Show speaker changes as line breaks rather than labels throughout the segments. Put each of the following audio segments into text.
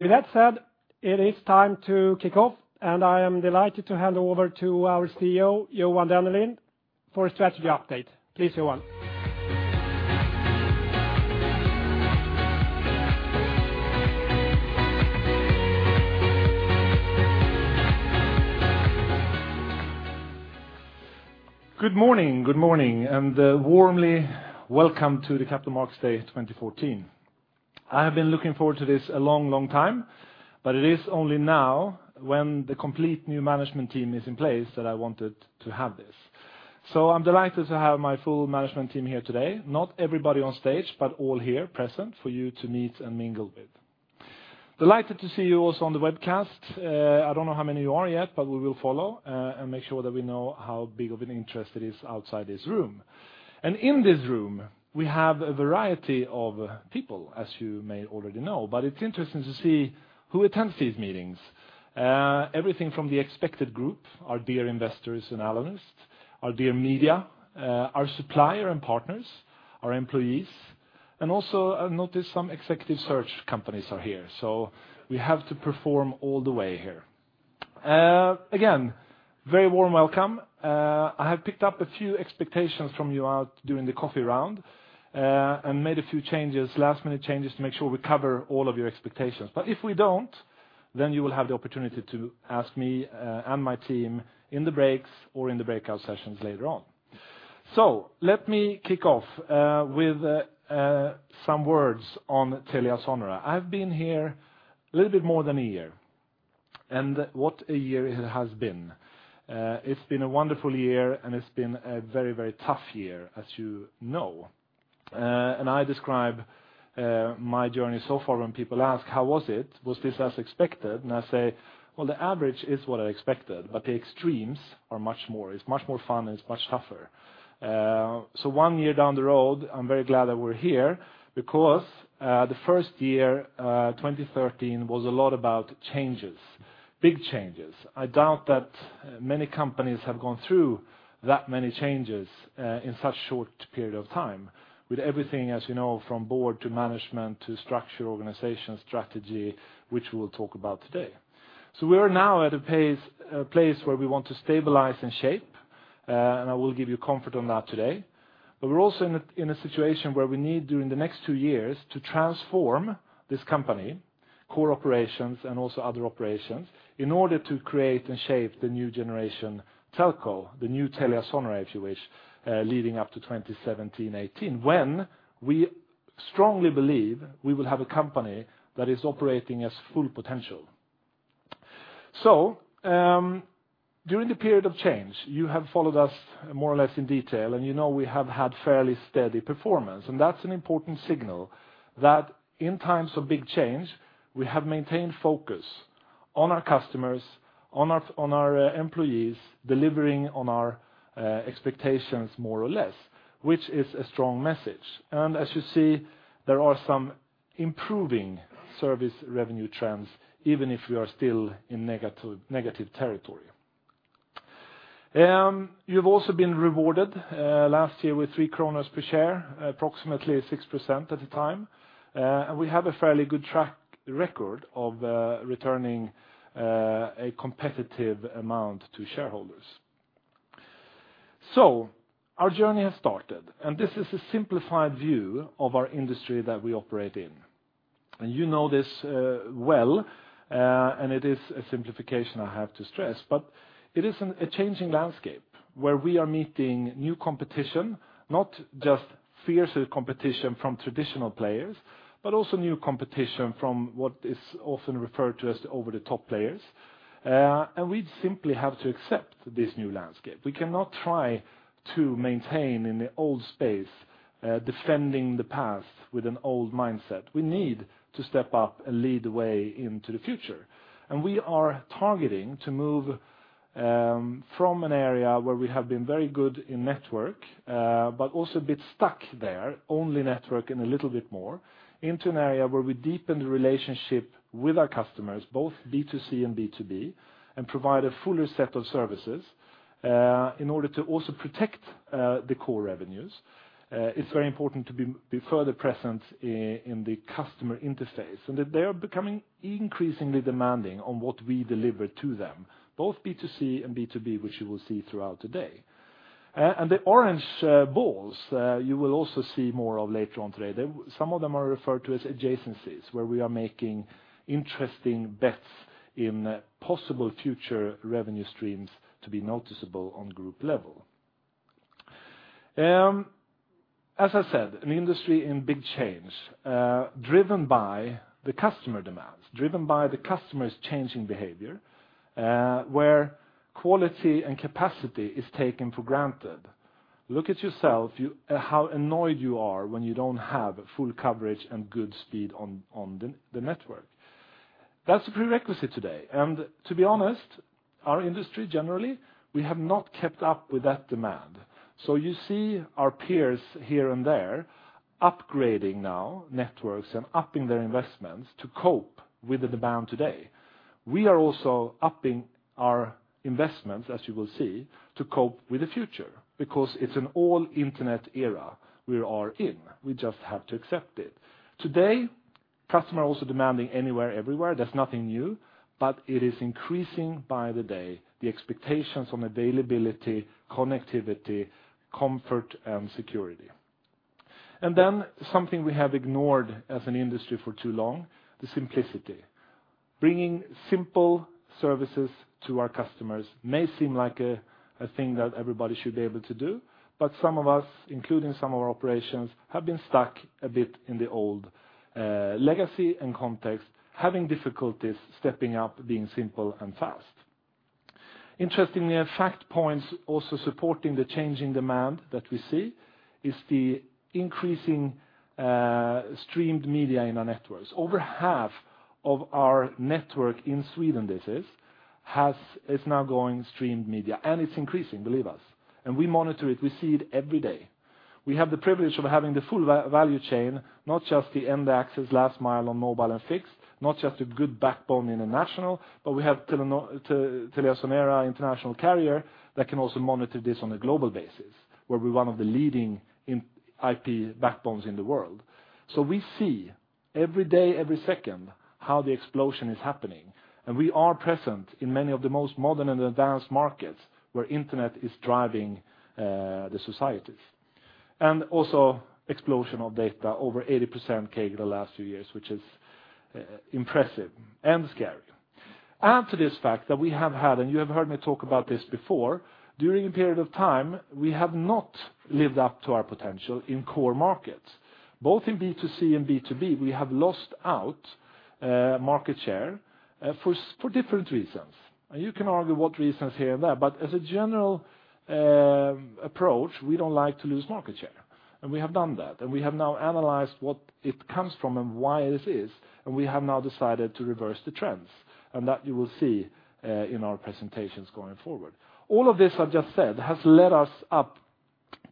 With that said, it is time to kick off. I am delighted to hand over to our CEO, Johan Dennelind, for a strategy update. Please, Johan.
Good morning. Good morning. Warmly welcome to the Capital Markets Day 2014. I have been looking forward to this a long time. It is only now, when the complete new management team is in place, that I wanted to have this. I'm delighted to have my full management team here today. Not everybody on stage, but all here present for you to meet and mingle with. Delighted to see you also on the webcast. I don't know how many you are yet. We will follow and make sure that we know how big of an interest it is outside this room. In this room, we have a variety of people, as you may already know. It's interesting to see who attends these meetings. Everything from the expected group, our dear investors and analysts, our dear media, our supplier and partners, our employees. Also I noticed some executive search companies are here, so we have to perform all the way here. Again, very warm welcome. I have picked up a few expectations from you out during the coffee round. Made a few changes, last-minute changes to make sure we cover all of your expectations. If we don't, you will have the opportunity to ask me and my team in the breaks or in the breakout sessions later on. Let me kick off with some words on TeliaSonera. I've been here a little bit more than a year. What a year it has been. It's been a wonderful year. It's been a very tough year, as you know. I describe my journey so far when people ask, "How was it? Was this as expected?" I say, "Well, the average is what I expected, but the extremes are much more. It's much more fun. It's much tougher." One year down the road, I'm very glad that we're here because the first year, 2013, was a lot about changes, big changes. I doubt that many companies have gone through that many changes in such a short period of time with everything, as you know, from board to management to structure, organization, strategy, which we'll talk about today. We are now at a place where we want to stabilize and shape. I will give you comfort on that today. We are also in a situation where we need, during the next two years, to transform this company, core operations, and also other operations, in order to create and shape the new generation telco, the new TeliaSonera, if you wish, leading up to 2017-2018, when we strongly believe we will have a company that is operating at full potential. During the period of change, you have followed us more or less in detail, you know we have had fairly steady performance. That's an important signal that in times of big change, we have maintained focus on our customers, on our employees, delivering on our expectations more or less, which is a strong message. As you see, there are some improving service revenue trends, even if we are still in negative territory. You've also been rewarded last year with 3 kronor per share, approximately 6% at the time. We have a fairly good track record of returning a competitive amount to shareholders. Our journey has started, this is a simplified view of our industry that we operate in. You know this well, it is a simplification, I have to stress, it is a changing landscape where we are meeting new competition, not just fiercer competition from traditional players, also new competition from what is often referred to as over-the-top players. We simply have to accept this new landscape. We cannot try to maintain in the old space, defending the past with an old mindset. We need to step up and lead the way into the future. We are targeting to move from an area where we have been very good in network, also a bit stuck there, only network and a little bit more, into an area where we deepen the relationship with our customers, both B2C and B2B, provide a fuller set of services, in order to also protect the core revenues. It's very important to be further present in the customer interface, that they are becoming increasingly demanding on what we deliver to them, both B2C and B2B, which you will see throughout today. The orange balls, you will also see more of later on today. Some of them are referred to as adjacencies, where we are making interesting bets in possible future revenue streams to be noticeable on group level. As I said, an industry in big change, driven by the customer demands, driven by the customer's changing behavior, where quality and capacity is taken for granted. Look at yourself, how annoyed you are when you don't have full coverage and good speed on the network. That's a prerequisite today. To be honest, our industry generally, we have not kept up with that demand. You see our peers here and there upgrading now networks upping their investments to cope with the demand today. We are also upping our investments, as you will see, to cope with the future, because it's an all internet era we are in. We just have to accept it. Today, customer also demanding anywhere, everywhere. That's nothing new, it is increasing by the day, the expectations on availability, connectivity, comfort, security. Something we have ignored as an industry for too long, the simplicity. Bringing simple services to our customers may seem like a thing that everybody should be able to do, but some of us, including some of our operations, have been stuck a bit in the old legacy and context, having difficulties stepping up, being simple and fast. Interestingly, fact points also supporting the change in demand that we see is the increasing streamed media in our networks. Over half of our network in Sweden, this is now going streamed media, and it's increasing, believe us. We monitor it. We see it every day. We have the privilege of having the full value chain, not just the end access, last mile on mobile and fixed, not just a good backbone international, but we have TeliaSonera International Carrier that can also monitor this on a global basis, where we're one of the leading IP backbones in the world. We see every day, every second, how the explosion is happening, and we are present in many of the most modern and advanced markets where internet is driving the societies. Also explosion of data over 80% CAGR the last few years, which is impressive and scary. Add to this fact that we have had, and you have heard me talk about this before, during a period of time, we have not lived up to our potential in core markets. Both in B2C and B2B, we have lost out market share for different reasons. You can argue what reasons here and there, but as a general approach, we don't like to lose market share. We have done that, we have now analyzed what it comes from and why this is, we have now decided to reverse the trends, that you will see in our presentations going forward. All of this I've just said has led us up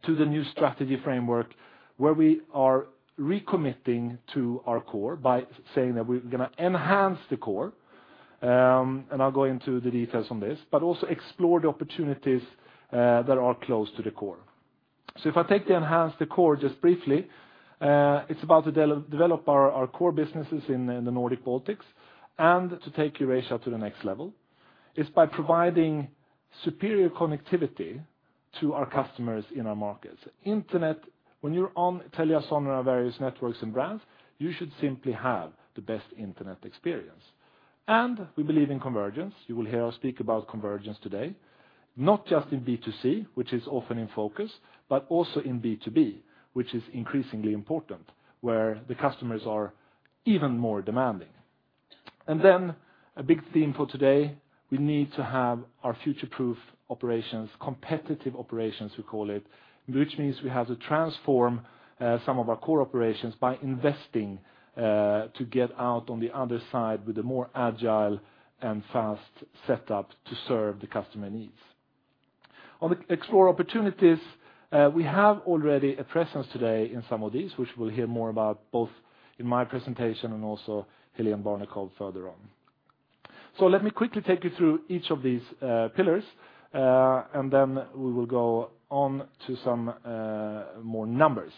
to the new strategy framework where we are recommitting to our core by saying that we're going to enhance the core, and I'll go into the details on this, but also explore the opportunities that are close to the core. If I take the enhance the core just briefly, it's about to develop our core businesses in the Nordic Baltics and to take Eurasia to the next level, is by providing superior connectivity to our customers in our markets. Internet, when you're on TeliaSonera various networks and brands, you should simply have the best internet experience. We believe in convergence. You will hear us speak about convergence today, not just in B2C, which is often in focus, but also in B2B, which is increasingly important, where the customers are even more demanding. A big theme for today, we need to have our future-proof operations, competitive operations we call it, which means we have to transform some of our core operations by investing to get out on the other side with a more agile and fast setup to serve the customer needs. On the explore opportunities, we have already a presence today in some of these, which we'll hear more about both in my presentation and also Hélène Barnekow further on. Let me quickly take you through each of these pillars, then we will go on to some more numbers.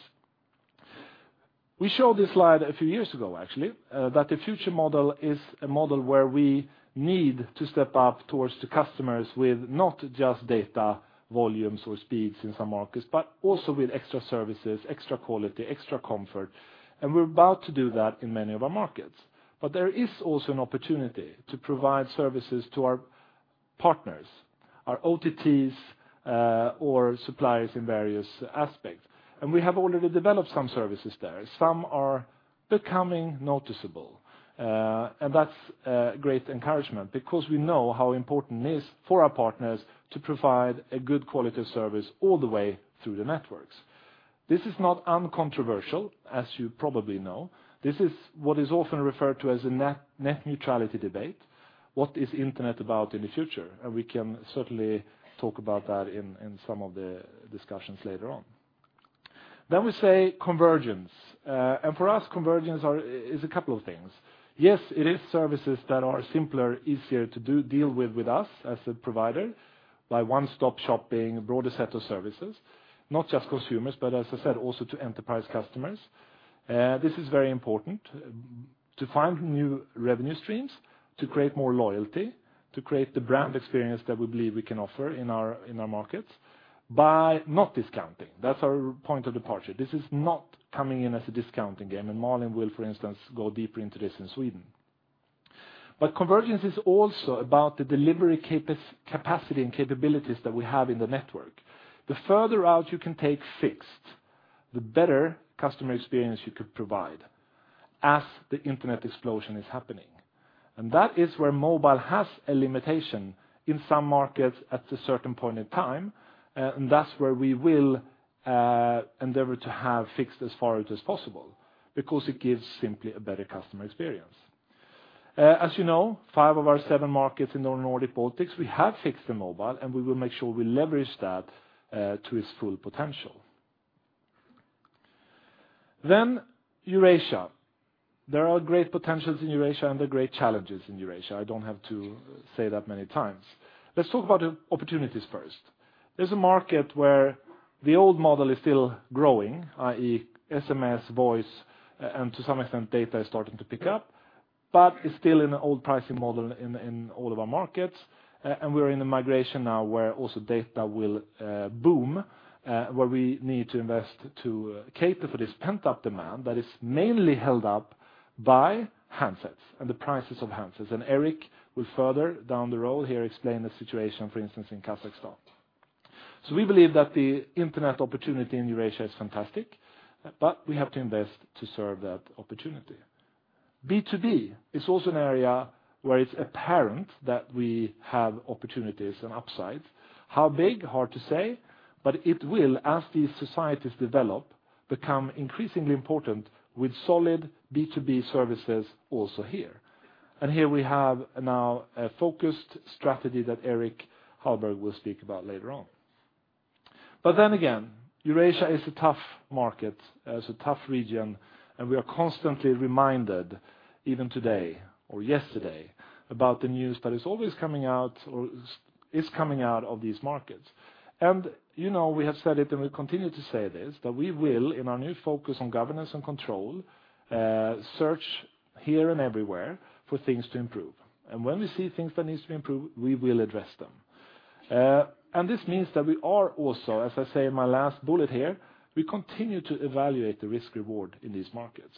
We showed this slide a few years ago, actually, that the future model is a model where we need to step up towards the customers with not just data volumes or speeds in some markets, but also with extra services, extra quality, extra comfort. We're about to do that in many of our markets. There is also an opportunity to provide services to our partners, our OTTs, or suppliers in various aspects. We have already developed some services there. Some are becoming noticeable, that's great encouragement because we know how important it is for our partners to provide a good quality of service all the way through the networks. This is not uncontroversial, as you probably know. This is what is often referred to as a net neutrality debate. What is internet about in the future? We can certainly talk about that in some of the discussions later on. We say convergence. For us, convergence is a couple of things. Yes, it is services that are simpler, easier to deal with with us as a provider by one-stop shopping, a broader set of services. Not just consumers, but as I said, also to enterprise customers. This is very important to find new revenue streams, to create more loyalty, to create the brand experience that we believe we can offer in our markets by not discounting. That's our point of departure. This is not coming in as a discounting game, Malin will, for instance, go deeper into this in Sweden. Convergence is also about the delivery capacity and capabilities that we have in the network. The further out you can take fixed, the better customer experience you could provide as the internet explosion is happening. That is where mobile has a limitation in some markets at a certain point in time. That's where we will endeavor to have fixed as far out as possible because it gives simply a better customer experience. As you know, five of our seven markets in the Nordic Baltics, we have fixed the mobile, we will make sure we leverage that to its full potential. Eurasia. There are great potentials in Eurasia and there are great challenges in Eurasia. I don't have to say that many times. Let's talk about the opportunities first. There's a market where the old model is still growing, i.e. SMS, voice, to some extent, data is starting to pick up, it's still in an old pricing model in all of our markets. We're in a migration now where also data will boom, where we need to invest to cater for this pent-up demand that is mainly held up by handsets and the prices of handsets. Erik will further down the road here explain the situation, for instance, in Kazakhstan. We believe that the internet opportunity in Eurasia is fantastic, we have to invest to serve that opportunity. B2B is also an area where it's apparent that we have opportunities and upsides. How big? Hard to say, but it will, as these societies develop, become increasingly important with solid B2B services also here. Here we have now a focused strategy that Erik Hallberg will speak about later on. Again, Eurasia is a tough market, it's a tough region, and we are constantly reminded, even today or yesterday, about the news that is always coming out, or is coming out of these markets. We have said it and we continue to say this, that we will, in our new focus on governance and control, search here and everywhere for things to improve. When we see things that needs to improve, we will address them. This means that we are also, as I say in my last bullet here, we continue to evaluate the risk-reward in these markets.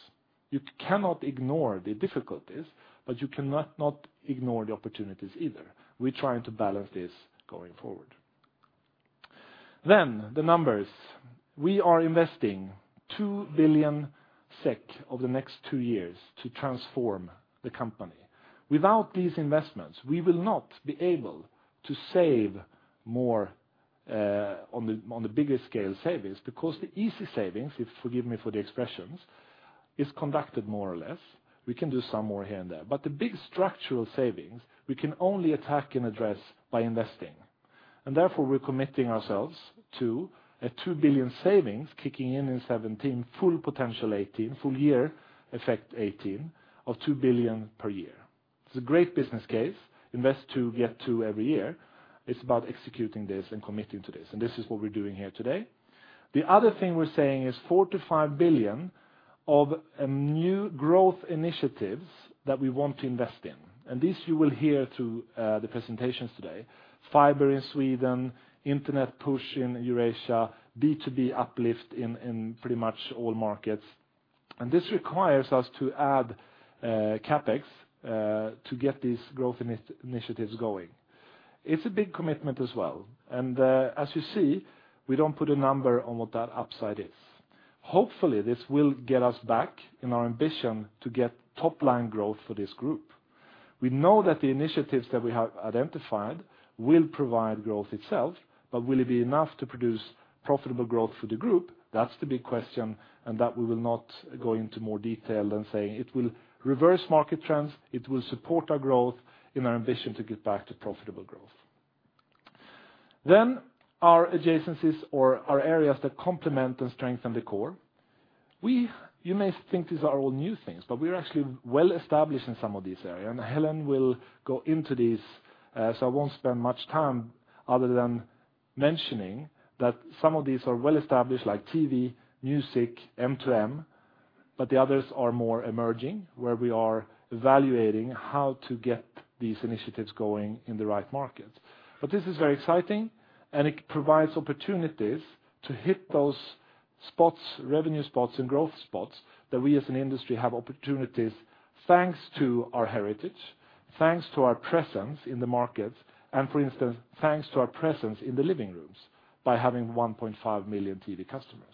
You cannot ignore the difficulties, but you cannot not ignore the opportunities either. We're trying to balance this going forward. The numbers. We are investing 2 billion SEK over the next two years to transform the company. Without these investments, we will not be able to save more on the bigger scale savings, because the easy savings, forgive me for the expressions, is conducted more or less. We can do some more here and there. The big structural savings, we can only attack and address by investing. Therefore, we're committing ourselves to a 2 billion savings kicking in in 2017, full potential 2018, full year effect 2018, of 2 billion per year. It's a great business case. Invest two, get two every year. It's about executing this and committing to this. This is what we're doing here today. The other thing we're saying is 4 billion to 5 billion of new growth initiatives that we want to invest in. This you will hear through the presentations today. Fiber in Sweden, internet push in Eurasia, B2B uplift in pretty much all markets. This requires us to add CapEx to get these growth initiatives going. It's a big commitment as well. As you see, we don't put a number on what that upside is. Hopefully, this will get us back in our ambition to get top-line growth for this group. We know that the initiatives that we have identified will provide growth itself, but will it be enough to produce profitable growth for the group? That's the big question, and that we will not go into more detail than saying it will reverse market trends, it will support our growth in our ambition to get back to profitable growth. Our adjacencies or our areas that complement and strengthen the core. You may think these are all new things, but we're actually well-established in some of these areas, and Hélène will go into these, so I won't spend much time other than mentioning that some of these are well-established, like TV, music, M2M, but the others are more emerging, where we are evaluating how to get these initiatives going in the right market. This is very exciting, and it provides opportunities to hit those revenue spots and growth spots that we as an industry have opportunities thanks to our heritage, thanks to our presence in the market, and for instance, thanks to our presence in the living rooms by having 1.5 million TV customers.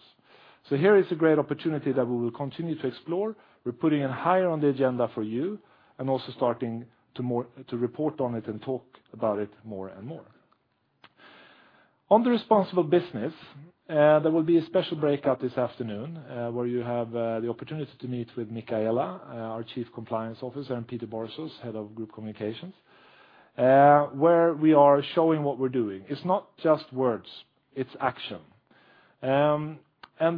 Here is a great opportunity that we will continue to explore. We're putting it higher on the agenda for you and also starting to report on it and talk about it more and more. On the responsible business, there will be a special breakout this afternoon where you have the opportunity to meet with Michaela, our Chief Compliance Officer, and Peter Borsos, Head of Group Communications, where we are showing what we're doing. It's not just words, it's action.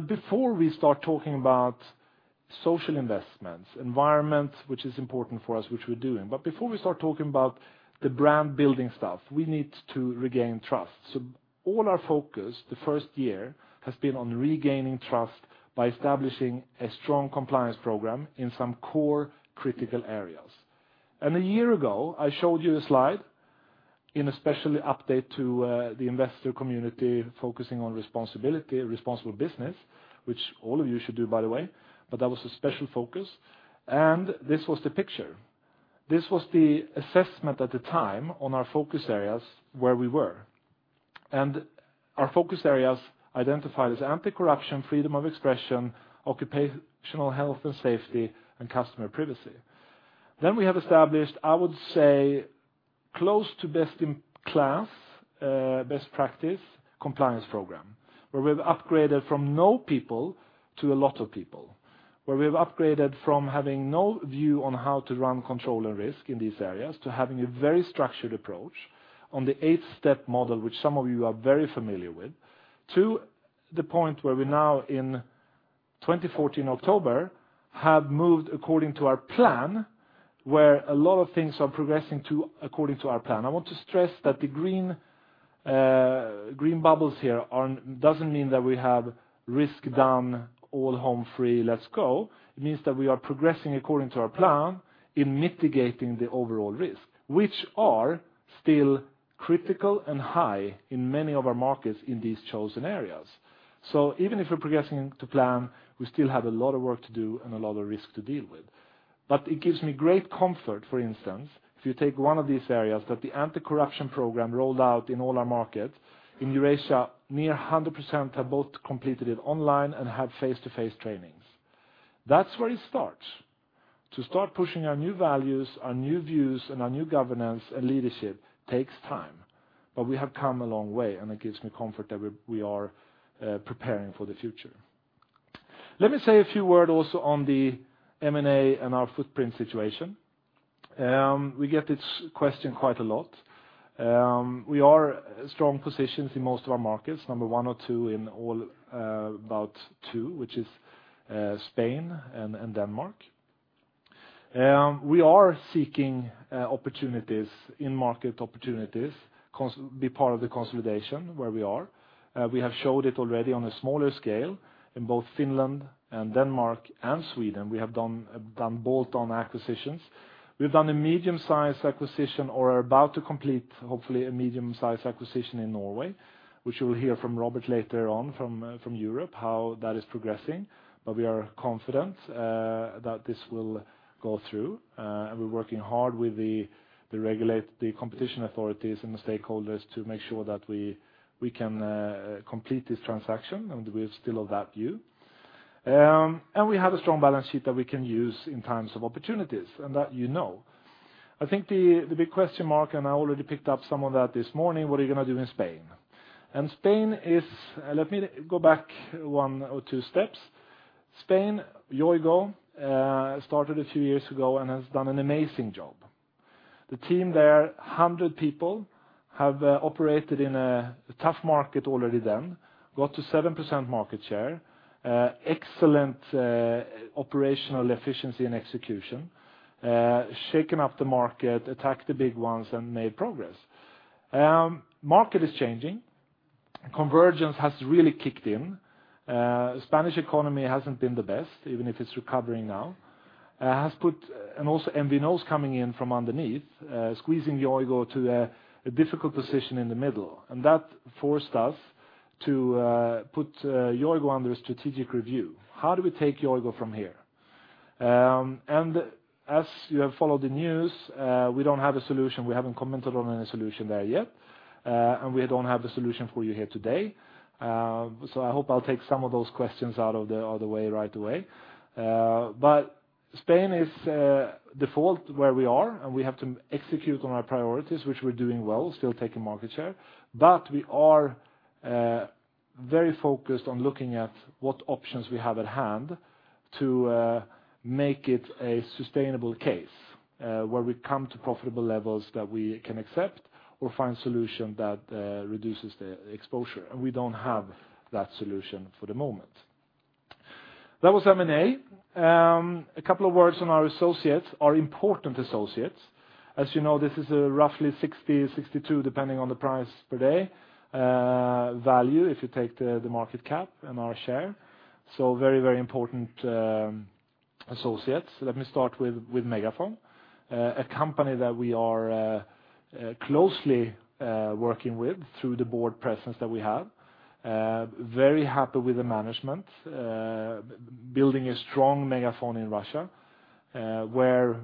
Before we start talking about social investments, environment, which is important for us, which we're doing, before we start talking about the brand-building stuff, we need to regain trust. All our focus the first year has been on regaining trust by establishing a strong compliance program in some core critical areas. A year ago, I showed you a slide in a special update to the investor community focusing on responsibility, responsible business, which all of you should do, by the way, that was a special focus, and this was the picture. This was the assessment at the time on our focus areas where we were. Our focus areas identified as anti-corruption, freedom of expression, occupational health and safety, and customer privacy. We have established, I would say close to best in class, best practice compliance program, where we've upgraded from no people to a lot of people. Where we have upgraded from having no view on how to run control and risk in these areas to having a very structured approach on the eight-step model, which some of you are very familiar with, to the point where we now in 2014, October, have moved according to our plan, where a lot of things are progressing according to our plan. I want to stress that the green bubbles here doesn't mean that we have risk done, all home free, let's go. It means that we are progressing according to our plan in mitigating the overall risk, which are still critical and high in many of our markets in these chosen areas. Even if we're progressing to plan, we still have a lot of work to do and a lot of risk to deal with. It gives me great comfort, for instance, if you take one of these areas that the anti-corruption program rolled out in all our markets. In Eurasia, near 100% have both completed it online and have face-to-face trainings. That's where it starts. To start pushing our new values, our new views, and our new governance and leadership takes time. We have come a long way, and it gives me comfort that we are preparing for the future. Let me say a few word also on the M&A and our footprint situation. We get this question quite a lot. We are strong positions in most of our markets, number one or two in all about two, which is Spain and Denmark. We are seeking in-market opportunities, be part of the consolidation where we are. We have showed it already on a smaller scale in both Finland and Denmark and Sweden. We have done bolt-on acquisitions. We've done a medium-sized acquisition or are about to complete, hopefully, a medium-sized acquisition in Norway, which you will hear from Robert later on from Europe, how that is progressing. We are confident that this will go through. We're working hard with the competition authorities and the stakeholders to make sure that we can complete this transaction, and we still have that view. We have a strong balance sheet that we can use in times of opportunities and that you know. I think the big question mark, I already picked up some of that this morning, what are you going to do in Spain? Spain is-- let me go back one or two steps. Spain, Yoigo started a few years ago and has done an amazing job. The team there, 100 people have operated in a tough market already then, got to 7% market share, excellent operational efficiency and execution, shaken up the market, attacked the big ones and made progress. Market is changing. Convergence has really kicked in. Spanish economy hasn't been the best, even if it's recovering now. Also MVNO is coming in from underneath, squeezing Yoigo to a difficult position in the middle. That forced us to put Yoigo under a strategic review. How do we take Yoigo from here? As you have followed the news, we don't have a solution. We haven't commented on any solution there yet and we don't have the solution for you here today. I hope I'll take some of those questions out of the way right away. Spain is default where we are, and we have to execute on our priorities, which we're doing well, still taking market share. We are very focused on looking at what options we have at hand to make it a sustainable case where we come to profitable levels that we can accept or find solution that reduces the exposure. We don't have that solution for the moment. That was M&A. A couple of words on our associates, our important associates. As you know, this is a roughly 60, 62 depending on the price per day value if you take the market cap and our share. Very, very important associates. Let me start with MegaFon, a company that we are closely working with through the board presence that we have. Very happy with the management, building a strong MegaFon in Russia where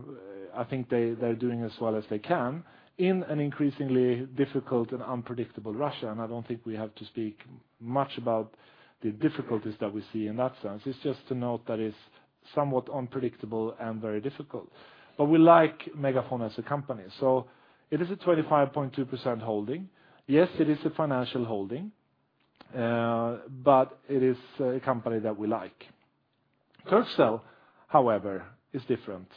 I think they're doing as well as they can in an increasingly difficult and unpredictable Russia, and I don't think we have to speak much about the difficulties that we see in that sense. It's just to note that it's somewhat unpredictable and very difficult. We like MegaFon as a company. It is a 25.2% holding. Yes, it is a financial holding. It is a company that we like. Turkcell, however, is different.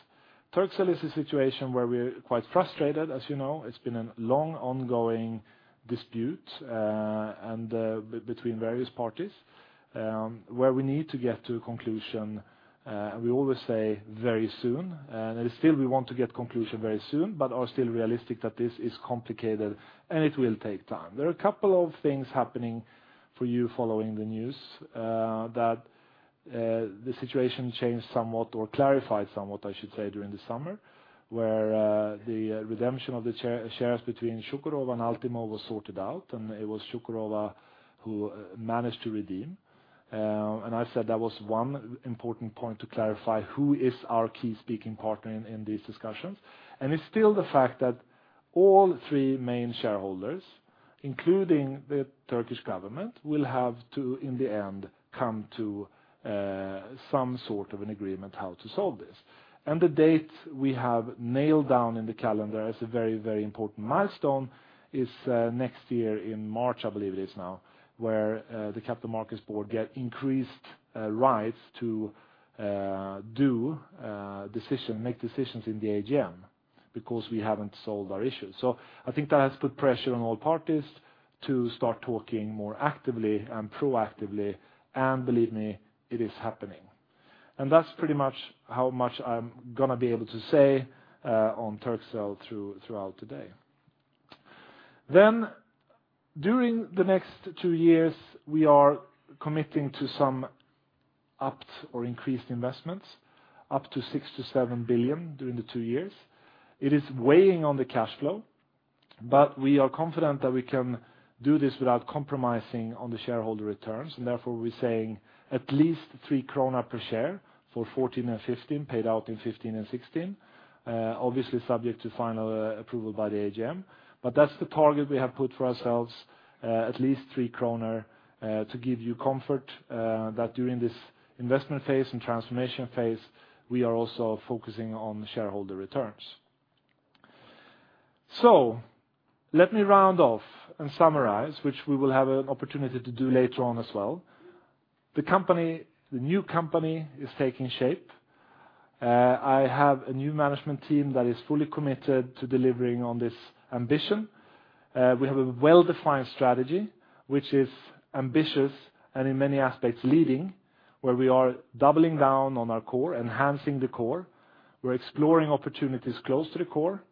Turkcell is a situation where we're quite frustrated. As you know, it's been a long ongoing dispute between various parties where we need to get to a conclusion. We always say very soon and still we want to get conclusion very soon, but are still realistic that this is complicated and it will take time. There are a couple of things happening for you following the news that the situation changed somewhat or clarified somewhat, I should say, during the summer where the redemption of the shares between Çukurova and Altimo was sorted out and it was Çukurova who managed to redeem. I said that was one important point to clarify who is our key speaking partner in these discussions. It's still the fact that all three main shareholders, including the Turkish government, will have to, in the end, come to some sort of an agreement how to solve this. The date we have nailed down in the calendar as a very, very important milestone is next year in March, I believe it is now, where the Capital Markets Board get increased rights to make decisions in the AGM. We haven't solved our issues. I think that has put pressure on all parties to start talking more actively and proactively, and believe me, it is happening. That's pretty much how much I'm going to be able to say on Turkcell throughout today. During the next two years, we are committing to some upped or increased investments, up to 6 billion-7 billion during the two years. It is weighing on the cash flow, but we are confident that we can do this without compromising on the shareholder returns. Therefore, we're saying at least 3 krona per share for 2014 and 2015, paid out in 2015 and 2016. Obviously subject to final approval by the AGM. That's the target we have put for ourselves, at least 3 kronor to give you comfort that during this investment phase and transformation phase, we are also focusing on shareholder returns. Let me round off and summarize, which we will have an opportunity to do later on as well. The new company is taking shape. I have a new management team that is fully committed to delivering on this ambition. We have a well-defined strategy, which is ambitious and in many aspects leading, where we are doubling down on our core, enhancing the core. We're exploring opportunities close to the core.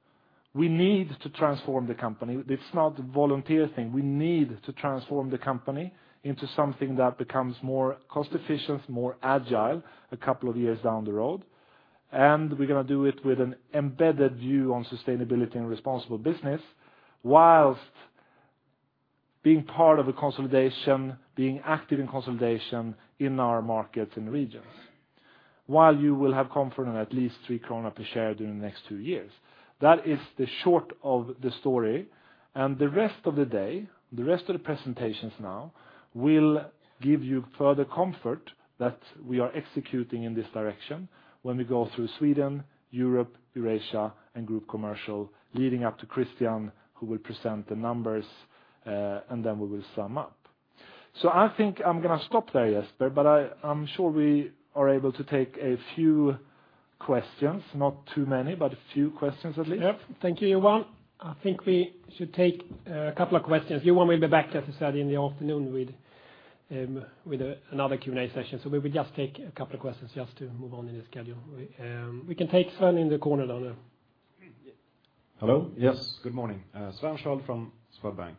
We need to transform the company. It's not a volunteer thing. We need to transform the company into something that becomes more cost-efficient, more agile a couple of years down the road. We're going to do it with an embedded view on sustainability and responsible business whilst being part of a consolidation, being active in consolidation in our markets and regions. While you will have comfort in at least 3 krona per share during the next two years. That is the short of the story, and the rest of the day, the rest of the presentations now will give you further comfort that we are executing in this direction when we go through Sweden, Europe, Eurasia, and Group Commercial, leading up to Christian, who will present the numbers, and then we will sum up. I think I'm going to stop there, Jesper, but I'm sure we are able to take a few questions. Not too many, but a few questions at least.
Yep. Thank you, Johan. I think we should take a couple of questions. Johan will be back, as he said, in the afternoon with another Q&A session. We will just take a couple of questions just to move on in the schedule. We can take Sven in the corner down there.
Hello. Yes. Good morning. Sven Sköld from Swedbank.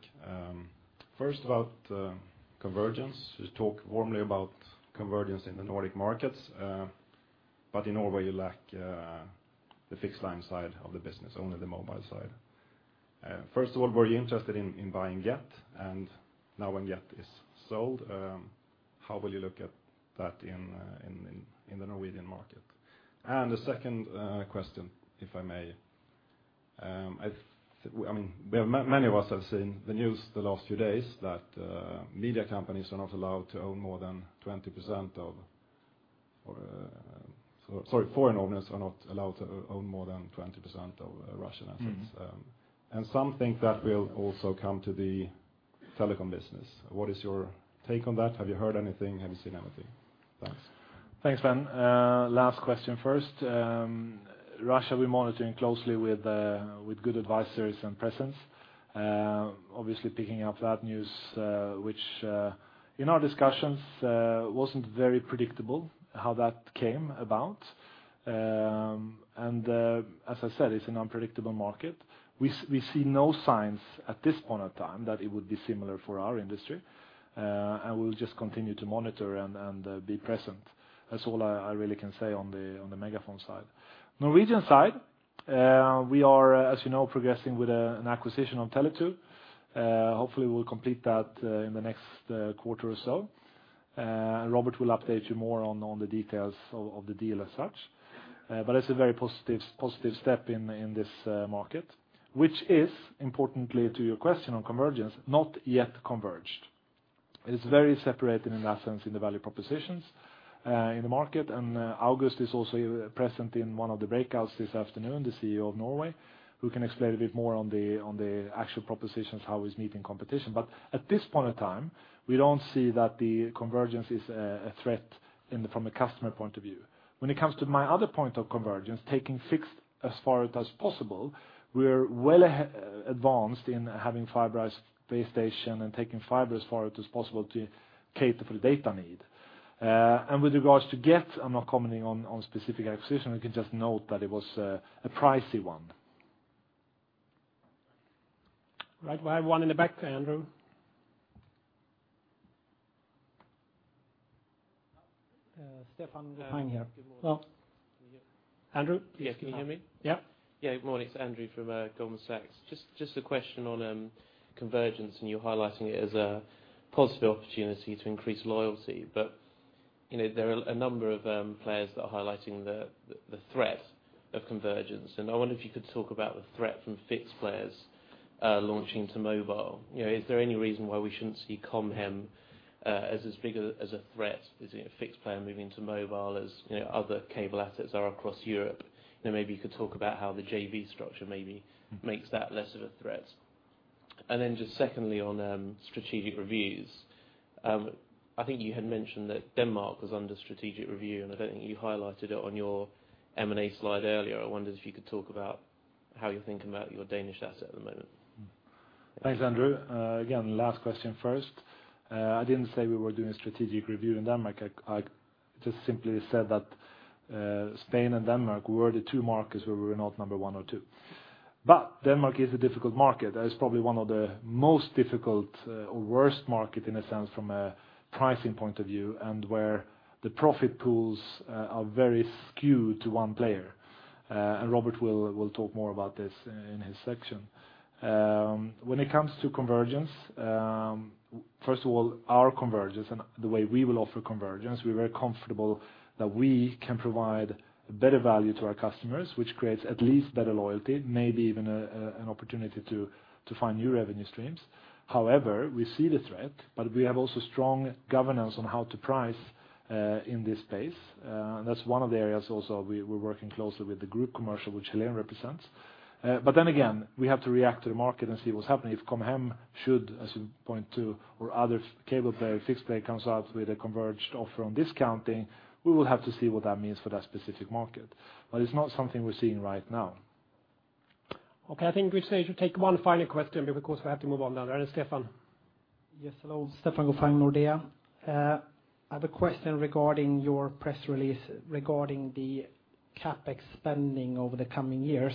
We have one in the back. Andrew. Stefan behind here. Well.
Can you hear me?
Andrew, please come up.
Yes, can you hear me?
Yeah.
Yeah. Good morning. It's Andrew from Goldman Sachs. Just a question on convergence, you're highlighting it as a positive opportunity to increase loyalty. There are a number of players that are highlighting the threat of convergence, I wonder if you could talk about the threat from fixed players launching to mobile. Is there any reason why we shouldn't see Com Hem as big as a threat as a fixed player moving to mobile as other cable assets are across Europe? Maybe you could talk about how the JV structure maybe makes that less of a threat. Just secondly on strategic reviews. I think you had mentioned that Denmark was under strategic review, I don't think you highlighted it on your M&A slide earlier. I wondered if you could talk about how you think about your Danish asset at the moment.
Thanks, Andrew. Last question first. I didn't say we were doing a strategic review in Denmark. I just simply said that Spain and Denmark were the two markets where we were not number one or two. Denmark is a difficult market. That is probably one of the most difficult, or worst market in a sense from a pricing point of view, where the profit pools are very skewed to one player. Robert will talk more about this in his section. When it comes to convergence. First of all, our convergence and the way we will offer convergence, we're very comfortable that we can provide better value to our customers, which creates at least better loyalty, maybe even an opportunity to find new revenue streams. However, we see the threat, we have also strong governance on how to price in this space. That's one of the areas also we're working closely with the group commercial, which Helene represents. We have to react to the market and see what's happening. If Com Hem should, as you point to, or other cable player, fixed player comes out with a converged offer on discounting, we will have to see what that means for that specific market. It's not something we're seeing right now.
Okay. I think we say to take one final question, because we have to move on then. Stefan.
Yes. Hello. Stefan Gauffin, Nordea. I have a question regarding your press release regarding the CapEx spending over the coming years.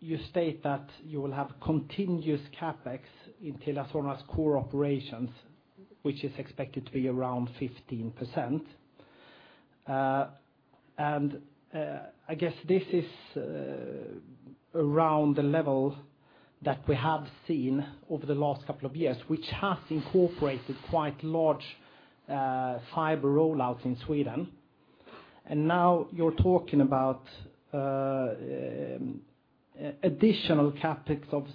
You state that you will have continuous CapEx in TeliaSonera's core operations, which is expected to be around 15%. I guess this is around the level that we have seen over the last couple of years, which has incorporated quite large fiber rollouts in Sweden. Now you're talking about additional CapEx of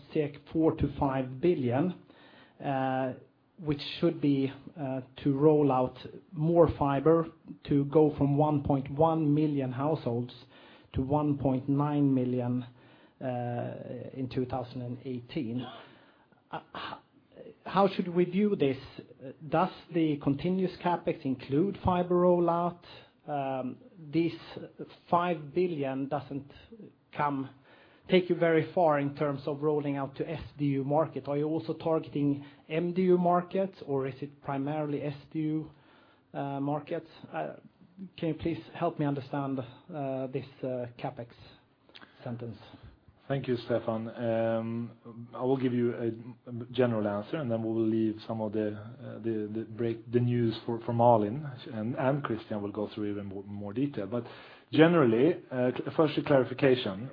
4 billion-5 billion, which should be to roll out more fiber to go from 1.1 million households to 1.9 million, in 2018. How should we view this? Does the continuous CapEx include fiber rollout? This 5 billion doesn't take you very far in terms of rolling out to SDU market. Are you also targeting MDU markets or is it primarily SDU markets? Can you please help me understand this CapEx sentence?
Thank you, Stefan. I will give you a general answer, then we will leave some of the news for Malin, Christian will go through even more detail. Generally, first, a clarification.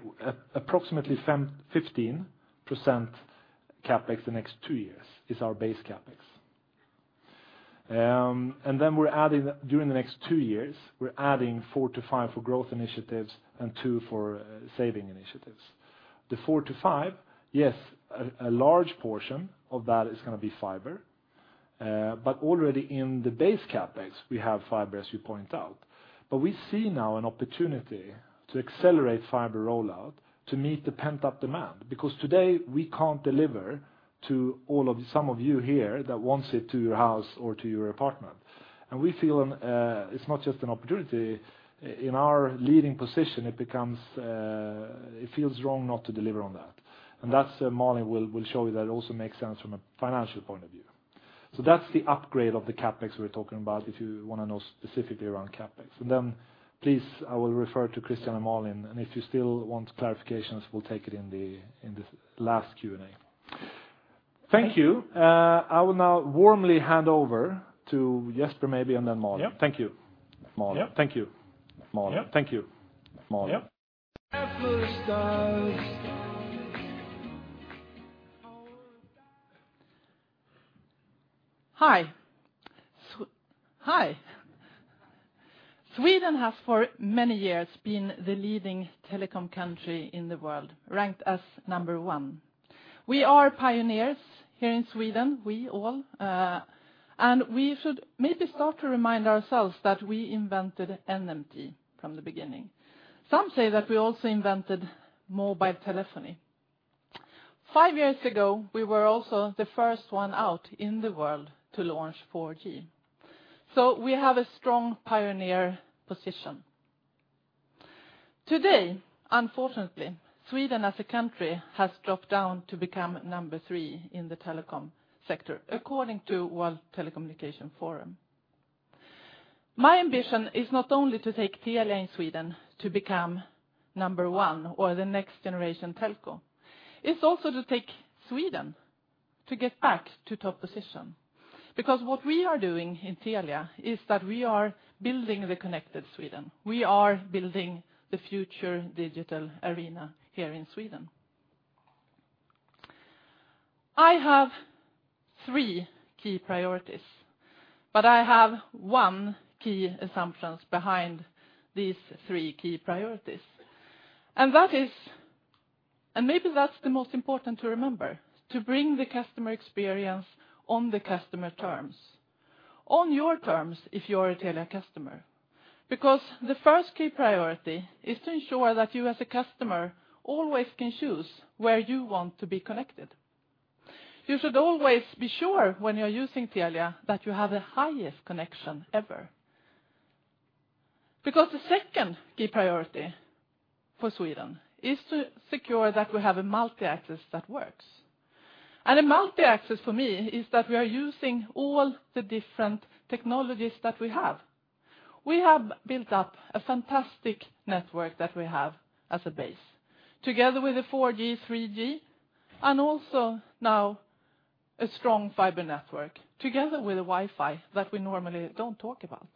Approximately 15% CapEx the next two years is our base CapEx. Then during the next two years, we're adding 4 to 5 for growth initiatives and two for saving initiatives. The 4 to 5, yes, a large portion of that is going to be fiber, already in the base CapEx, we have fiber, as you point out. We see now an opportunity to accelerate fiber rollout to meet the pent-up demand, because today we can't deliver to some of you here that wants it to your house or to your apartment. We feel it's not just an opportunity. In our leading position, it feels wrong not to deliver on that. Malin will show you that it also makes sense from a financial point of view. That's the upgrade of the CapEx we're talking about, if you want to know specifically around CapEx. Then, please, I will refer to Christian and Malin, if you still want clarifications, we'll take it in the last Q&A. Thank you. I will now warmly hand over to Jesper, maybe, then Malin.
Yep.
Thank you, Malin.
Hi. Sweden has for many years been the leading telecom country in the world, ranked as number one. We are pioneers here in Sweden, we all. We should maybe start to remind ourselves that we invented NMT from the beginning. Some say that we also invented mobile telephony. Five years ago, we were also the first one out in the world to launch 4G. We have a strong pioneer position. Today, unfortunately, Sweden as a country has dropped down to become number three in the telecom sector, according to World Economic Forum. My ambition is not only to take Telia in Sweden to become number one or the next generation telco, it's also to take Sweden to get back to top position. What we are doing in Telia is that we are building the connected Sweden. We are building the future digital arena here in Sweden. I have three key priorities. I have one key assumption behind these three key priorities. Maybe that's the most important to remember, to bring the customer experience on the customer terms. On your terms if you are a Telia customer, the first key priority is to ensure that you as a customer always can choose where you want to be connected. You should always be sure when you're using Telia, that you have the highest connection ever. The second key priority for Sweden is to secure that we have a multi-access that works. A multi-access for me is that we are using all the different technologies that we have. We have built up a fantastic network that we have as a base, together with the 4G, 3G, and also now a strong fiber network, together with a Wi-Fi that we normally don't talk about.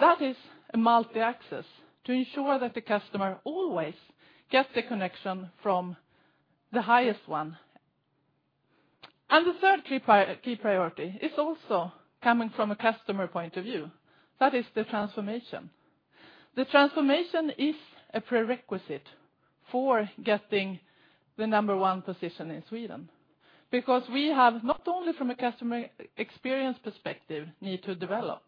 That is a multi-access to ensure that the customer always gets the connection from the highest one. The third key priority is also coming from a customer point of view. That is the transformation. The transformation is a prerequisite for getting the number one position in Sweden, we have not only from a customer experience perspective need to develop,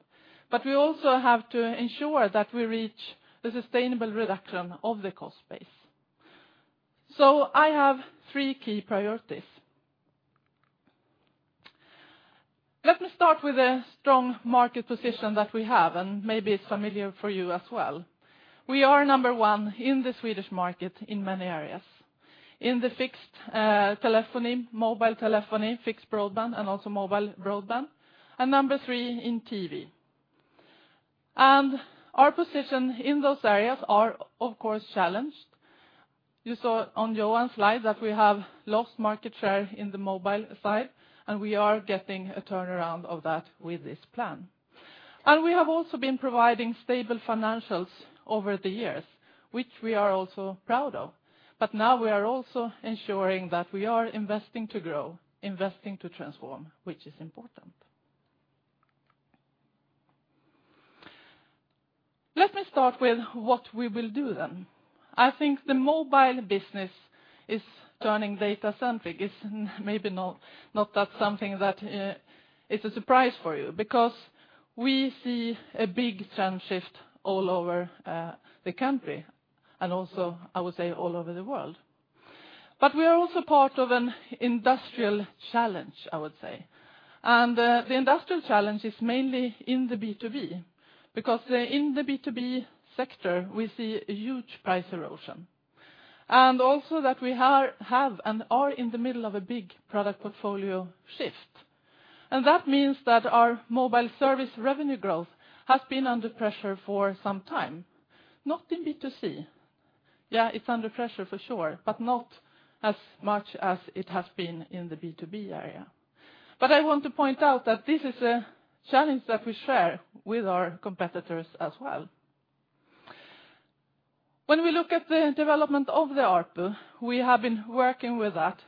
but we also have to ensure that we reach the sustainable reduction of the cost base. I have three key priorities. Let me start with the strong market position that we have, maybe it's familiar for you as well. We are number one in the Swedish market in many areas. In the fixed telephony, mobile telephony, fixed broadband, and also mobile broadband, and number three in TV. Our position in those areas are of course challenged. You saw on Johan's slide that we have lost market share in the mobile side, we are getting a turnaround of that with this plan. We have also been providing stable financials over the years, which we are also proud of. Now we are also ensuring that we are investing to grow, investing to transform, which is important. Let me start with what we will do then. I think the mobile business is turning data-centric. It's maybe not something that is a surprise for you, we see a big trend shift all over the country, also, I would say, all over the world. We are also part of an industrial challenge, I would say. The industrial challenge is mainly in the B2B, in the B2B sector, we see a huge price erosion. Also that we have and are in the middle of a big product portfolio shift. That means that our mobile service revenue growth has been under pressure for some time. Not in B2C. It's under pressure for sure, but not as much as it has been in the B2B area. I want to point out that this is a challenge that we share with our competitors as well. When we look at the development of the ARPU, we have been working with that,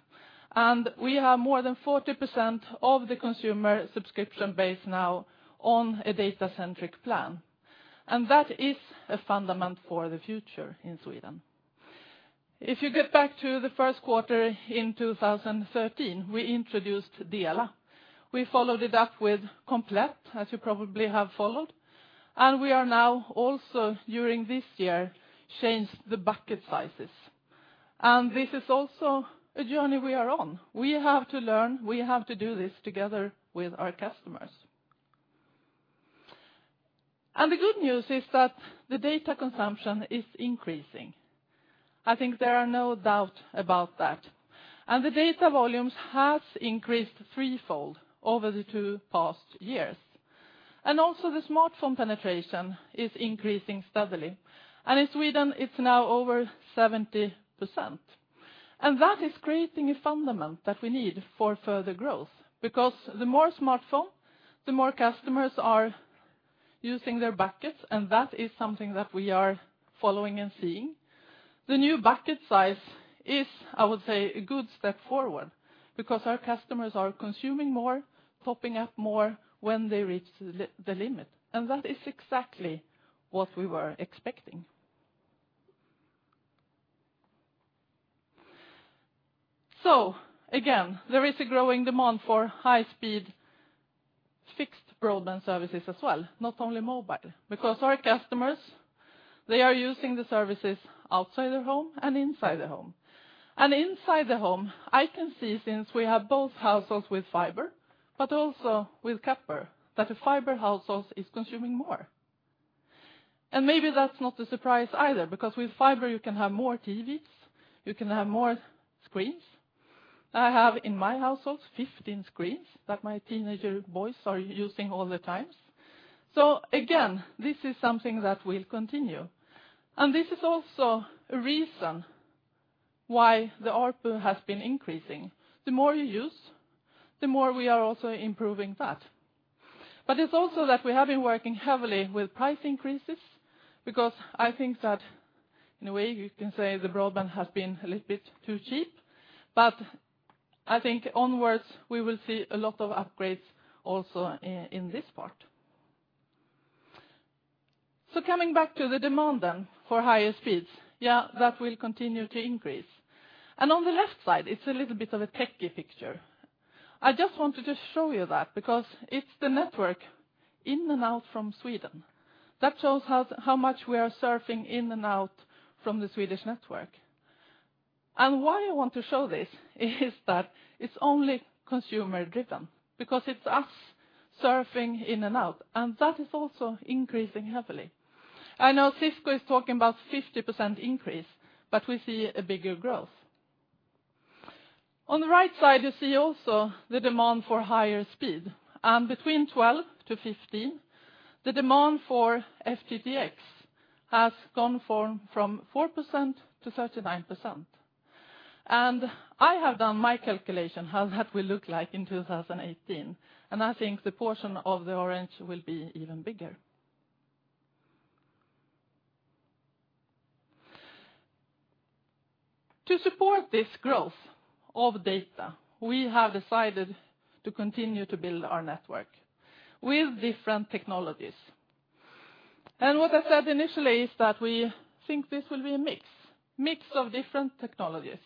we have more than 40% of the consumer subscription base now on a data-centric plan. That is a fundament for the future in Sweden. If you get back to the first quarter in 2013, we introduced Dela. We followed it up with Komplett, as you probably have followed. We are now also, during this year, changed the bucket sizes. This is also a journey we are on. We have to learn, we have to do this together with our customers. The good news is that the data consumption is increasing. I think there are no doubt about that. The data volumes has increased threefold over the two past years. Also the smartphone penetration is increasing steadily. In Sweden, it's now over 70%. That is creating a fundament that we need for further growth, because the more smartphone, the more customers are using their buckets, and that is something that we are following and seeing. The new bucket size is, I would say, a good step forward because our customers are consuming more, topping up more when they reach the limit. That is exactly what we were expecting. Again, there is a growing demand for high-speed fixed broadband services as well, not only mobile, because our customers, they are using the services outside their home and inside their home. Inside the home, I can see since we have both households with fiber, but also with copper, that a fiber household is consuming more. Maybe that's not a surprise either, because with fiber, you can have more TVs, you can have more screens. I have in my household 15 screens that my teenager boys are using all the times. Again, this is something that will continue. This is also a reason why the ARPU has been increasing. The more you use, the more we are also improving that. It's also that we have been working heavily with price increases because I think that in a way you can say the broadband has been a little bit too cheap, but I think onwards we will see a lot of upgrades also in this part. Coming back to the demand then for higher speeds. That will continue to increase. On the left side, it's a little bit of a techie picture. I just wanted to show you that because it's the network in and out from Sweden. That shows how much we are surfing in and out from the Swedish network. Why I want to show this is that it's only consumer driven because it's us surfing in and out, and that is also increasing heavily. I know Cisco is talking about 50% increase, but we see a bigger growth. On the right side, you see also the demand for higher speed. Between 2012 to 2015, the demand for FTTx has gone from 4% to 39%. I have done my calculation how that will look like in 2018, and I think the portion of the orange will be even bigger. To support this growth of data, we have decided to continue to build our network with different technologies. What I said initially is that we think this will be a mix of different technologies.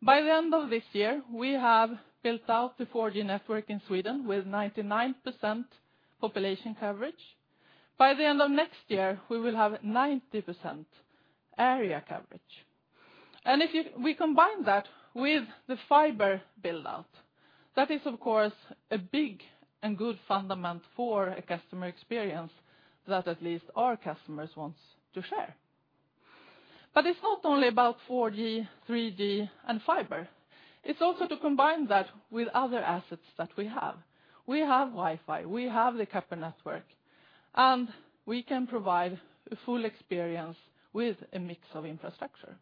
By the end of this year, we have built out the 4G network in Sweden with 99% population coverage. By the end of next year, we will have 90% area coverage. If we combine that with the fiber build-out, that is of course a big and good fundament for a customer experience that at least our customers want to share. It's not only about 4G, 3G, and fiber. It's also to combine that with other assets that we have. We have Wi-Fi, we have the copper network, and we can provide a full experience with a mix of infrastructure.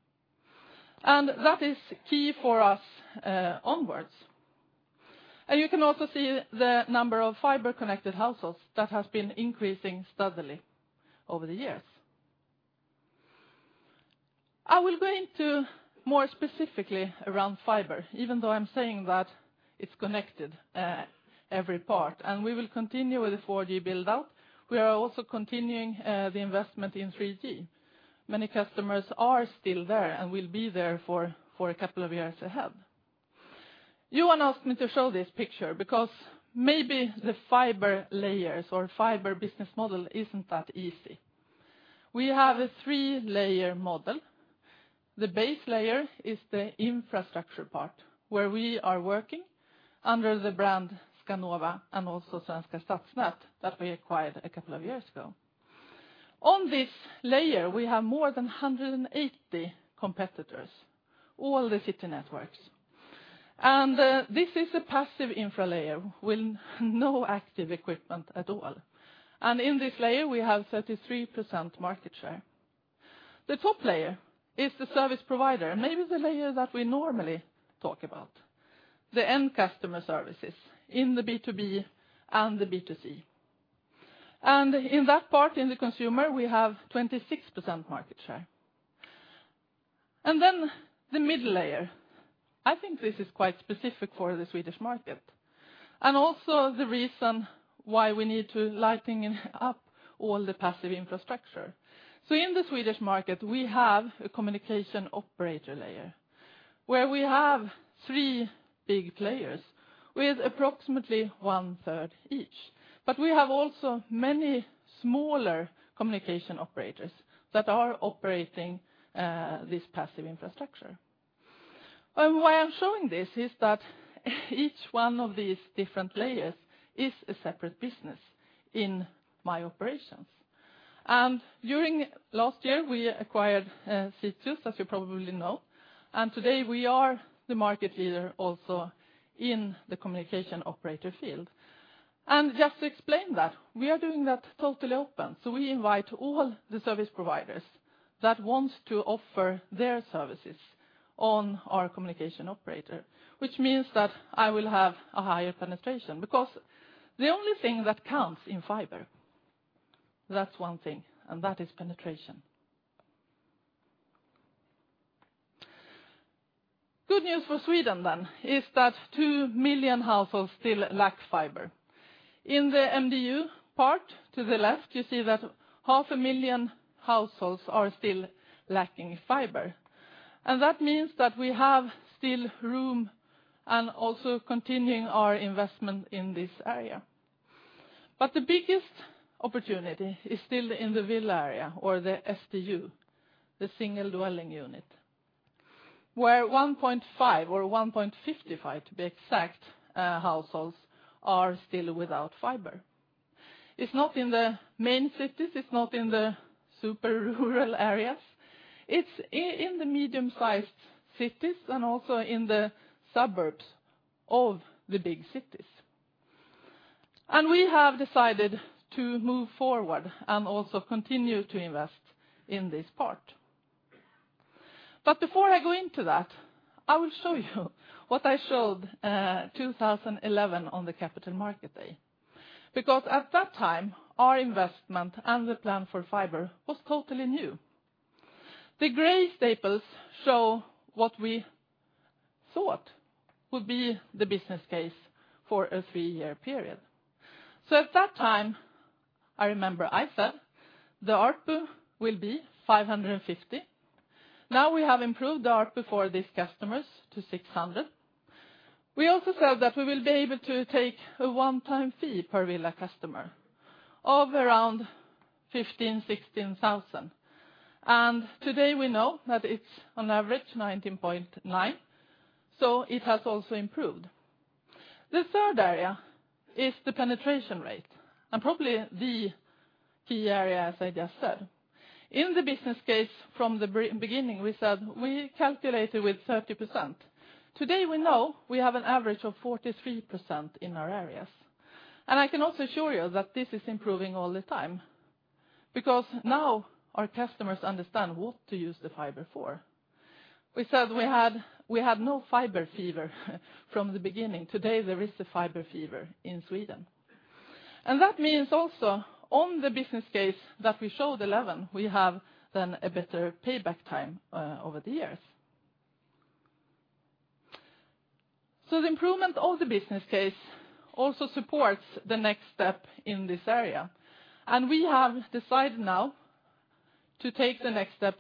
That is key for us onwards. You can also see the number of fiber-connected households that has been increasing steadily over the years. I will go into more specifically around fiber, even though I'm saying that it's connected every part. We will continue with the 4G build-out. We are also continuing the investment in 3G. Many customers are still there and will be there for a couple of years ahead. Johan asked me to show this picture because maybe the fiber layers or fiber business model isn't that easy. We have a three-layer model. The base layer is the infrastructure part, where we are working under the brand Skanova and also Svenska Stadsnät that we acquired a couple of years ago. On this layer, we have more than 180 competitors, all the city networks. This is a passive infra layer with no active equipment at all. In this layer, we have 33% market share. The top layer is the service provider and maybe the layer that we normally talk about, the end customer services in the B2B and the B2C. In that part, in the consumer, we have 26% market share. The middle layer, I think this is quite specific for the Swedish market and also the reason why we need to lighting up all the passive infrastructure. In the Swedish market, we have a communication operator layer where we have three big players with approximately one-third each. We have also many smaller communication operators that are operating this passive infrastructure. Why I'm showing this is that each one of these different layers is a separate business in my operations. During last year, we acquired Zitius, as you probably know, and today we are the market leader also in the communication operator field. Just to explain that, we are doing that totally open. We invite all the service providers that want to offer their services on our communication operator, which means that I will have a higher penetration because the only thing that counts in fiber, that's one thing, and that is penetration. Good news for Sweden then is that 2 million households still lack fiber. In the MDU part to the left, you see that half a million households are still lacking fiber. That means that we have still room and also continuing our investment in this area. The biggest opportunity is still in the villa area or the SDU, the single dwelling unit, where 1.5 or 1.55, to be exact, households are still without fiber. It's not in the main cities. It's not in the super rural areas. It's in the medium-sized cities and also in the suburbs of the big cities. We have decided to move forward and also continue to invest in this part. Before I go into that, I will show you what I showed 2011 on the Capital Market Day. At that time, our investment and the plan for fiber was totally new. The gray staples show what we thought would be the business case for a three-year period. At that time, I remember I said the ARPU will be 550. We have improved the ARPU for these customers to 600. We also said that we will be able to take a one-time fee per villa customer of around 15,000-16,000. Today we know that it's on average 19,900. It has also improved. The third area is the penetration rate and probably the key area, as I just said. In the business case from the beginning, we said we calculated with 30%. Today, we know we have an average of 43% in our areas. I can also assure you that this is improving all the time because our customers understand what to use the fiber for. We said we had no fiber fever from the beginning. Today, there is the fiber fever in Sweden. That means also on the business case that we showed slide 11, we have then a better payback time over the years. The improvement of the business case also supports the next step in this area, we have decided now to take the next step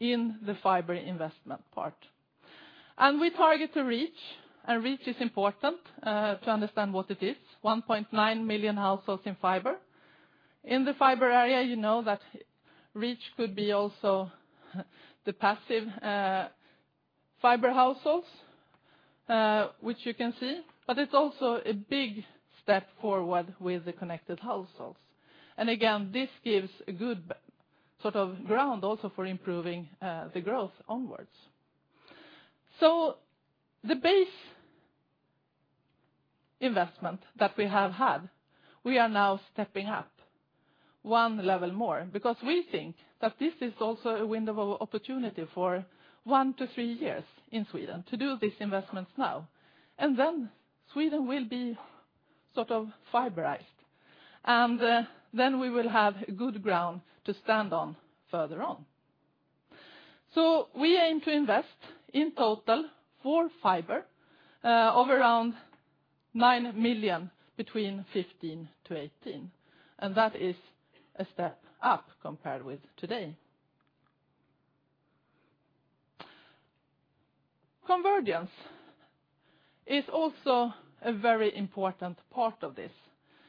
in the fiber investment part. We target to reach is important to understand what it is, 1.9 million households in fiber. In the fiber area, you know that reach could be also the passive fiber households, which you can see, but it's also a big step forward with the connected households. Again, this gives a good sort of ground also for improving the growth onwards. The base investment that we have had, we are now stepping up 1 level more because we think that this is also a window of opportunity for one to three years in Sweden to do these investments now. Sweden will be sort of fiberized, we will have good ground to stand on further on. We aim to invest in total for fiber of around 9 billion between 2015 to 2018, that is a step up compared with today. Convergence is also a very important part of this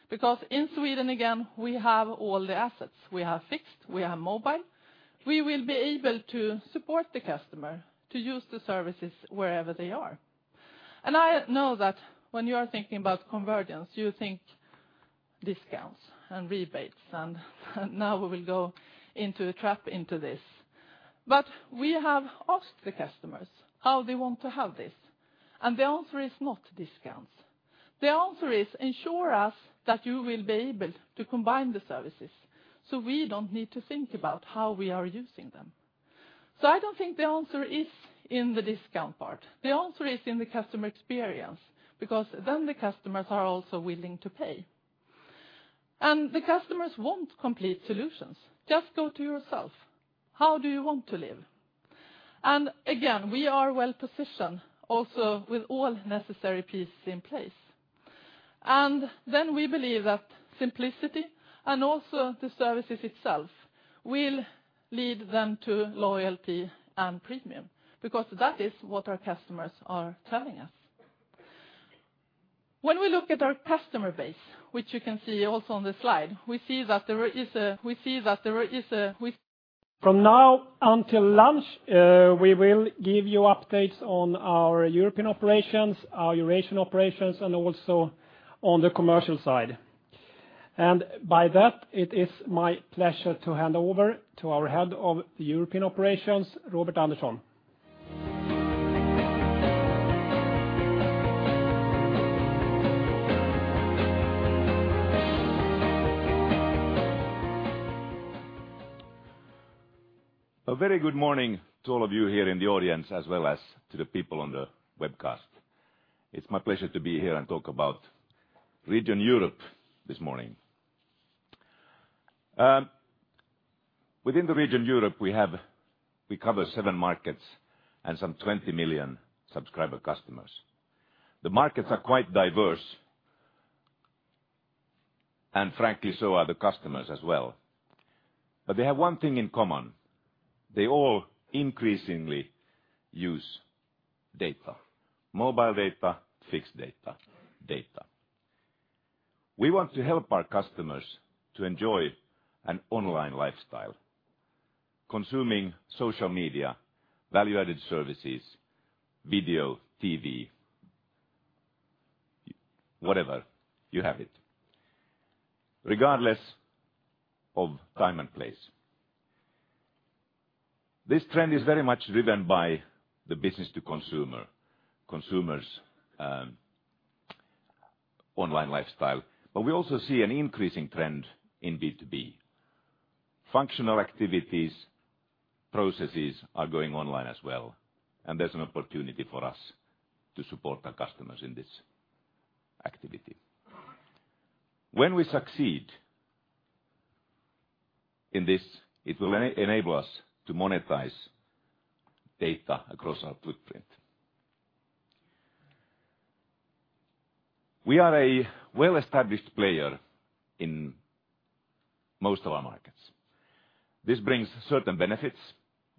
because in Sweden, again, we have all the assets. We have fixed, we have mobile. We will be able to support the customer to use the services wherever they are. I know that when you are thinking about convergence, you think discounts and rebates, now we will go into a trap into this. We have asked the customers how they want to have this, the answer is not discounts. The answer is ensure us that you will be able to combine the services, we don't need to think about how we are using them. I don't think the answer is in the discount part. The answer is in the customer experience because then the customers are also willing to pay. The customers want complete solutions. Just go to yourself. How do you want to live? Again, we are well-positioned also with all necessary pieces in place. We believe that simplicity and also the services itself will lead them to loyalty and premium because that is what our customers are telling us. When we look at our customer base, which you can see also on the slide, we see that there is.
From now until lunch, we will give you updates on our European operations, our Eurasian operations, and also on the commercial side. By that, it is my pleasure to hand over to our Head of the European operations, Robert Andersson.
A very good morning to all of you here in the audience, as well as to the people on the webcast. It's my pleasure to be here and talk about Region Europe this morning. Within the Region Europe, we cover 7 markets and some 20 million subscriber customers. The markets are quite diverse, and frankly, so are the customers as well. They have one thing in common. They all increasingly use data, mobile data, fixed data. We want to help our customers to enjoy an online lifestyle, consuming social media, value-added services, video, TV, whatever, you have it, regardless of time and place. This trend is very much driven by the business to consumer, consumers' online lifestyle. We also see an increasing trend in B2B. Functional activities, processes are going online as well, and there's an opportunity for us to support our customers in this activity. When we succeed in this, it will enable us to monetize data across our footprint. We are a well-established player in most of our markets. This brings certain benefits.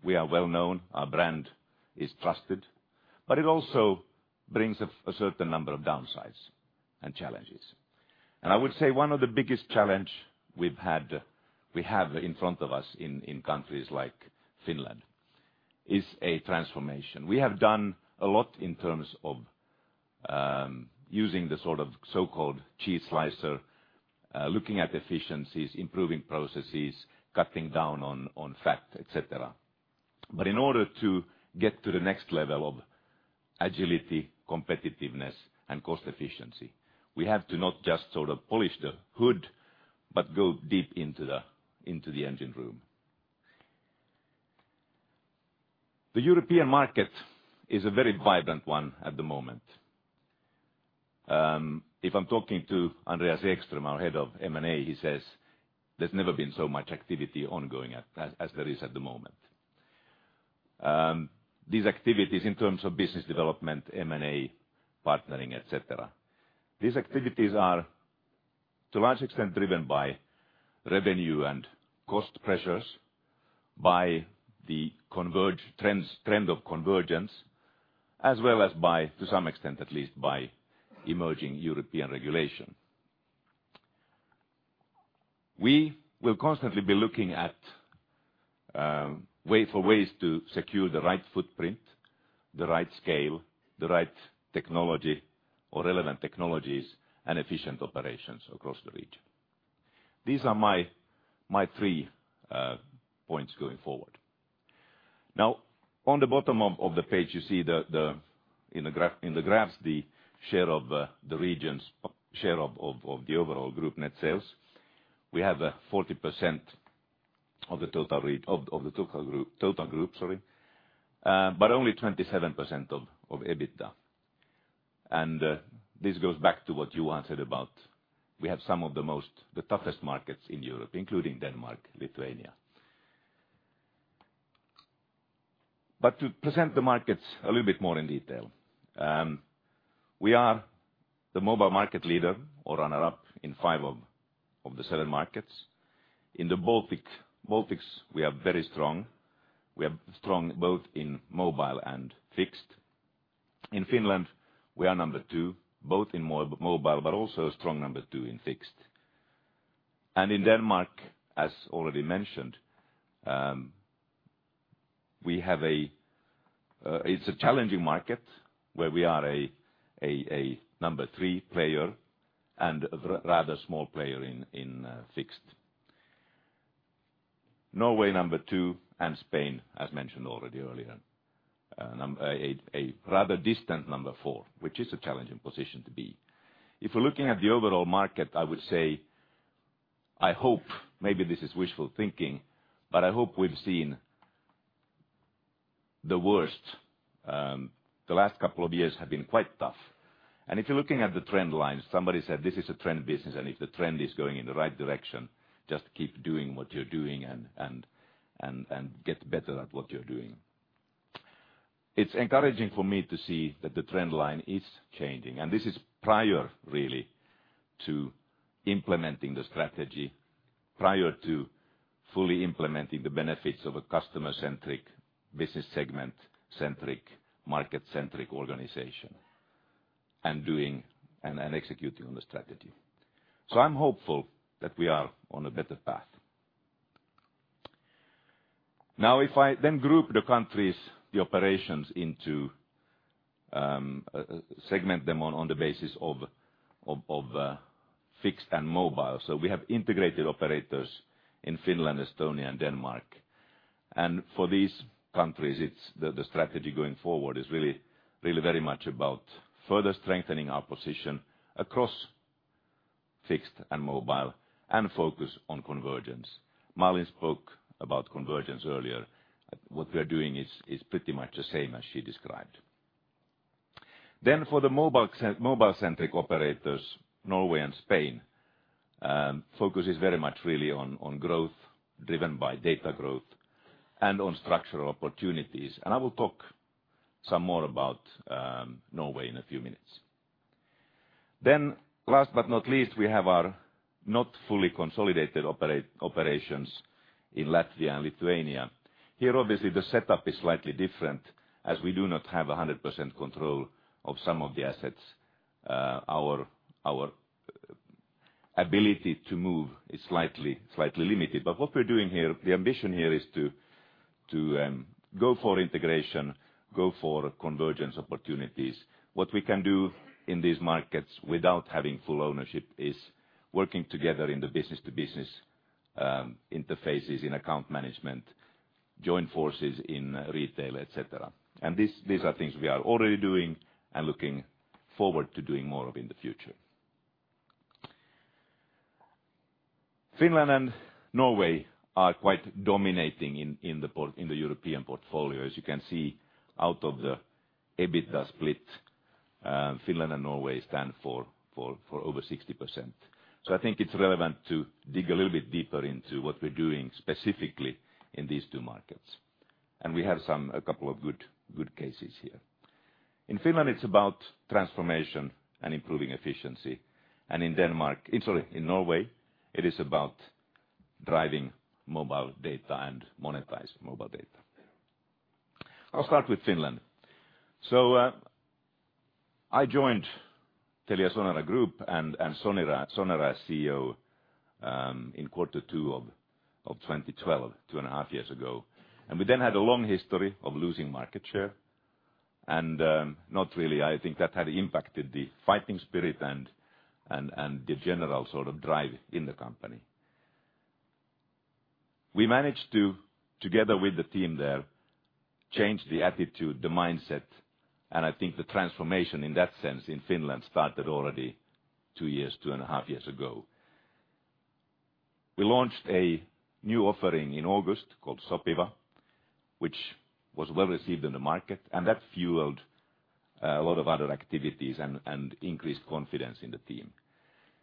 We are well-known. Our brand is trusted, but it also brings a certain number of downsides and challenges. I would say one of the biggest challenge we have in front of us in countries like Finland is a transformation. We have done a lot in terms of using the so-called cheese slicer, looking at efficiencies, improving processes, cutting down on fat, et cetera. In order to get to the next level of agility, competitiveness and cost efficiency, we have to not just polish the hood, but go deep into the engine room. The European market is a very vibrant one at the moment. If I'm talking to Andreas Ekström, our Head of M&A, he says there's never been so much activity ongoing as there is at the moment. These activities in terms of business development, M&A, partnering, et cetera, these activities are, to a large extent, driven by revenue and cost pressures by the trend of convergence, as well as, to some extent at least, by emerging European regulation. We will constantly be looking for ways to secure the right footprint, the right scale, the right technology or relevant technologies and efficient operations across the region. These are my 3 points going forward. Now, on the bottom of the page, you see in the graphs, the region's share of the overall group net sales. We have 40% of the total group, but only 27% of EBITDA. This goes back to what you answered about we have some of the toughest markets in Europe, including Denmark, Lithuania. To present the markets a little bit more in detail. We are the mobile market leader or runner-up in five of the seven markets. In the Baltics, we are very strong. We are strong both in mobile and fixed. In Finland, we are number 2, both in mobile, but also a strong number 2 in fixed. In Denmark, as already mentioned, it's a challenging market where we are a number 3 player and a rather small player in fixed. Norway, number 2, and Spain, as mentioned already earlier, a rather distant number 4, which is a challenging position to be. If we're looking at the overall market, I would say, maybe this is wishful thinking, but I hope we've seen the worst. The last couple of years have been quite tough. If you're looking at the trend lines, somebody said this is a trend business, and if the trend is going in the right direction, just keep doing what you're doing and get better at what you're doing. It's encouraging for me to see that the trend line is changing, and this is prior really to implementing the strategy, prior to fully implementing the benefits of a customer-centric, business segment-centric, market-centric organization and executing on the strategy. I'm hopeful that we are on a better path. If I then group the countries, the operations, segment them on the basis of fixed and mobile. We have integrated operators in Finland, Estonia and Denmark. For these countries, the strategy going forward is really very much about further strengthening our position across fixed and mobile and focus on convergence. Malin spoke about convergence earlier. What we're doing is pretty much the same as she described. For the mobile-centric operators, Norway and Spain, focus is very much really on growth driven by data growth and on structural opportunities. I will talk some more about Norway in a few minutes. Last but not least, we have our not fully consolidated operations in Latvia and Lithuania. Here, obviously, the setup is slightly different as we do not have 100% control of some of the assets. Our ability to move is slightly limited. What we're doing here, the ambition here is to go for integration, go for convergence opportunities. What we can do in these markets without having full ownership is working together in the B2B interfaces, in account management, join forces in retail, et cetera. These are things we are already doing and looking forward to doing more of in the future. Finland and Norway are quite dominating in the European portfolio. As you can see out of the EBITDA split, Finland and Norway stand for over 60%. I think it's relevant to dig a little bit deeper into what we're doing specifically in these two markets, and we have a couple of good cases here. In Finland, it's about transformation and improving efficiency. In Norway, it is about driving mobile data and monetizing mobile data. I'll start with Finland. I joined TeliaSonera Group and Sonera as CEO in quarter two of 2012, two and a half years ago. We then had a long history of losing market share, and not really, I think, that had impacted the fighting spirit and the general drive in the company. We managed to, together with the team there, change the attitude, the mindset, and I think the transformation in that sense in Finland started already two and a half years ago. We launched a new offering in August called Sopiva, which was well-received in the market, and that fueled a lot of other activities and increased confidence in the team.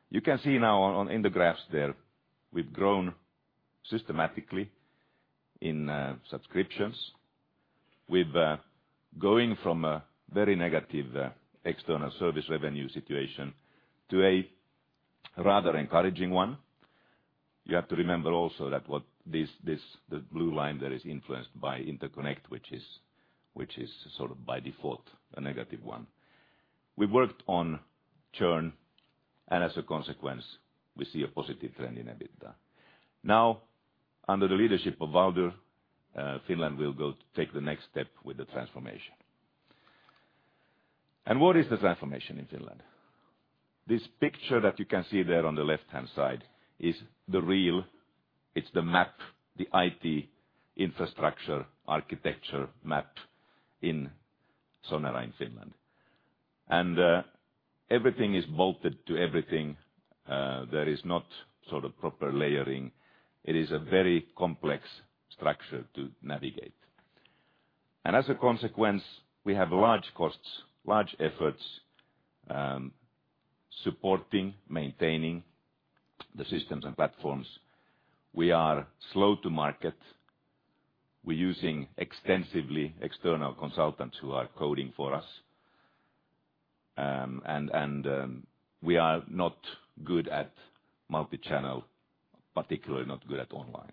You can see now in the graphs there, we've grown systematically in subscriptions. We've going from a very negative external service revenue situation to a rather encouraging one. You have to remember also that the blue line there is influenced by interconnect, which is by default a negative one. We worked on churn and as a consequence, we see a positive trend in EBITDA. Now, under the leadership of Valdur, Finland will go take the next step with the transformation. What is the transformation in Finland? This picture that you can see there on the left-hand side is the real, it's the map, the IT infrastructure, architecture map in Sonera in Finland. Everything is bolted to everything. There is not proper layering. It is a very complex structure to navigate. As a consequence, we have large costs, large efforts, supporting, maintaining the systems and platforms. We are slow to market. We're using extensively external consultants who are coding for us, and we are not good at multi-channel, particularly not good at online.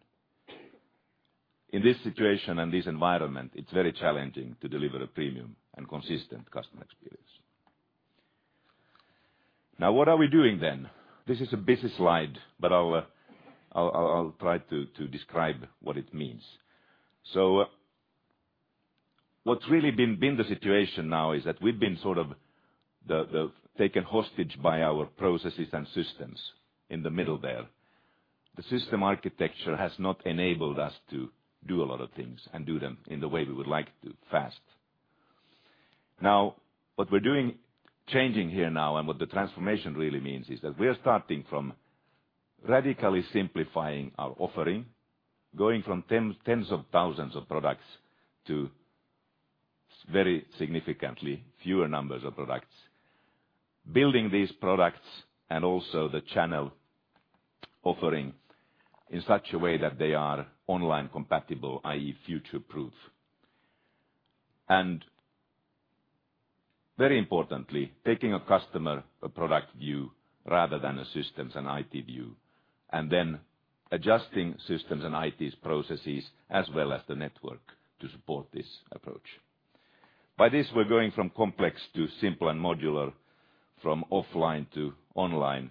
In this situation and this environment, it's very challenging to deliver a premium and consistent customer experience. What are we doing then? This is a busy slide, I'll try to describe what it means. What's really been the situation now is that we've been taken hostage by our processes and systems in the middle there. The system architecture has not enabled us to do a lot of things and do them in the way we would like to, fast. What we're doing, changing here now and what the transformation really means is that we are starting from radically simplifying our offering, going from tens of thousands of products to very significantly fewer numbers of products. Building these products and also the channel offering in such a way that they are online compatible, i.e., future-proof. Very importantly, taking a customer a product view rather than a systems and IT view, and then adjusting systems and IT's processes as well as the network to support this approach. By this, we're going from complex to simple and modular, from offline to online,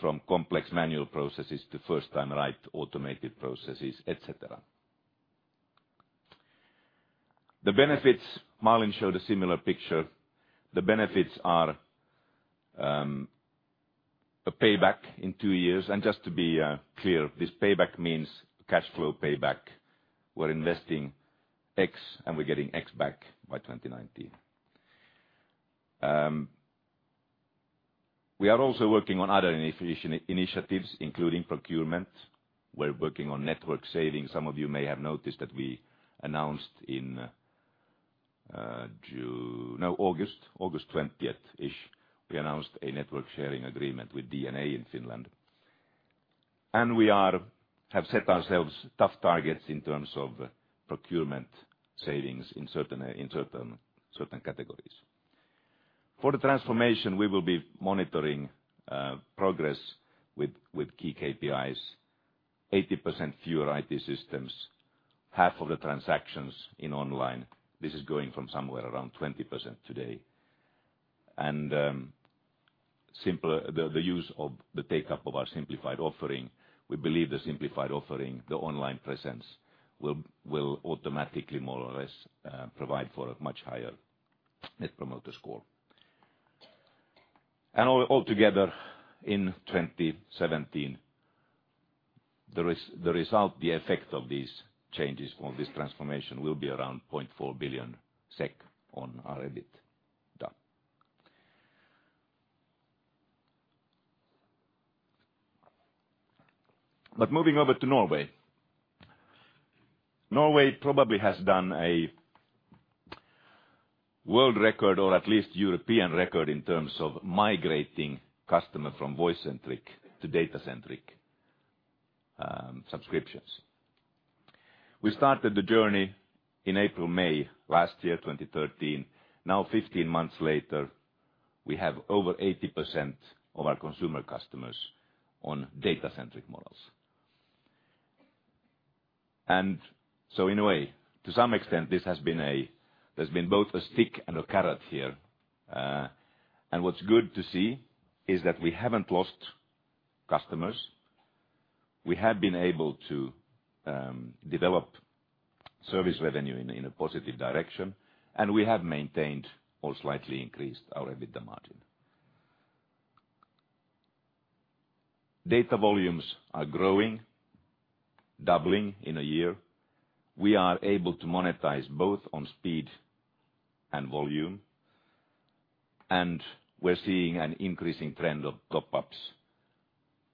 from complex manual processes to first-time right automated processes, et cetera. The benefits, Malin showed a similar picture. The benefits are a payback in two years. Just to be clear, this payback means cash flow payback. We're investing X and we're getting X back by 2019. We are also working on other initiatives, including procurement. We're working on network savings. Some of you may have noticed that we announced in August 20th-ish, we announced a network sharing agreement with DNA in Finland. We have set ourselves tough targets in terms of procurement savings in certain categories. For the transformation, we will be monitoring progress with key KPIs, 80% fewer IT systems, half of the transactions in online. This is going from somewhere around 20% today. The use of the take-up of our simplified offering, we believe the simplified offering, the online presence, will automatically more or less provide for a much higher net promoter score. Altogether, in 2017, the result, the effect of these changes or this transformation will be around 0.4 billion SEK on our EBITDA. Moving over to Norway. Norway probably has done a world record, or at least European record, in terms of migrating customers from voice-centric to data-centric subscriptions. We started the journey in April, May last year, 2013. Now 15 months later, we have over 80% of our consumer customers on data-centric models. In a way, to some extent, this has been both a stick and a carrot here. What's good to see is that we haven't lost customers. We have been able to develop service revenue in a positive direction, and we have maintained or slightly increased our EBITDA margin. Data volumes are growing, doubling in a year. We are able to monetize both on speed and volume, and we're seeing an increasing trend of top-ups.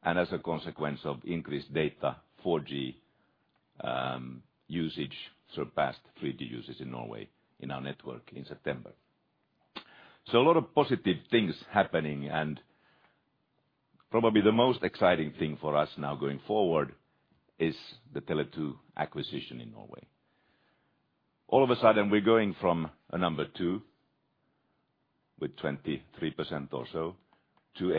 As a consequence of increased data, 4G usage surpassed 3G usage in Norway in our network in September. A lot of positive things happening and probably the most exciting thing for us now going forward is the Tele2 acquisition in Norway. All of a sudden, we're going from a number two with 23% or so to a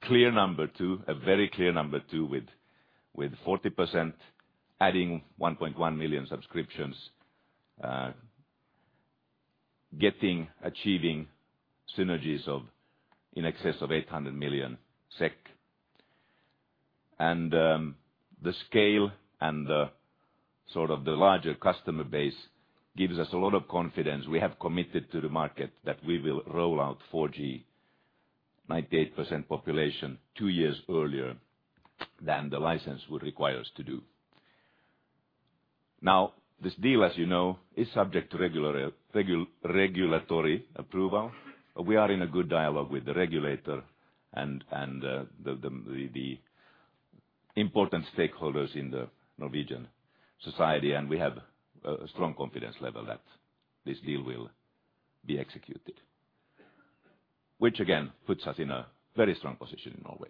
very clear number two with 40%, adding 1.1 million subscriptions, achieving synergies in excess of 800 million SEK. The scale and the larger customer base gives us a lot of confidence. We have committed to the market that we will roll out 4G, 98% population, two years earlier than the license would require us to do. This deal, as you know, is subject to regulatory approval. We are in a good dialogue with the regulator and the important stakeholders in the Norwegian society, and we have a strong confidence level that this deal will be executed, which again, puts us in a very strong position in Norway.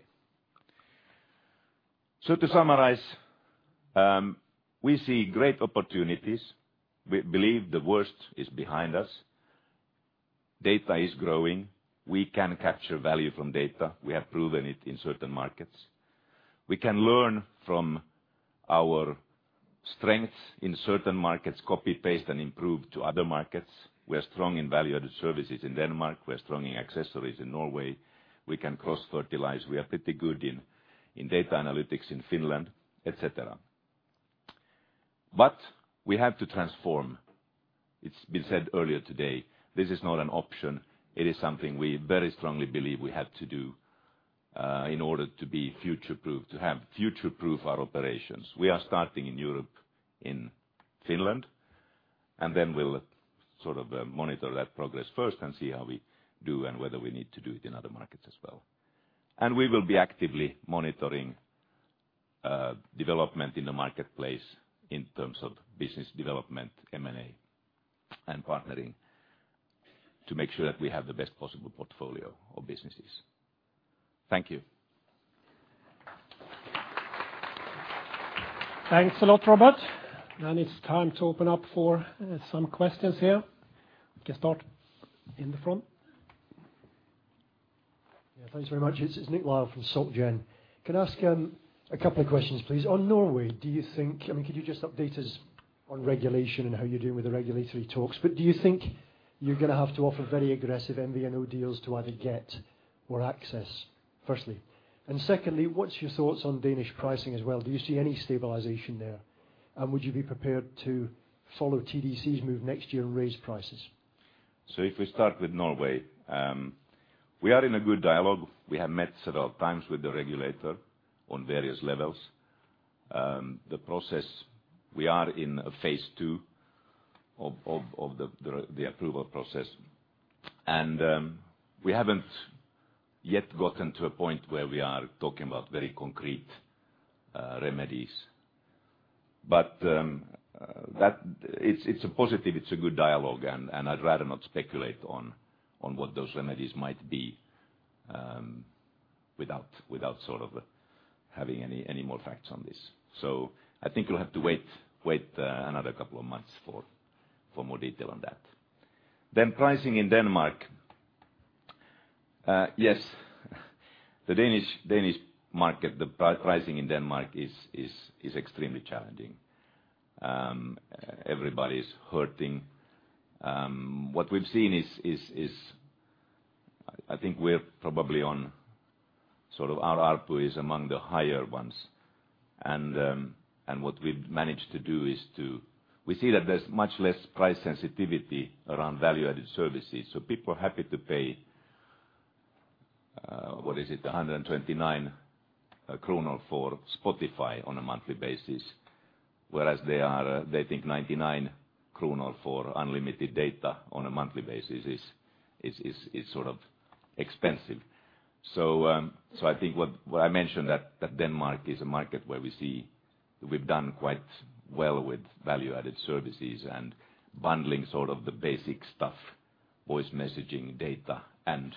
To summarize, we see great opportunities. We believe the worst is behind us. Data is growing. We can capture value from data. We have proven it in certain markets. We can learn from our strengths in certain markets, copy-paste, and improve to other markets. We are strong in value-added services in Denmark. We're strong in accessories in Norway. We can cross-fertilize. We are pretty good in data analytics in Finland, et cetera. We have to transform. It's been said earlier today, this is not an option. It is something we very strongly believe we have to do in order to future-proof our operations. We are starting in Europe, in Finland, then we'll monitor that progress first and see how we do whether we need to do it in other markets as well. We will be actively monitoring development in the marketplace in terms of business development, M&A, and partnering to make sure that we have the best possible portfolio of businesses. Thank you.
Thanks a lot, Robert. Now it's time to open up for some questions here. We can start in the front.
Yeah, thanks very much. It's Nick Lyall from Societe Generale. Can I ask a couple of questions, please? On Norway, could you just update us on regulation and how you're doing with the regulatory talks? Do you think you're going to have to offer very aggressive MVNO deals to either get more access, firstly? Secondly, what's your thoughts on Danish pricing as well? Do you see any stabilization there? Would you be prepared to follow TDC's move next year and raise prices?
If we start with Norway, we are in a good dialogue. We have met several times with the regulator on various levels. The process, we are in a phase 2 of the approval process. We haven't yet gotten to a point where we are talking about very concrete remedies. It's positive, it's a good dialogue, and I'd rather not speculate on what those remedies might be without having any more facts on this. I think you'll have to wait another couple of months for more detail on that. Pricing in Denmark. Yes, the Danish market, the pricing in Denmark is extremely challenging. Everybody's hurting. What we've seen is I think we're probably on our ARPU is among the higher ones. What we've managed to do is to We see that there's much less price sensitivity around value-added services, people are happy to pay What is it? 129 kronor for Spotify on a monthly basis, whereas they think 99 kronor for unlimited data on a monthly basis is expensive. I think what I mentioned that Denmark is a market where we see we've done quite well with value-added services and bundling sort of the basic stuff, voice messaging, data, and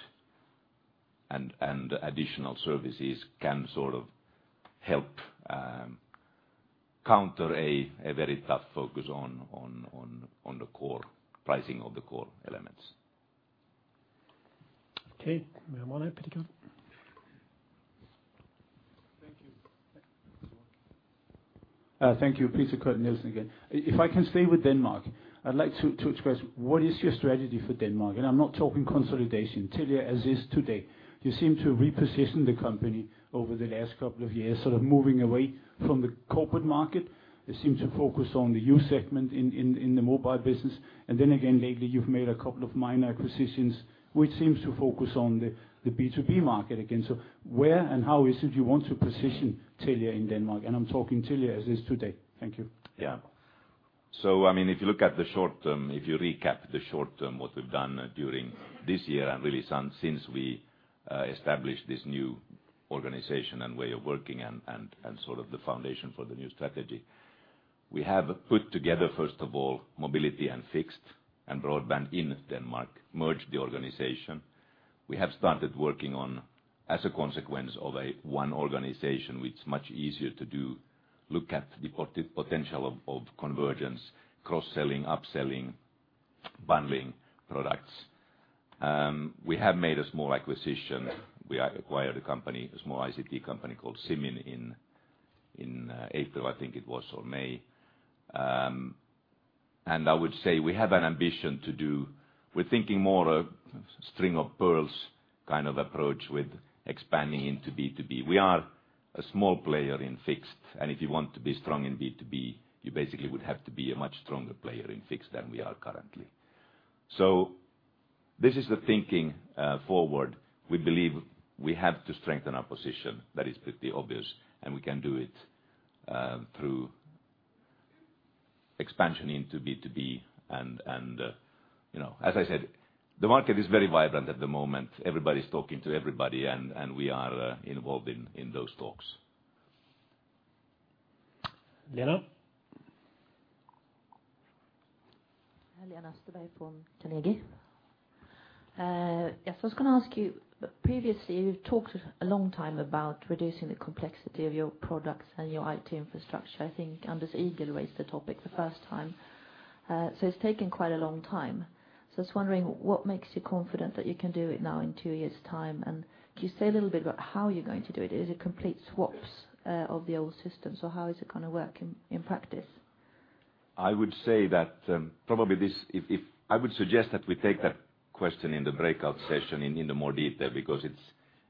additional services can sort of help counter a very tough focus on the pricing of the core elements.
Okay. We have one up here.
Thank you. Thank you. Peter Kurt Nielsen again. If I can stay with Denmark, I'd like to express what is your strategy for Denmark. I'm not talking consolidation. Telia as is today. You seem to have repositioned the company over the last couple of years, sort of moving away from the corporate market. You seem to focus on the youth segment in the mobile business. Lately, you've made a couple of minor acquisitions, which seems to focus on the B2B market again. Where and how is it you want to position Telia in Denmark? I'm talking Telia as is today. Thank you.
If you look at the short term, if you recap the short term, what we've done during this year, and really since we established this new organization and way of working and sort of the foundation for the new strategy. We have put together, first of all, mobility and fixed and broadband in Denmark, merged the organization. We have started working on, as a consequence of one organization, it's much easier to do, look at the potential of convergence, cross-selling, upselling, bundling products. We have made a small acquisition. We acquired a company, a small ICT company called Síminn in April, I think it was, or May. I would say we have an ambition to do. We're thinking more a string of pearls kind of approach with expanding into B2B. We are a small player in fixed, and if you want to be strong in B2B, you basically would have to be a much stronger player in fixed than we are currently. This is the thinking forward. We believe we have to strengthen our position. That is pretty obvious, and we can do it through expansion into B2B and as I said, the market is very vibrant at the moment. Everybody's talking to everybody, and we are involved in those talks.
Lena.
Lena Österberg from Carnegie. I was going to ask you, previously, you talked a long time about reducing the complexity of your products and your IT infrastructure. I think Anders Igel raised the topic the first time. It's taken quite a long time. I was wondering what makes you confident that you can do it now in two years' time? Can you say a little bit about how you're going to do it? Is it complete swaps of the old systems, or how is it going to work in practice?
I would say that probably this I would suggest that we take that question in the breakout session into more detail because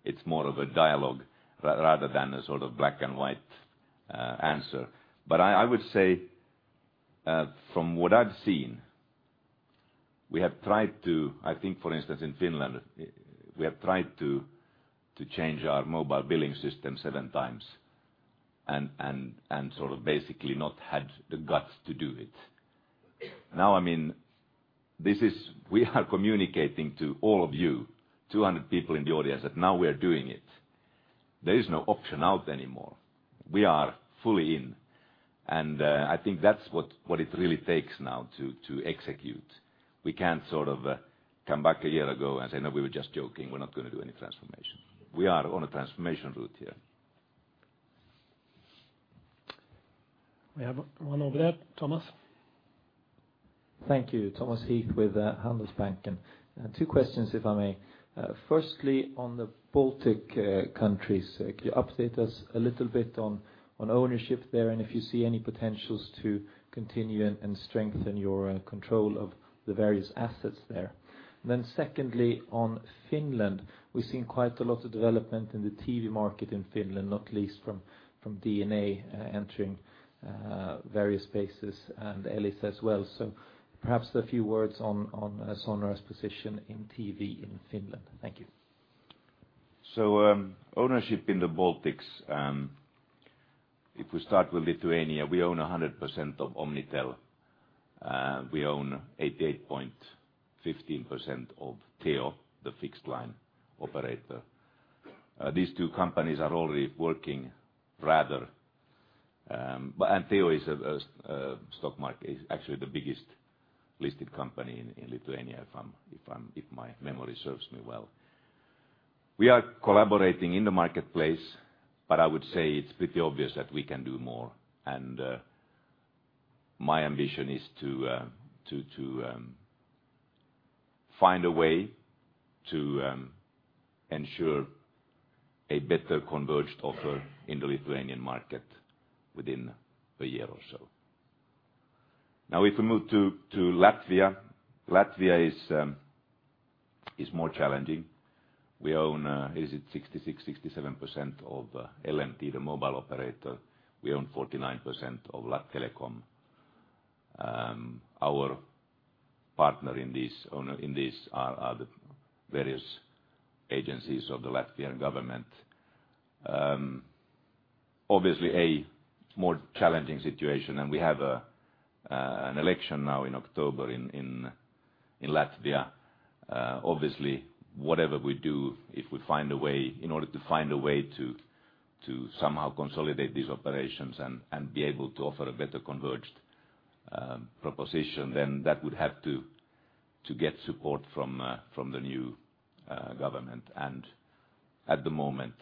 it's more of a dialogue rather than a sort of black and white answer. I would say from what I've seen, we have tried to, I think, for instance, in Finland, we have tried to change our mobile billing system seven times and sort of basically not had the guts to do it. Now, we are communicating to all of you, 200 people in the audience, that now we are doing it. There is no option out anymore. We are fully in. I think that's what it really takes now to execute. We can't sort of come back a year ago and say, "No, we were just joking. We're not going to do any transformation." We are on a transformation route here.
We have one over there. Thomas.
Thank you. Thomas Heath with Handelsbanken. Two questions, if I may. Firstly, on the Baltic countries, can you update us a little bit on ownership there and if you see any potentials to continue and strengthen your control of the various assets there? Secondly, on Finland. We've seen quite a lot of development in the TV market in Finland, not least from DNA entering various spaces and Elisa as well. Perhaps a few words on Sonera's position in TV in Finland. Thank you.
Ownership in the Baltics, if we start with Lithuania, we own 100% of Omnitel. We own 88.15% of Teo, the fixed line operator. These two companies are already working rather. Teo is actually the biggest listed company in Lithuania, if my memory serves me well. We are collaborating in the marketplace, but I would say it's pretty obvious that we can do more. My ambition is to find a way to ensure a better converged offer in the Lithuanian market within a year or so. If we move to Latvia. Latvia is more challenging. We own, is it 66%, 67% of LMT, the mobile operator. We own 49% of Lattelecom. Our partner in this are the various agencies of the Latvian government. A more challenging situation, and we have an election now in October in Latvia. Whatever we do, in order to find a way to somehow consolidate these operations and be able to offer a better converged proposition, then that would have to get support from the new government. At the moment,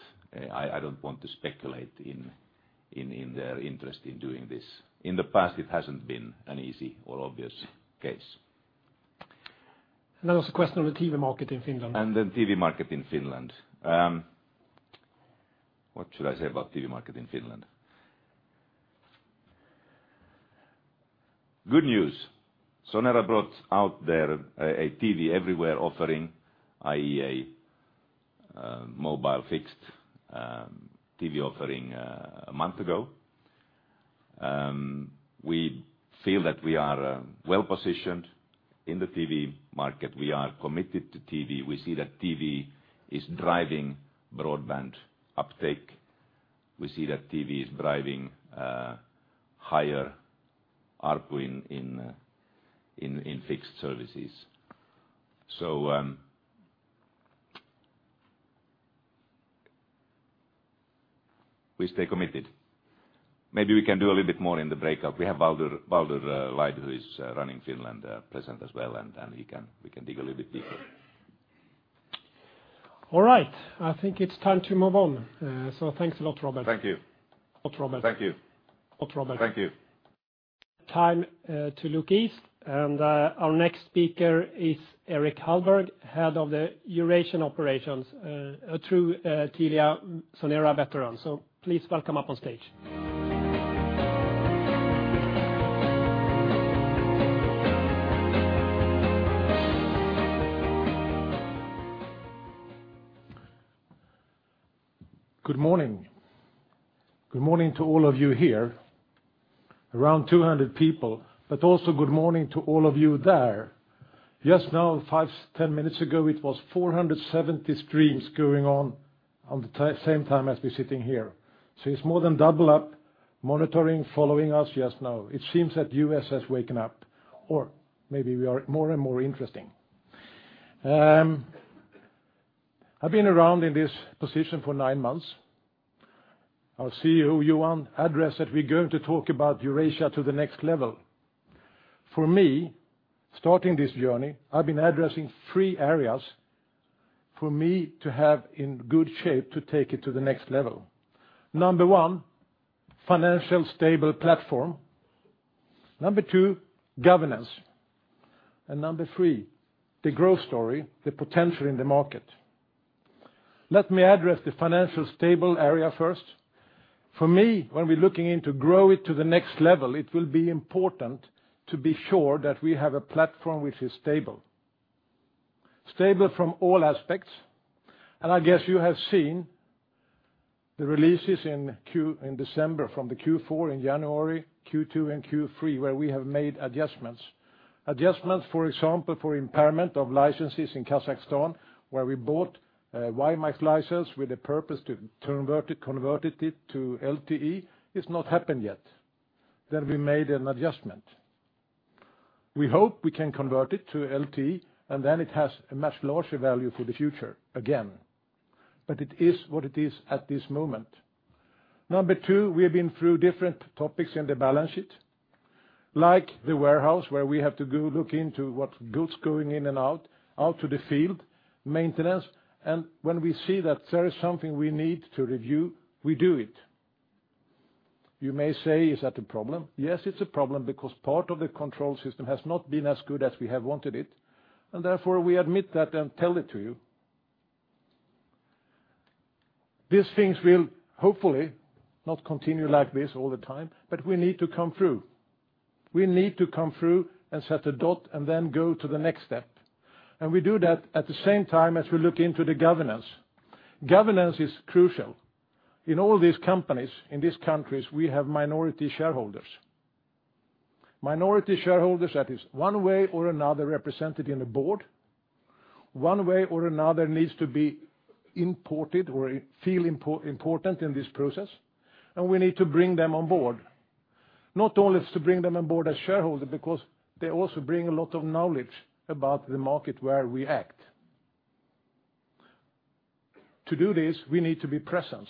I don't want to speculate in their interest in doing this. In the past, it hasn't been an easy or obvious case.
There was a question on the TV market in Finland.
The TV market in Finland. What should I say about TV market in Finland? Good news. Sonera brought out their TV Everywhere offering, i.e. a mobile fixed TV offering a month ago. We feel that we are well-positioned in the TV market. We are committed to TV. We see that TV is driving broadband uptake. We see that TV is driving higher ARPU in fixed services. We stay committed. Maybe we can do a little bit more in the breakout. We have Valdur Laid who is running Finland present as well, and we can dig a little bit deeper.
All right. I think it's time to move on. Thanks a lot, Robert.
Thank you.
Thanks a lot, Robert.
Thank you.
Time to look east. Our next speaker is Erik Hallberg, head of the Eurasian operations, a true TeliaSonera veteran. Please welcome up on stage.
Good morning. Good morning to all of you here. Around 200 people, but also good morning to all of you there. Just now, five, 10 minutes ago, it was 470 streams going on the same time as we're sitting here. It's more than double up monitoring, following us just now. It seems that U.S. has woken up, or maybe we are more and more interesting. I've been around in this position for nine months. Our CEO, Johan, addressed that we're going to talk about Eurasia to the next level. For me, starting this journey, I've been addressing three areas for me to have in good shape to take it to the next level. Number 1, financial stable platform. Number 2, governance. Number 3, the growth story, the potential in the market. Let me address the financial stable area first. For me, when we're looking into grow it to the next level, it will be important to be sure that we have a platform which is stable. Stable from all aspects. I guess you have seen the releases in December from the Q4 and January, Q2 and Q3, where we have made adjustments. Adjustments, for example, for impairment of licenses in Kazakhstan, where we bought WiMAX license with the purpose to convert it to LTE. It's not happened yet. We made an adjustment. We hope we can convert it to LTE, and then it has a much larger value for the future again. It is what it is at this moment. Number 2, we have been through different topics in the balance sheet, like the warehouse, where we have to go look into what goods going in and out to the field, maintenance. When we see that there is something we need to review, we do it. You may say, is that a problem? Yes, it's a problem because part of the control system has not been as good as we have wanted it, and therefore we admit that and tell it to you. These things will hopefully not continue like this all the time, we need to come through. We need to come through and set a dot, then go to the next step. We do that at the same time as we look into the governance. Governance is crucial. In all these companies, in these countries, we have minority shareholders. Minority shareholders that is one way or another represented in a board, one way or another needs to be imported or feel important in this process, and we need to bring them on board. Not only to bring them on board as shareholders, because they also bring a lot of knowledge about the market where we act. To do this, we need to be present.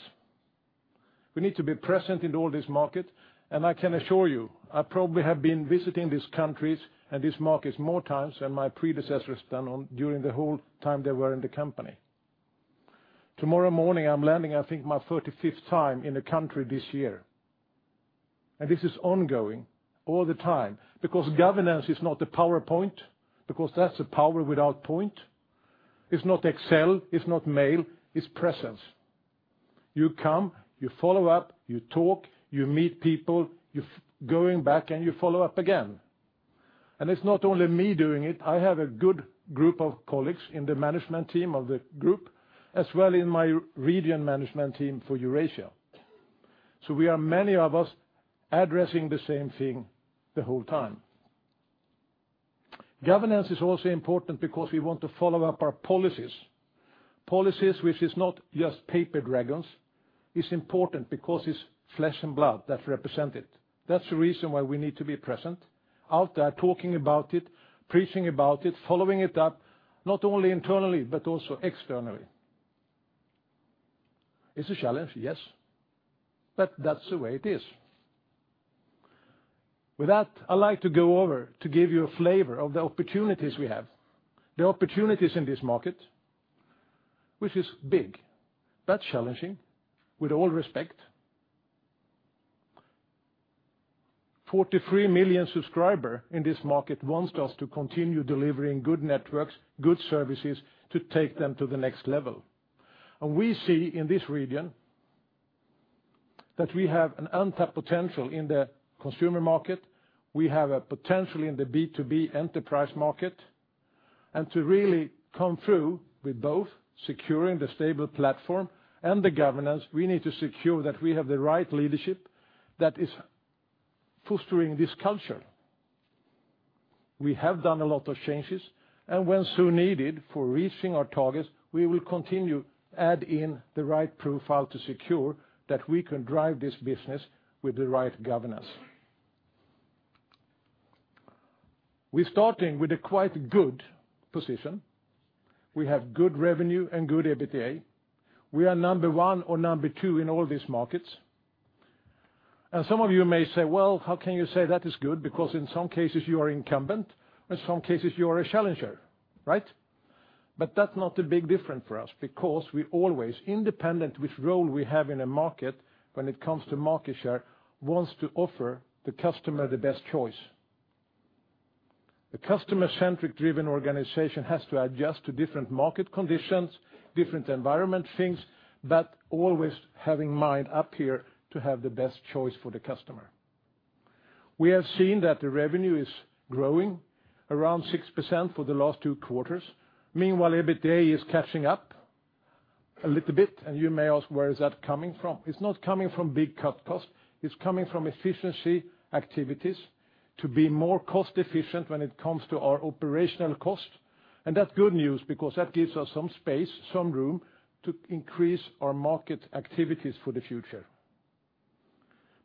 We need to be present in all this market, I can assure you, I probably have been visiting these countries and these markets more times than my predecessors done during the whole time they were in the company. Tomorrow morning, I'm landing, I think, my 35th time in a country this year. This is ongoing all the time because governance is not a PowerPoint, because that's a power without point. It's not Excel, it's not mail, it's presence. You come, you follow up, you talk, you meet people, you're going back, you follow up again. It's not only me doing it, I have a good group of colleagues in the management team of the group, as well in my region management team for Eurasia. We are many of us addressing the same thing the whole time. Governance is also important because we want to follow up our policies. Policies, which is not just paper dragons, is important because it's flesh and blood that's represented. That's the reason why we need to be present out there talking about it, preaching about it, following it up, not only internally, but also externally. It's a challenge, yes. That's the way it is. With that, I'd like to go over to give you a flavor of the opportunities we have, the opportunities in this market, which is big. That's challenging, with all respect. 43 million subscriber in this market wants us to continue delivering good networks, good services to take them to the next level. We see in this region that we have an untapped potential in the consumer market. We have a potential in the B2B enterprise market. To really come through with both securing the stable platform and the governance, we need to secure that we have the right leadership that is fostering this culture. We have done a lot of changes, when so needed for reaching our targets, we will continue add in the right profile to secure that we can drive this business with the right governance. We're starting with a quite good position. We have good revenue and good EBITDA. We are number one or number two in all these markets. Some of you may say, "Well, how can you say that is good?" Because in some cases you are incumbent, in some cases you are a challenger, right? That's not a big difference for us because we always, independent which role we have in a market when it comes to market share, wants to offer the customer the best choice. The customer-centric driven organization has to adjust to different market conditions, different environment things, always having mind up here to have the best choice for the customer. We have seen that the revenue is growing around 6% for the last two quarters. Meanwhile, EBITDA is catching up a little bit, you may ask where is that coming from? It's not coming from big cut cost, it's coming from efficiency activities to be more cost-efficient when it comes to our operational cost. That's good news because that gives us some space, some room to increase our market activities for the future.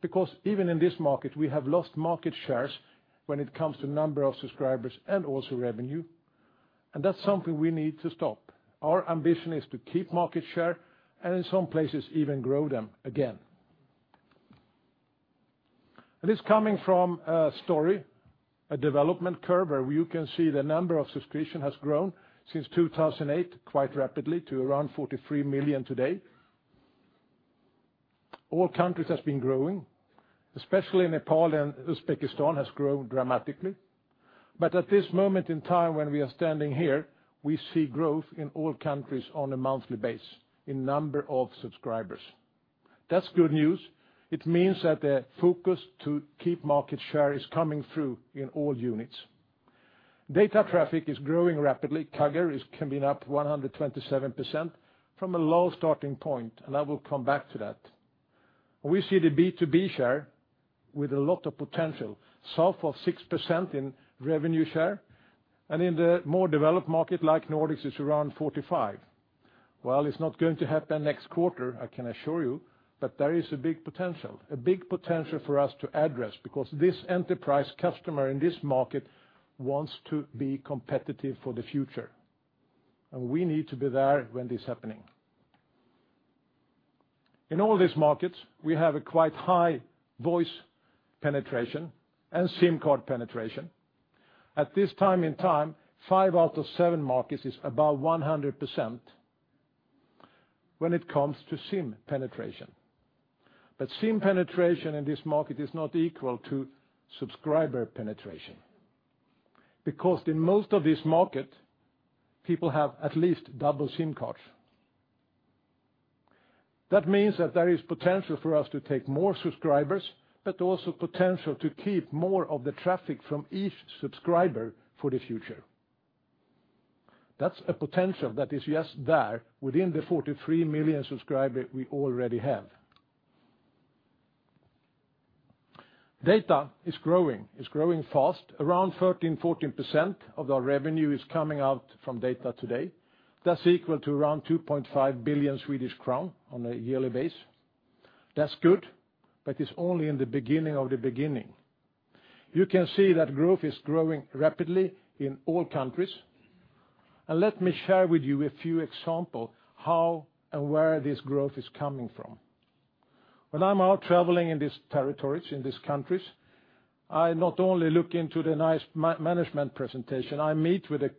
Because even in this market, we have lost market shares when it comes to number of subscribers and also revenue, and that's something we need to stop. Our ambition is to keep market share, and in some places even grow them again. It's coming from a story, a development curve where you can see the number of subscriptions has grown since 2008 quite rapidly to around 43 million today. All countries have been growing, especially Nepal and Uzbekistan have grown dramatically. At this moment in time when we are standing here, we see growth in all countries on a monthly basis in number of subscribers. That's good news. It means that the focus to keep market share is coming through in all units. Data traffic is growing rapidly. CAGR is coming up 127% from a low starting point. I will come back to that. We see the B2B share with a lot of potential, south of 6% in revenue share, and in the more developed market like Nordics, it's around 45%. While it's not going to happen next quarter, I can assure you, there is a big potential, a big potential for us to address because this enterprise customer in this market wants to be competitive for the future. We need to be there when it is happening. In all these markets, we have a quite high voice penetration and SIM card penetration. At this time in time, five out of seven markets are above 100% when it comes to SIM penetration. SIM penetration in this market is not equal to subscriber penetration. In most of this market, people have at least double SIM cards. That means that there is potential for us to take more subscribers, but also potential to keep more of the traffic from each subscriber for the future. That's a potential that is just there within the 43 million subscribers we already have. Data is growing. It's growing fast. Around 13%-14% of our revenue is coming out from data today. That's equal to around 2.5 billion Swedish crown on a yearly basis. That's good, but it's only in the beginning of the beginning. You can see that growth is growing rapidly in all countries. Let me share with you a few examples how and where this growth is coming from. When I'm out traveling in these territories, in these countries, I not only look into the nice management presentation, I meet with a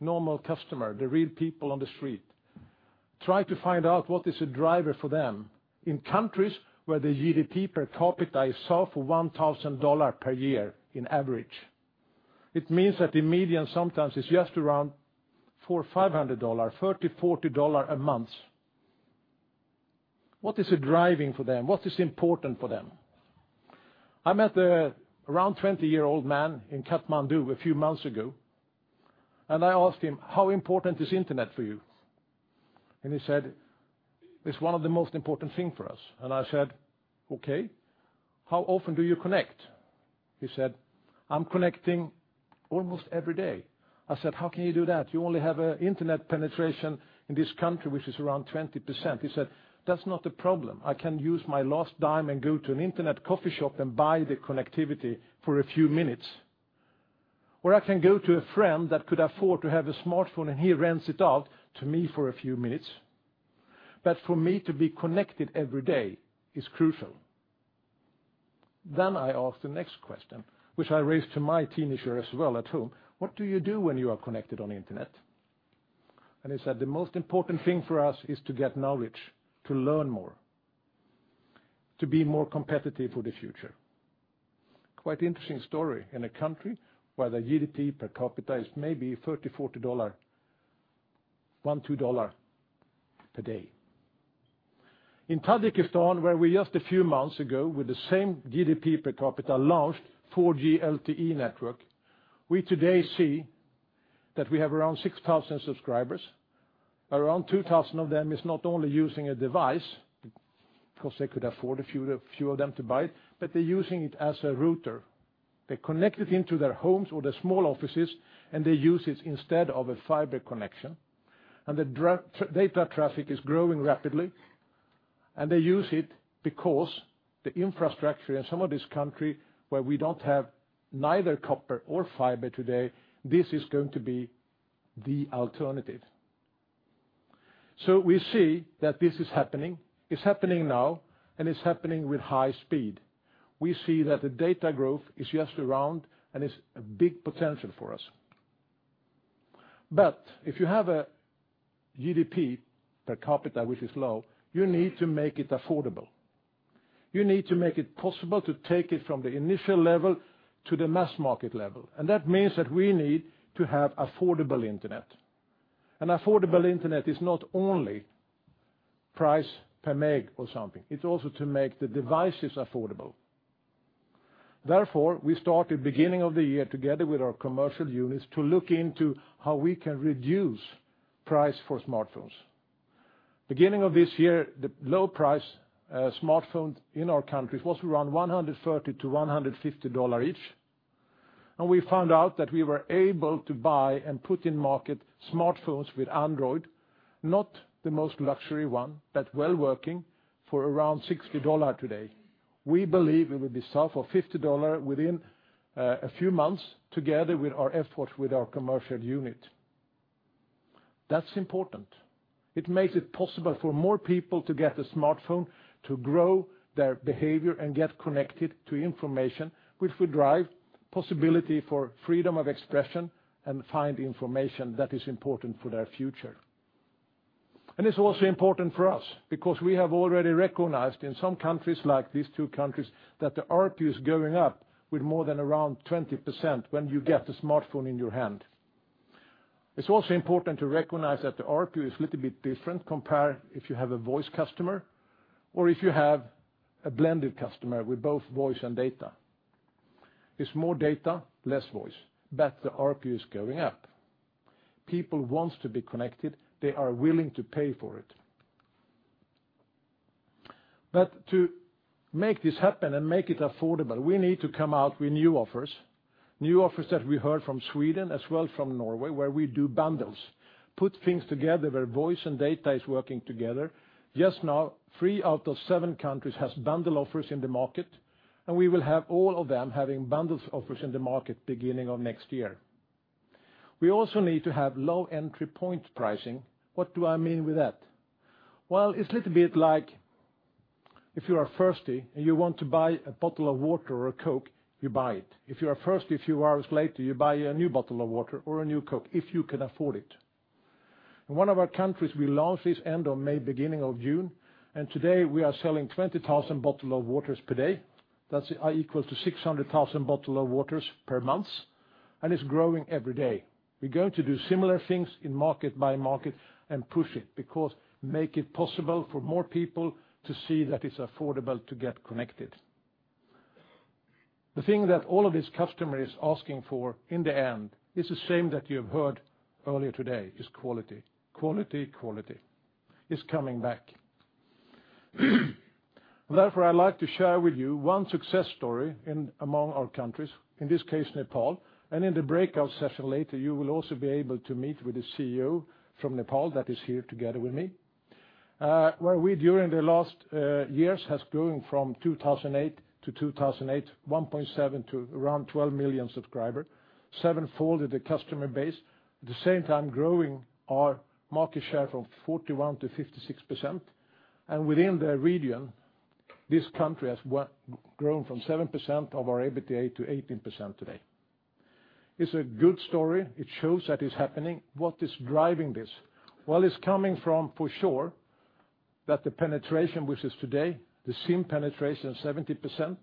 normal customer, the real people on the street. Try to find out what is a driver for them. In countries where the GDP per capita is south of $1,000 per year in average, it means that the median sometimes is just around four or $500, $30, $40 a month. What is driving for them? What is important for them? I met around a 20-year-old man in Kathmandu a few months ago. I asked him, "How important is internet for you?" He said, "It's one of the most important things for us." I said, "Okay. How often do you connect?" He said, "I'm connecting almost every day." I said, "How can you do that? You only have internet penetration in this country, which is around 20%." He said, "That's not a problem. I can use my last dime and go to an internet coffee shop and buy the connectivity for a few minutes. I can go to a friend that could afford to have a smartphone, and he rents it out to me for a few minutes. For me to be connected every day is crucial." I asked the next question, which I raised to my teenager as well at home, "What do you do when you are connected on the internet?" He said, "The most important thing for us is to get knowledge, to learn more, to be more competitive for the future." Quite interesting story in a country where the GDP per capita is maybe $30, $40, $1, $2 per day. In Tajikistan, where we just a few months ago with the same GDP per capita launched 4G LTE network, we today see that we have around 6,000 subscribers. Around 2,000 of them is not only using a device, because they could afford a few of them to buy, but they're using it as a router. They connect it into their homes or their small offices, and they use it instead of a fiber connection. The data traffic is growing rapidly, and they use it because the infrastructure in some of this country where we don't have neither copper or fiber today, this is going to be the alternative. We see that this is happening. It's happening now, and it's happening with high speed. We see that the data growth is just around, and it's a big potential for us. If you have a GDP per capita, which is low, you need to make it affordable. You need to make it possible to take it from the initial level to the mass market level. That means that we need to have affordable internet. Affordable internet is not only price per meg or something, it's also to make the devices affordable. Therefore, we started beginning of the year together with our commercial units to look into how we can reduce price for smartphones. Beginning of this year, the low price smartphone in our countries was around $130 to $150 each, and we found out that we were able to buy and put in market smartphones with Android, not the most luxury one, but well working for around $60 today. We believe it will be south of $50 within a few months together with our effort with our commercial unit. That's important. It makes it possible for more people to get a smartphone to grow their behavior and get connected to information, which will drive possibility for freedom of expression and find information that is important for their future. It's also important for us because we have already recognized in some countries like these two countries that the ARPU is going up with more than around 20% when you get the smartphone in your hand. It's also important to recognize that the ARPU is a little bit different compared if you have a voice customer or if you have a blended customer with both voice and data. It's more data, less voice, but the ARPU is going up. People want to be connected, they are willing to pay for it. To make this happen and make it affordable, we need to come out with new offers, new offers that we heard from Sweden as well from Norway where we do bundles, put things together where voice and data is working together. Just now, three out of seven countries has bundles offers in the market, and we will have all of them having bundles offers in the market beginning of next year. We also need to have low entry point pricing. What do I mean with that? Well, it's a little bit like if you are thirsty and you want to buy a bottle of water or a Coke, you buy it. If you are thirsty a few hours later, you buy a new bottle of water or a new Coke if you can afford it. In one of our countries, we launched this end of May, beginning of June. Today we are selling 20,000 bottle of waters per day. That's equal to 600,000 bottle of waters per month, and it's growing every day. We are going to do similar things in market by market and push it because make it possible for more people to see that it's affordable to get connected. The thing that all of these customers asking for in the end is the same that you have heard earlier today, is quality. Quality, quality is coming back. I would like to share with you one success story among our countries, in this case, Nepal. In the breakout session later, you will also be able to meet with the CEO from Nepal that is here together with me, where we during the last years has grown from 2008 to 2008, 1.7 to around 12 million subscriber, sevenfold the customer base. At the same time growing our market share from 41% to 56%. Within the region, this country has grown from 7% of our EBITDA to 18% today. It is a good story. It shows that it is happening. What is driving this? Well, it is coming from for sure that the penetration, which is today the SIM penetration is 70%,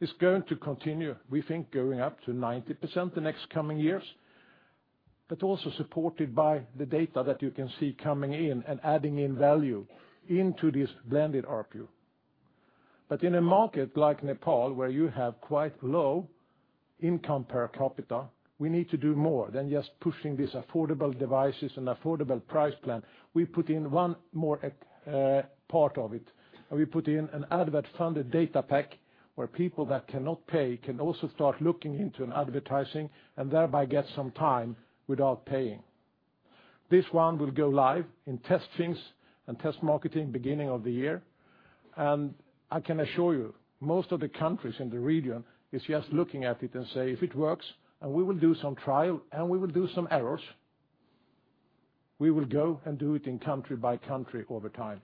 is going to continue, we think going up to 90% the next coming years. Also supported by the data that you can see coming in and adding in value into this blended ARPU. In a market like Nepal, where you have quite low income per capita, we need to do more than just pushing these affordable devices and affordable price plan. We put in one more part of it. We put in an advert-funded data pack where people that cannot pay can also start looking into an advertising and thereby get some time without paying. This one will go live in testings and test marketing beginning of the year. I can assure you, most of the countries in the region is just looking at it and say, "If it works," and we will do some trial, and we will do some errors. We will go and do it in country by country over time.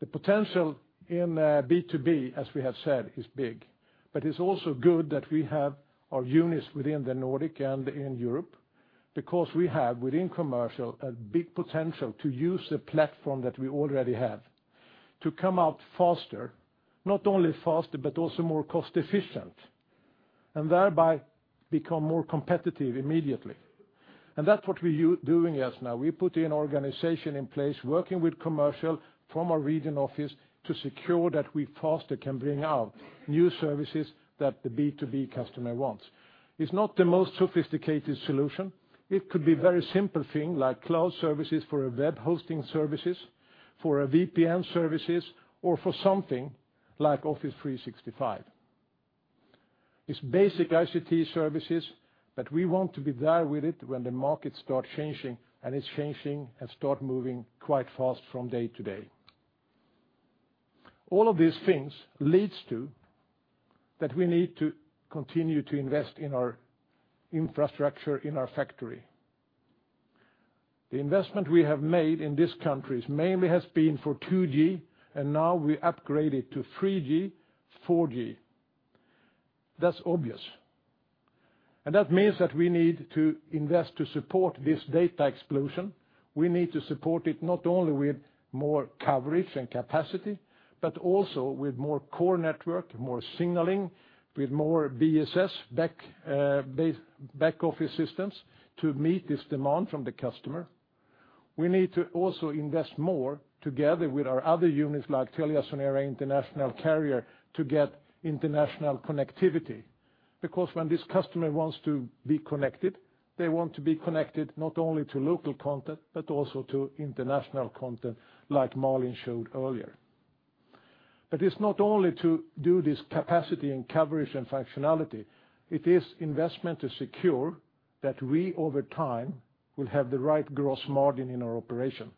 The potential in B2B, as we have said, is big, but it's also good that we have our units within the Nordic and in Europe, because we have, within commercial, a big potential to use the platform that we already have to come out faster, not only faster, but also more cost-efficient, and thereby become more competitive immediately. That's what we're doing as now. We put an organization in place, working with commercial from our regional office to secure that we faster can bring out new services that the B2B customer wants. It's not the most sophisticated solution. It could be very simple thing like cloud services for a web hosting services, for a VPN services, or for something like Office 365. It's basic ICT services, we want to be there with it when the market start changing, and it's changing and start moving quite fast from day to day. All of these things leads to that we need to continue to invest in our infrastructure in our factory. The investment we have made in this country mainly has been for 2G, and now we upgrade it to 3G, 4G. That's obvious. That means that we need to invest to support this data explosion. We need to support it not only with more coverage and capacity, but also with more core network, more signaling, with more BSS, back-office systems, to meet this demand from the customer. We need to also invest more together with our other units like TeliaSonera International Carrier to get international connectivity. When this customer wants to be connected, they want to be connected not only to local content, but also to international content like Malin showed earlier. It's not only to do this capacity and coverage and functionality, it is an investment to secure that we, over time, will have the right gross margin in our operation.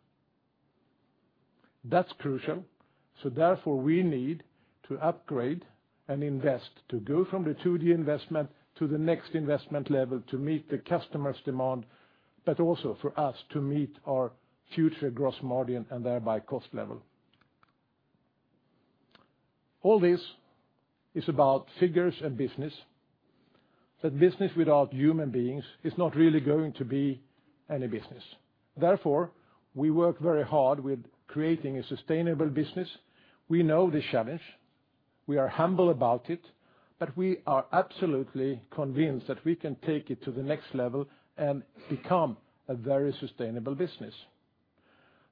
That's crucial. Therefore, we need to upgrade and invest to go from the 2G investment to the next investment level to meet the customer's demand, but also for us to meet our future gross margin and thereby cost level. All this is about figures and business. Business without human beings is not really going to be any business. Therefore, we work very hard with creating a sustainable business. We know the challenge. We are humble about it, we are absolutely convinced that we can take it to the next level and become a very sustainable business.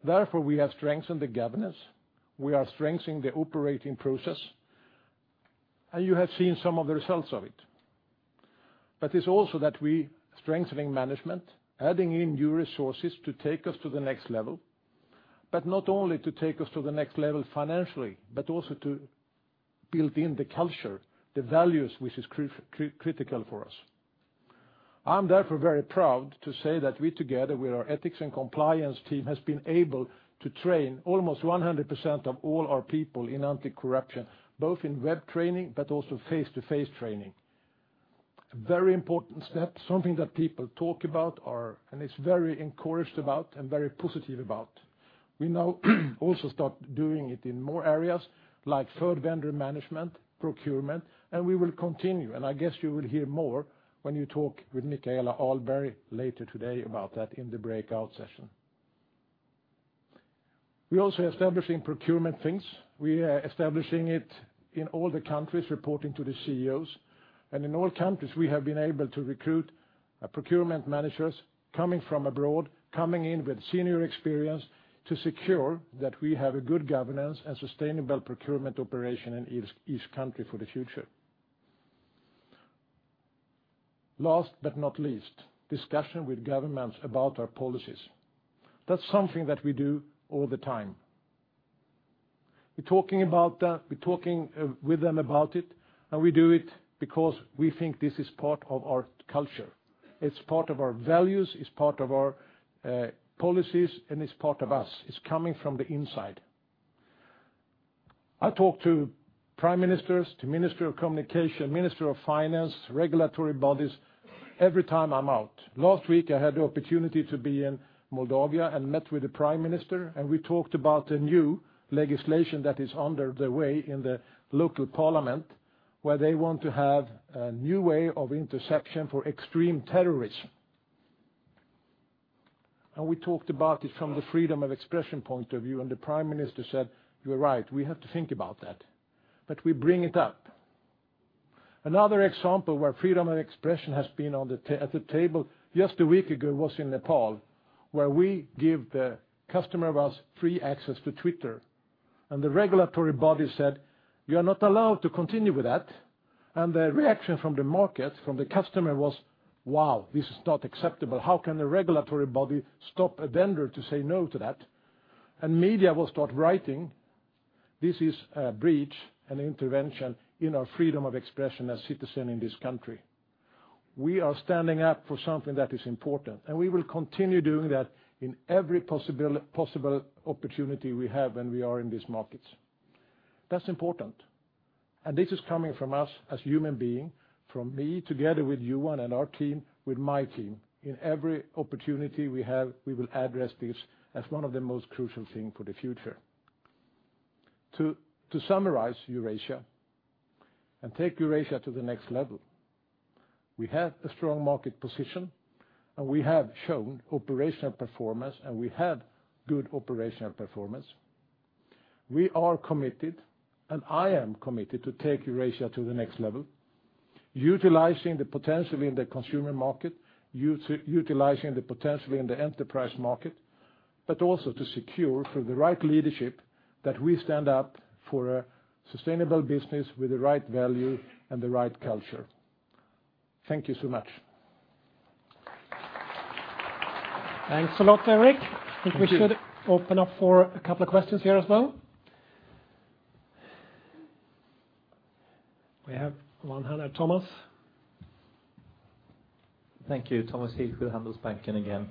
Therefore, we have strengthened the governance. We are strengthening the operating process, you have seen some of the results of it. It's also that we are strengthening management, adding in new resources to take us to the next level, but not only to take us to the next level financially, but also to build in the culture, the values which is critical for us. I'm therefore very proud to say that we, together with our ethics and compliance team, has been able to train almost 100% of all our people in anti-corruption, both in web training but also face-to-face training. It's a very important step, something that people talk about are, and it's very encouraged about and very positive about. We now also start doing it in more areas like third vendor management, procurement, and we will continue. I guess you will hear more when you talk with Mikaela Ahlberg later today about that in the breakout session. We're also establishing procurement things. We are establishing it in all the countries reporting to the CEOs. In all countries, we have been able to recruit procurement managers coming from abroad, coming in with senior experience to secure that we have a good governance and sustainable procurement operation in each country for the future. Last but not least, discussion with governments about our policies. That's something that we do all the time. We're talking with them about it, and we do it because we think this is part of our culture. It's part of our values, it's part of our policies, and it's part of us. It's coming from the inside. I talk to prime ministers, to ministry of communication, ministry of finance, regulatory bodies every time I'm out. Last week, I had the opportunity to be in Moldova and met with the prime minister, and we talked about a new legislation that is under the way in the local parliament, where they want to have a new way of interception for extreme terrorism. We talked about it from the freedom of expression point of view, and the prime minister said, "You're right. We have to think about that." We bring it up. Another example where freedom of expression has been at the table, just a week ago, was in Nepal, where we give the customer of ours free access to Twitter, and the regulatory body said, "You're not allowed to continue with that." The reaction from the market, from the customer was, "Wow, this is not acceptable. How can the regulatory body stop a vendor to say no to that?" Media will start writing, this is a breach and intervention in our freedom of expression as citizen in this country. We are standing up for something that is important, and we will continue doing that in every possible opportunity we have when we are in these markets. That's important, and this is coming from us as human being, from me together with you and our team, with my team. In every opportunity we have, we will address this as one of the most crucial thing for the future. To summarize Eurasia and take Eurasia to the next level, we have a strong market position, and we have shown operational performance, and we have good operational performance. We are committed, and I am committed to take Eurasia to the next level, utilizing the potential in the consumer market, utilizing the potential in the enterprise market, but also to secure, through the right leadership, that we stand up for a sustainable business with the right value and the right culture. Thank you so much.
Thanks a lot, Erik.
Thank you.
I think we should open up for a couple of questions here as well. We have one hand up. Thomas.
Thank you. Thomas Heath, Handelsbanken again.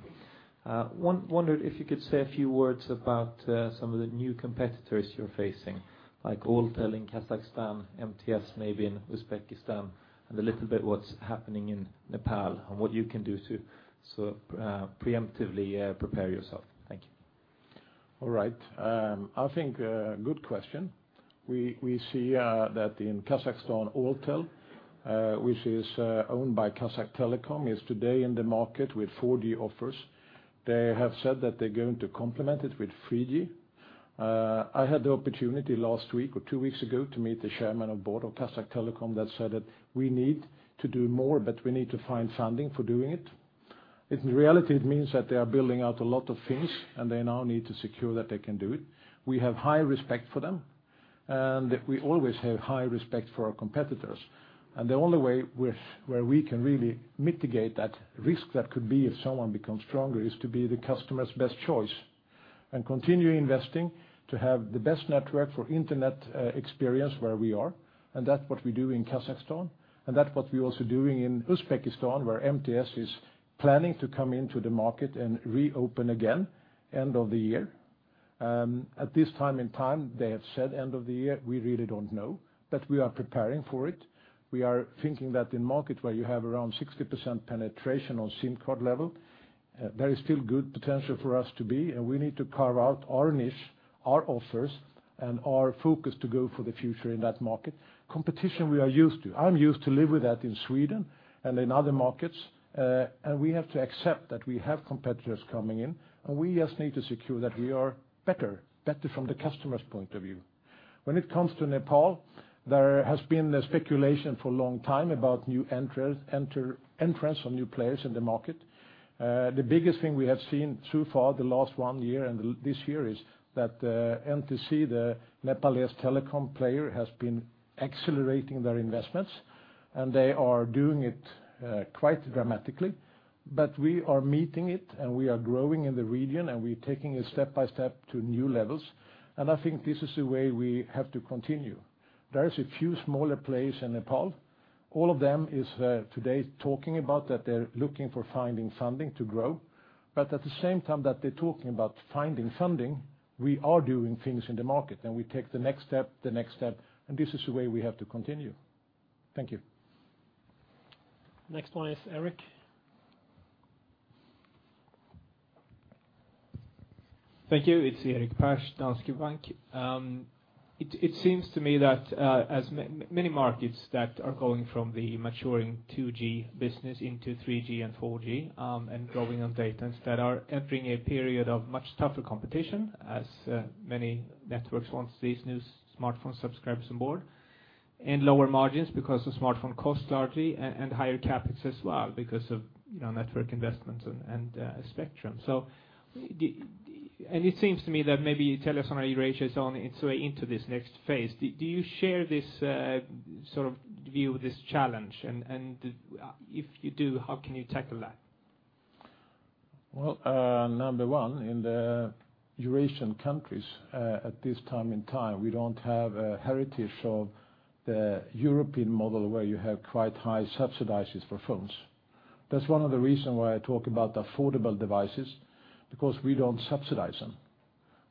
Wondered if you could say a few words about some of the new competitors you're facing, like Altel in Kazakhstan, MTS maybe in Uzbekistan, and a little bit what's happening in Nepal and what you can do to preemptively prepare yourself. Thank you.
All right. I think good question. We see that in Kazakhstan, Altel, which is owned by Kazakhtelecom, is today in the market with 4G offers. They have said that they're going to complement it with 3G. I had the opportunity last week or two weeks ago to meet the chairman of board of Kazakhtelecom that said that we need to do more, we need to find funding for doing it. In reality, it means that they are building out a lot of things, they now need to secure that they can do it. We have high respect for them, we always have high respect for our competitors. The only way where we can really mitigate that risk that could be if someone becomes stronger is to be the customer's best choice and continue investing to have the best network for internet experience where we are, that's what we do in Kazakhstan. That's what we're also doing in Uzbekistan, where MTS is planning to come into the market and reopen again end of the year. At this time in time, they have said end of the year, we really don't know, we are preparing for it. We are thinking that in market where you have around 60% penetration on SIM card level, there is still good potential for us to be, we need to carve out our niche, our offers, and our focus to go for the future in that market. Competition we are used to. I'm used to live with that in Sweden and in other markets, we have to accept that we have competitors coming in, we just need to secure that we are better from the customer's point of view. When it comes to Nepal, there has been a speculation for a long time about new entrants or new players in the market. The biggest thing we have seen so far the last one year and this year is that NTC, the Nepalese telecom player, has been accelerating their investments, they are doing it quite dramatically. We are meeting it, we are growing in the region, we're taking it step by step to new levels. I think this is the way we have to continue. There is a few smaller players in Nepal. All of them is today talking about that they're looking for finding funding to grow. At the same time that they're talking about finding funding, we are doing things in the market, we take the next step, this is the way we have to continue. Thank you.
Next one is Erik.
Thank you. It's Erik Pers, Danske Bank. It seems to me that as many markets that are going from the maturing 2G business into 3G and 4G and growing on data that are entering a period of much tougher competition as many networks wants these new smartphone subscribers on board, and lower margins because of smartphone cost largely and higher CapEx as well because of network investments and spectrum. It seems to me that maybe Telia Company Eurasia is on its way into this next phase. Do you share this view of this challenge? If you do, how can you tackle that?
Well, number one, in the Eurasian countries at this time in time, we don't have a heritage of the European model where you have quite high subsidies for phones. That's one of the reason why I talk about affordable devices because we don't subsidize them.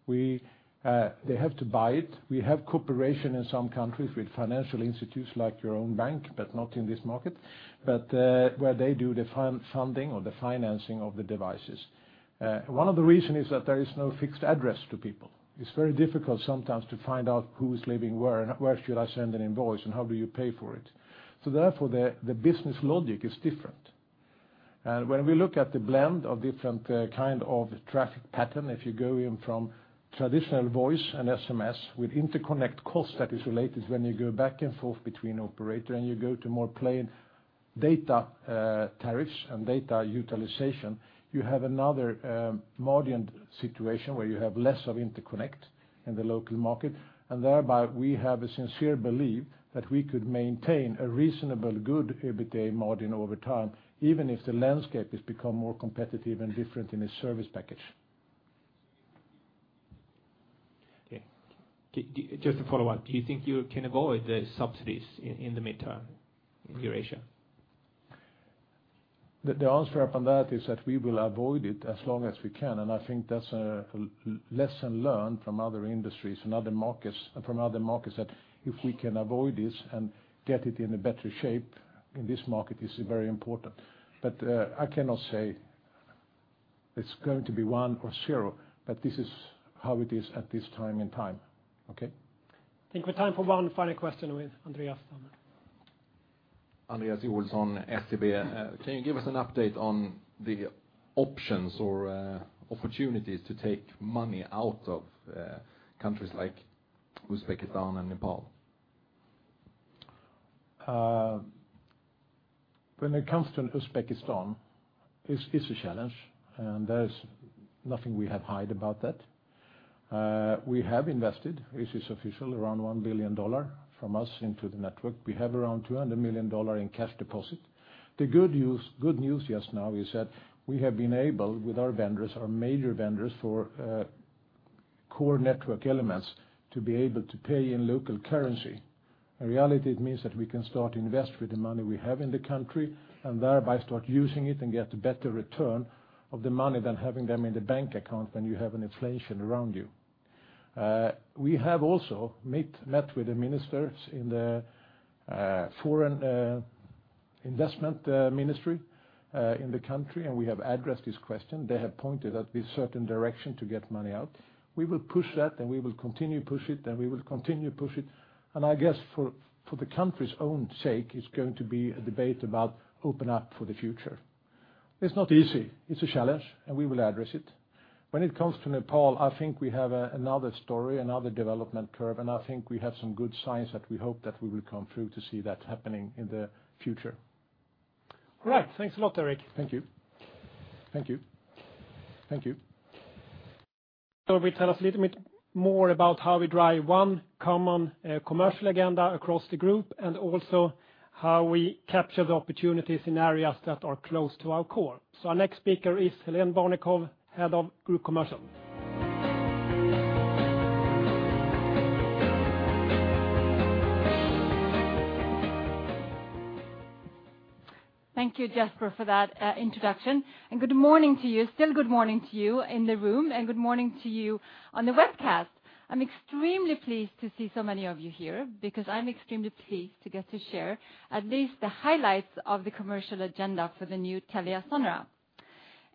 They have to buy it. We have cooperation in some countries with financial institutes like your own bank, but not in this market, where they do the funding or the financing of the devices. One of the reason is that there is no fixed address to people. It's very difficult sometimes to find out who's living where and where should I send an invoice and how do you pay for it. Therefore, the business logic is different. When we look at the blend of different kind of traffic pattern, if you go in from traditional voice and SMS with interconnect cost that is related when you go back and forth between operator and you go to more plain data tariffs and data utilization, you have another margin situation where you have less of interconnect in the local market. Thereby we have a sincere belief that we could maintain a reasonably good EBITDA margin over time, even if the landscape has become more competitive and different in its service package.
Okay. Just to follow up, do you think you can avoid the subsidies in the midterm in Eurasia?
The answer upon that is that we will avoid it as long as we can, I think that's a lesson learned from other industries and from other markets, that if we can avoid this and get it in a better shape in this market, it's very important. I cannot say it's going to be one or zero, but this is how it is at this time in time. Okay?
I think we have time for one final question with Andreas then.
Andreas Olsson, STV. Can you give us an update on the options or opportunities to take money out of countries like Uzbekistan and Nepal?
When it comes to Uzbekistan, it's a challenge, and there is nothing we have hide about that. We have invested, this is official, around $1 billion from us into the network. We have around $200 million in cash deposit. The good news just now is that we have been able, with our vendors, our major vendors for core network elements, to be able to pay in local currency. In reality, it means that we can start to invest with the money we have in the country, and thereby start using it and get a better return of the money than having them in the bank account when you have an inflation around you. We have also met with the ministers in the foreign investment ministry in the country, and we have addressed this question. They have pointed at a certain direction to get money out. We will push that, and we will continue to push it, and we will continue to push it. I guess for the country's own sake, it's going to be a debate about open up for the future. It's not easy. It's a challenge, and we will address it. When it comes to Nepal, I think we have another story, another development curve, and I think we have some good signs that we hope that we will come through to see that happening in the future.
All right. Thanks a lot, Erik.
Thank you. Thank you. Thank you.
Will tell us a little bit more about how we drive one common commercial agenda across the group, and also how we capture the opportunities in areas that are close to our core. Our next speaker is Hélène Barnekow, Head of Group Commercial.
Thank you, Jesper, for that introduction. Good morning to you. Still good morning to you in the room, and good morning to you on the webcast. I'm extremely pleased to see so many of you here, because I'm extremely pleased to get to share at least the highlights of the commercial agenda for the new TeliaSonera.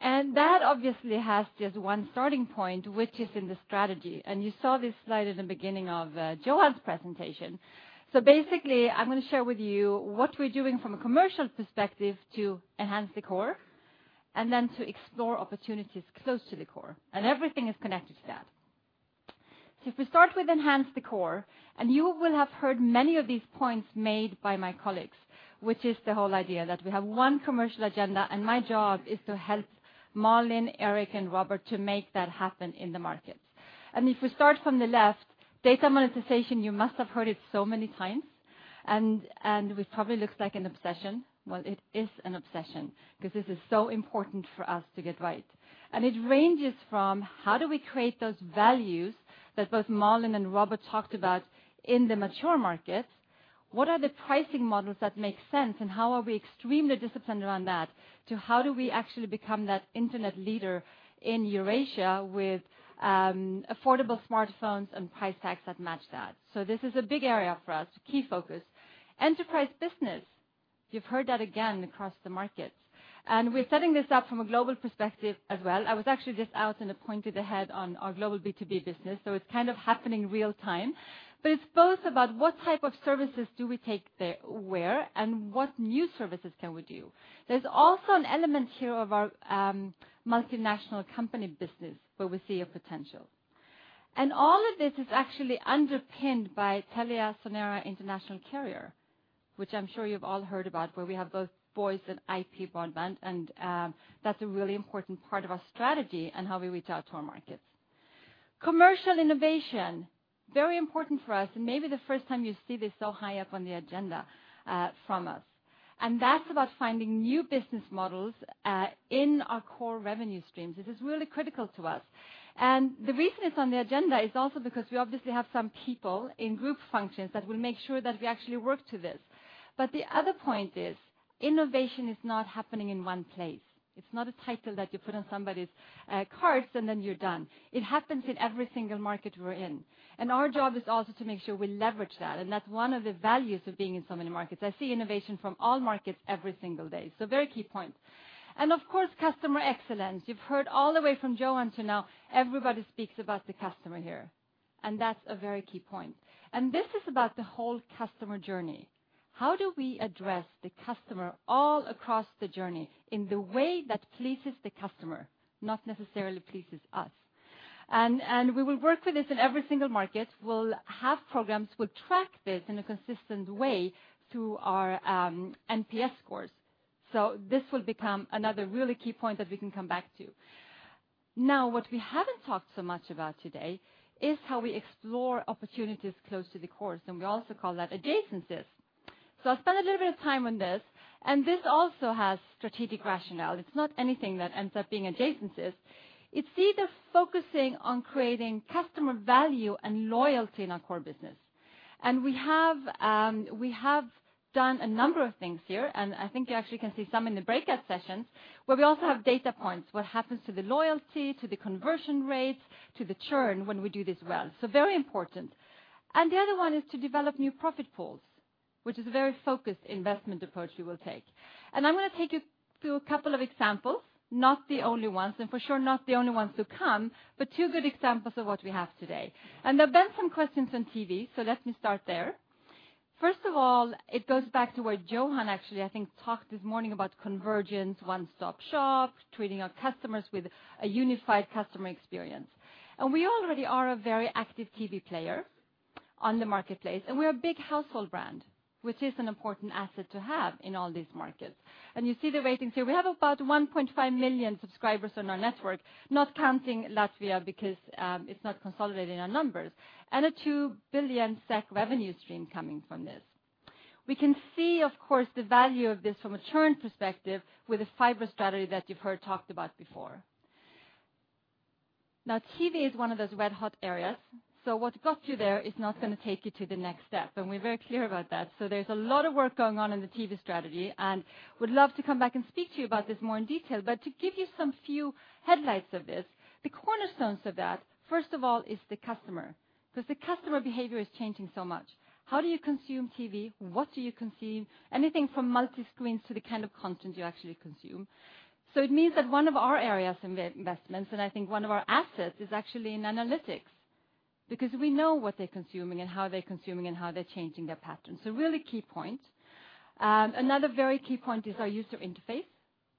That obviously has just one starting point, which is in the strategy. You saw this slide at the beginning of Johan Dennelind's presentation. Basically, I'm going to share with you what we're doing from a commercial perspective to enhance the core, and then to explore opportunities close to the core. Everything is connected to that. If we start with enhance the core, and you will have heard many of these points made by my colleagues, which is the whole idea that we have one commercial agenda, and my job is to help Malin, Erik, and Robert to make that happen in the market. If we start from the left, data monetization, you must have heard it so many times, and which probably looks like an obsession. Well, it is an obsession, because this is so important for us to get right. It ranges from how do we create those values that both Malin and Robert talked about in the mature markets? What are the pricing models that make sense, and how are we extremely disciplined around that? To how do we actually become that internet leader in Eurasia with affordable smartphones and price tags that match that? This is a big area for us, a key focus. Enterprise business. You've heard that again across the markets. We're setting this up from a global perspective as well. I was actually just out and appointed the head on our global B2B business, so it's kind of happening real time. It's both about what type of services do we take where, and what new services can we do? There's also an element here of our multinational company business where we see a potential. All of this is actually underpinned by TeliaSonera International Carrier, which I'm sure you've all heard about, where we have both voice and IP broadband, and that's a really important part of our strategy and how we reach out to our markets. Commercial innovation, very important for us, maybe the first time you see this so high up on the agenda from us. That's about finding new business models in our core revenue streams. It is really critical to us. The reason it's on the agenda is also because we obviously have some people in group functions that will make sure that we actually work to this. The other point is, innovation is not happening in one place. It's not a title that you put on somebody's cards and then you're done. It happens in every single market we're in. Our job is also to make sure we leverage that's one of the values of being in so many markets. I see innovation from all markets every single day, so very key point. Customer excellence. You've heard all the way from Johan to now, everybody speaks about the customer here, that's a very key point. This is about the whole customer journey. How do we address the customer all across the journey in the way that pleases the customer, not necessarily pleases us? We will work with this in every single market. We'll have programs, we'll track this in a consistent way through our NPS scores. This will become another really key point that we can come back to. Now, what we haven't talked so much about today is how we explore opportunities close to the course, we also call that adjacencies. I'll spend a little bit of time on this. This also has strategic rationale. It's not anything that ends up being adjacencies. It's either focusing on creating customer value and loyalty in our core business. We have done a number of things here, I think you actually can see some in the breakout sessions, where we also have data points, what happens to the loyalty, to the conversion rates, to the churn when we do this well. Very important. The other one is to develop new profit pools, which is a very focused investment approach we will take. I'm going to take you through a couple of examples, not the only ones, for sure not the only ones to come, but two good examples of what we have today. There have been some questions on TV, let me start there. First of all, it goes back to what Johan actually, I think, talked this morning about convergence, one-stop shop, treating our customers with a unified customer experience. We already are a very active TV player on the marketplace, we're a big household brand, which is an important asset to have in all these markets. You see the ratings here. We have about 1.5 million subscribers on our network, not counting Latvia because it's not consolidated in our numbers, a 2 billion SEK revenue stream coming from this. We can see, of course, the value of this from a churn perspective with a fiber strategy that you've heard talked about before. Now, TV is one of those red hot areas. What got you there is not going to take you to the next step, we're very clear about that. There's a lot of work going on in the TV strategy would love to come back and speak to you about this more in detail. To give you some few highlights of this, the cornerstones of that, first of all, is the customer, because the customer behavior is changing so much. How do you consume TV? What do you consume? Anything from multi-screens to the kind of content you actually consume. It means that one of our areas of investments, and I think one of our assets is actually in analytics because we know what they're consuming, and how they're consuming, and how they're changing their patterns. Really key point. Another very key point is our user interface,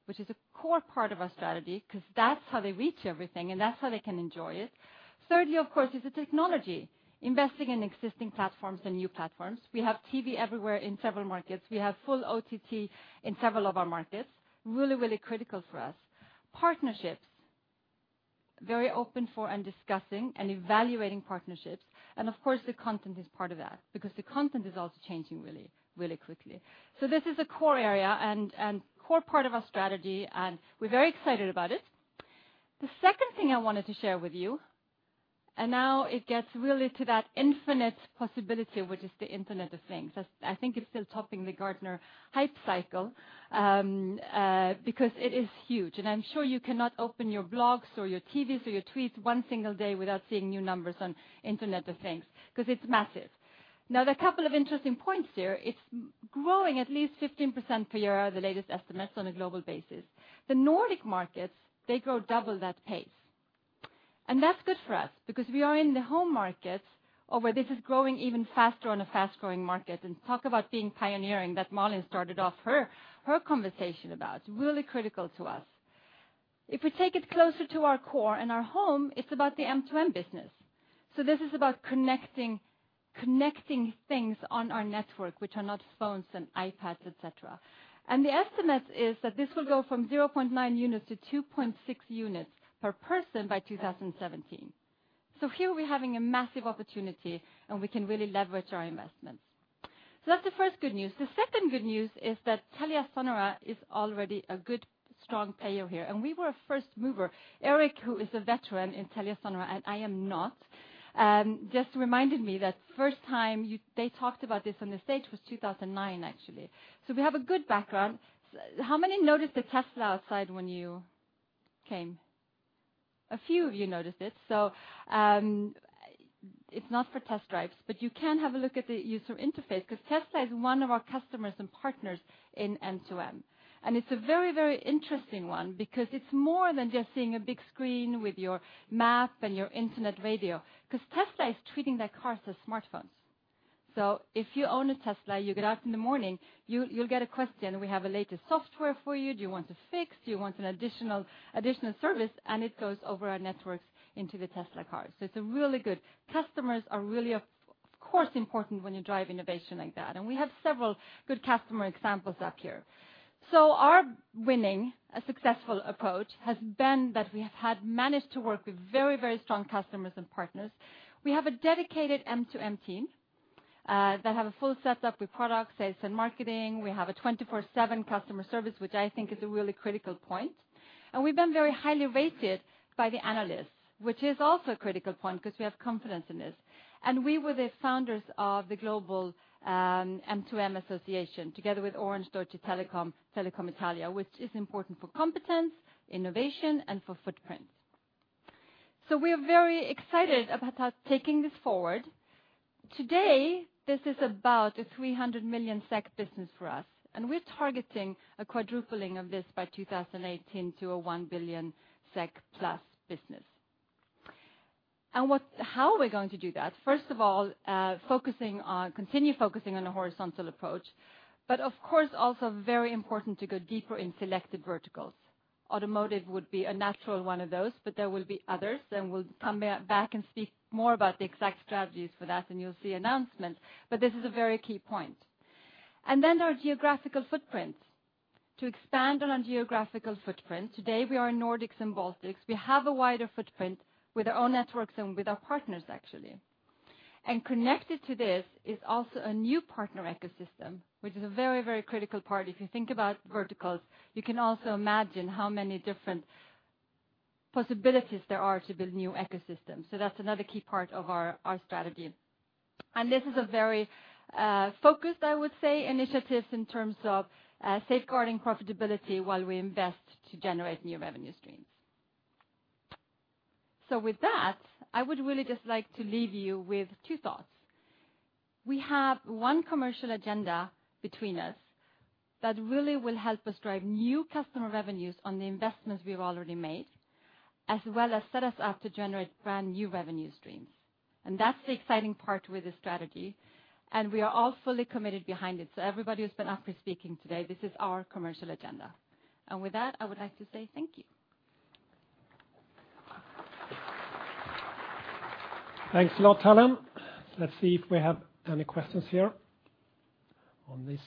which is a core part of our strategy because that's how they reach everything and that's how they can enjoy it. Thirdly, of course, is the technology, investing in existing platforms and new platforms. We have TV everywhere in several markets. We have full OTT in several of our markets. Really critical for us. Partnerships. Very open for, and discussing, and evaluating partnerships. Of course, the content is part of that because the content is also changing really, really quickly. This is a core area and core part of our strategy, and we're very excited about it. The second thing I wanted to share with you, and now it gets really to that infinite possibility, which is the Internet of Things. I think it's still topping the Gartner hype cycle, because it is huge. I'm sure you cannot open your blogs, or your TVs, or your tweets one single day without seeing new numbers on Internet of Things, because it's massive. There are a couple of interesting points here. It's growing at least 15% per year, the latest estimates on a global basis. The Nordic markets, they grow double that pace. That's good for us because we are in the home markets of where this is growing even faster on a fast-growing market. Talk about being pioneering, that Malin started off her conversation about. It's really critical to us. If we take it closer to our core and our home, it's about the M2M business. This is about connecting things on our network which are not phones and iPads, et cetera. The estimate is that this will go from 0.9 units to 2.6 units per person by 2017. Here we're having a massive opportunity, and we can really leverage our investments. That's the first good news. The second good news is that TeliaSonera is already a good, strong player here. We were a first mover. Erik, who is a veteran in TeliaSonera, and I am not, just reminded me that first time they talked about this on the stage was 2009, actually. We have a good background. How many noticed the Tesla outside when you came? A few of you noticed it. It's not for test drives, but you can have a look at the user interface because Tesla is one of our customers and partners in M2M. It's a very interesting one because it's more than just seeing a big screen with your map and your internet radio. Tesla is treating their cars as smartphones. If you own a Tesla, you get out in the morning, you'll get a question, "We have a latest software for you. Do you want it fixed? Do you want an additional service?" It goes over our networks into the Tesla cars. Customers are really, of course, important when you drive innovation like that. We have several good customer examples up here. Our winning, a successful approach, has been that we have managed to work with very, very strong customers and partners. We have a dedicated M2M team that have a full setup with product, sales, and marketing. We have a 24/7 customer service, which I think is a really critical point. We've been very highly rated by the analysts, which is also a critical point because we have confidence in this. We were the founders of the Global M2M Association, together with Orange, Deutsche Telekom, Telecom Italia, which is important for competence, innovation, and for footprint. We are very excited about taking this forward. Today, this is about a 300 million SEK business for us. We're targeting a quadrupling of this by 2018 to a 1 billion SEK plus business. How are we going to do that? First of all, continue focusing on a horizontal approach, but of course also very important to go deeper in selected verticals. Automotive would be a natural one of those, but there will be others, and we'll come back and speak more about the exact strategies for that, and you'll see announcements, but this is a very key point. Then our geographical footprint. To expand on our geographical footprint, today we are in Nordics and Baltics. We have a wider footprint with our own networks and with our partners actually. Connected to this is also a new partner ecosystem, which is a very critical part. If you think about verticals, you can also imagine how many different possibilities there are to build new ecosystems. That's another key part of our strategy. This is a very focused, I would say, initiative in terms of safeguarding profitability while we invest to generate new revenue streams. With that, I would really just like to leave you with two thoughts. We have one commercial agenda between us that really will help us drive new customer revenues on the investments we've already made, as well as set us up to generate brand-new revenue streams. That's the exciting part with this strategy, and we are all fully committed behind it. Everybody who's been up here speaking today, this is our commercial agenda. With that, I would like to say thank you.
Thanks a lot, Hélène. Let's see if we have any questions here on this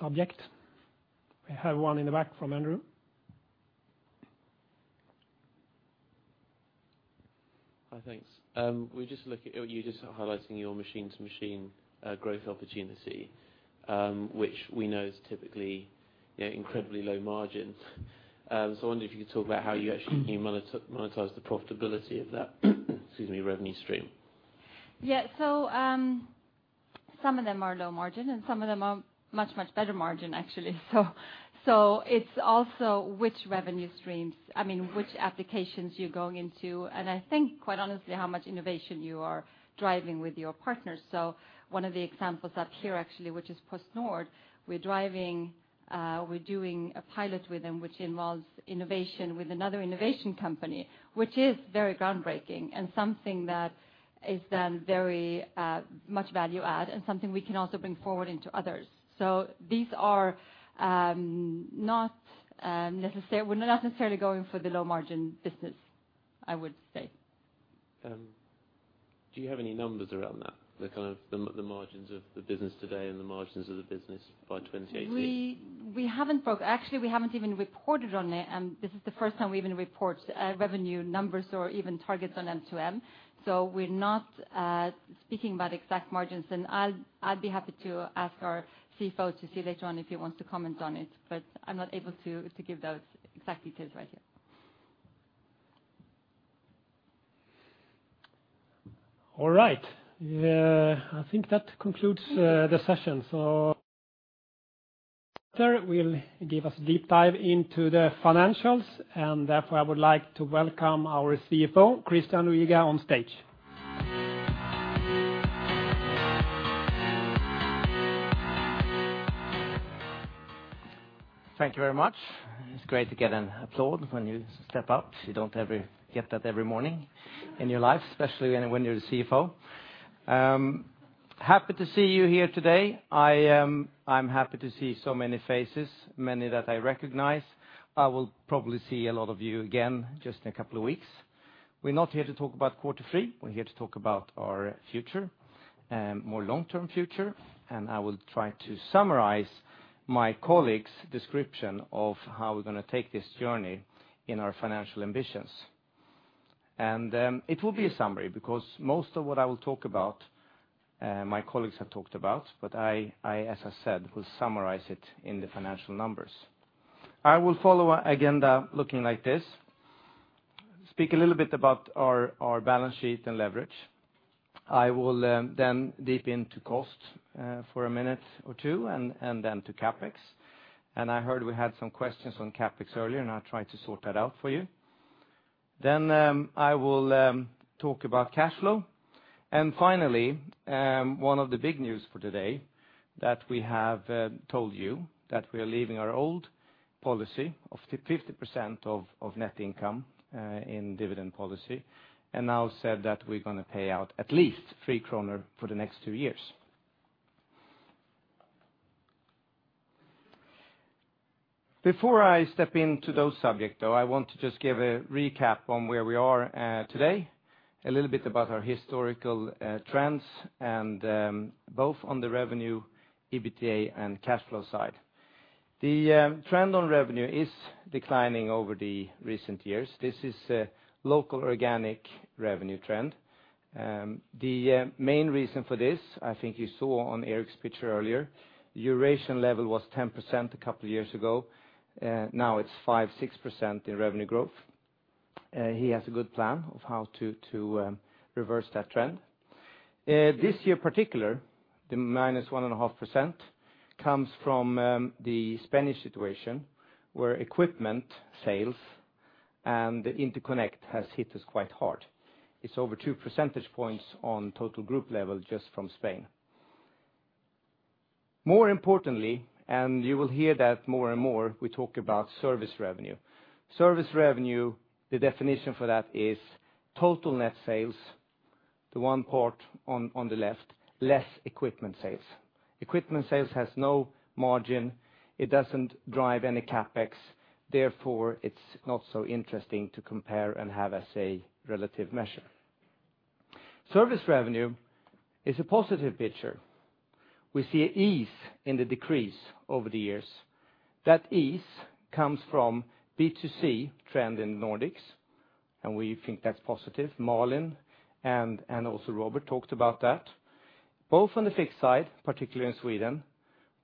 subject. We have one in the back from Andrew.
Hi, thanks. You were just highlighting your M2M growth opportunity, which we know is typically incredibly low margins. I wonder if you could talk about how you actually monetize the profitability of that excuse me, revenue stream.
Yeah. Some of them are low margin, and some of them are much better margin, actually. It's also which applications you're going into, and I think quite honestly, how much innovation you are driving with your partners. One of the examples up here actually, which is PostNord, we're doing a pilot with them, which involves innovation with another innovation company, which is very groundbreaking and something that is then very much value add and something we can also bring forward into others. We're not necessarily going for the low-margin business, I would say.
Do you have any numbers around that? The margins of the business today and the margins of the business by 2018?
Actually, we haven't even reported on it, and this is the first time we even report revenue numbers or even targets on M2M. We're not speaking about exact margins, and I'd be happy to ask our CFO to see later on if he wants to comment on it, but I'm not able to give those exact details right here.
I think that concludes the session. After, we'll give us a deep dive into the financials, therefore, I would like to welcome our CFO, Christian Luiga on stage.
Thank you very much. It's great to get an applause when you step up. You don't get that every morning in your life, especially when you're the CFO. Happy to see you here today. I'm happy to see so many faces, many that I recognize. I will probably see a lot of you again just in a couple of weeks. We're not here to talk about quarter three. We're here to talk about our future, more long-term future, I will try to summarize my colleague's description of how we're going to take this journey in our financial ambitions. It will be a summary because most of what I will talk about, my colleagues have talked about, I, as I said, will summarize it in the financial numbers. I will follow agenda looking like this. Speak a little bit about our balance sheet and leverage. I will deep into cost, for a minute or two and then to CapEx. I heard we had some questions on CapEx earlier, I'll try to sort that out for you. I will talk about cash flow. Finally, one of the big news for today that we have told you that we are leaving our old policy of 50% of net income in dividend policy, now said that we're going to pay out at least 3 kronor for the next two years. Before I step into those subject, though, I want to just give a recap on where we are today, a little bit about our historical trends, both on the revenue, EBITDA, and cash flow side. The trend on revenue is declining over the recent years. This is a local organic revenue trend. The main reason for this, I think you saw on Erik's picture earlier, Eurasian level was 10% a couple of years ago. Now it's 5%, 6% in revenue growth. He has a good plan of how to reverse that trend. This year in particular, the -1.5% comes from the Spanish situation, where equipment sales and the interconnect has hit us quite hard. It's over two percentage points on total group level just from Spain. More importantly, you will hear that more and more, we talk about service revenue. Service revenue, the definition for that is total net sales, the one part on the left, less equipment sales. Equipment sales has no margin. It doesn't drive any CapEx, therefore it's not so interesting to compare and have as a relative measure. Service revenue is a positive picture. We see an ease in the decrease over the years. That ease comes from B2C trend in Nordics, and we think that's positive. Malin and also Robert talked about that, both on the fixed side, particularly in Sweden,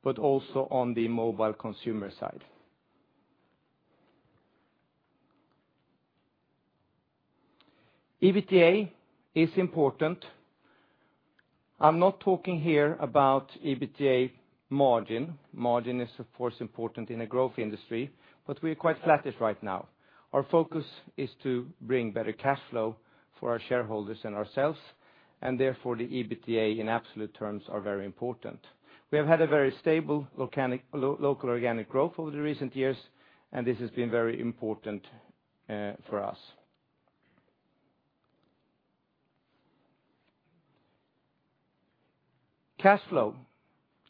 but also on the mobile consumer side. EBITDA is important. I am not talking here about EBITDA margin. Margin is of course important in a growth industry, but we are quite flattish right now. Our focus is to bring better cash flow for our shareholders and ourselves, and therefore the EBITDA in absolute terms are very important. We have had a very stable local organic growth over the recent years, and this has been very important for us. Cash flow.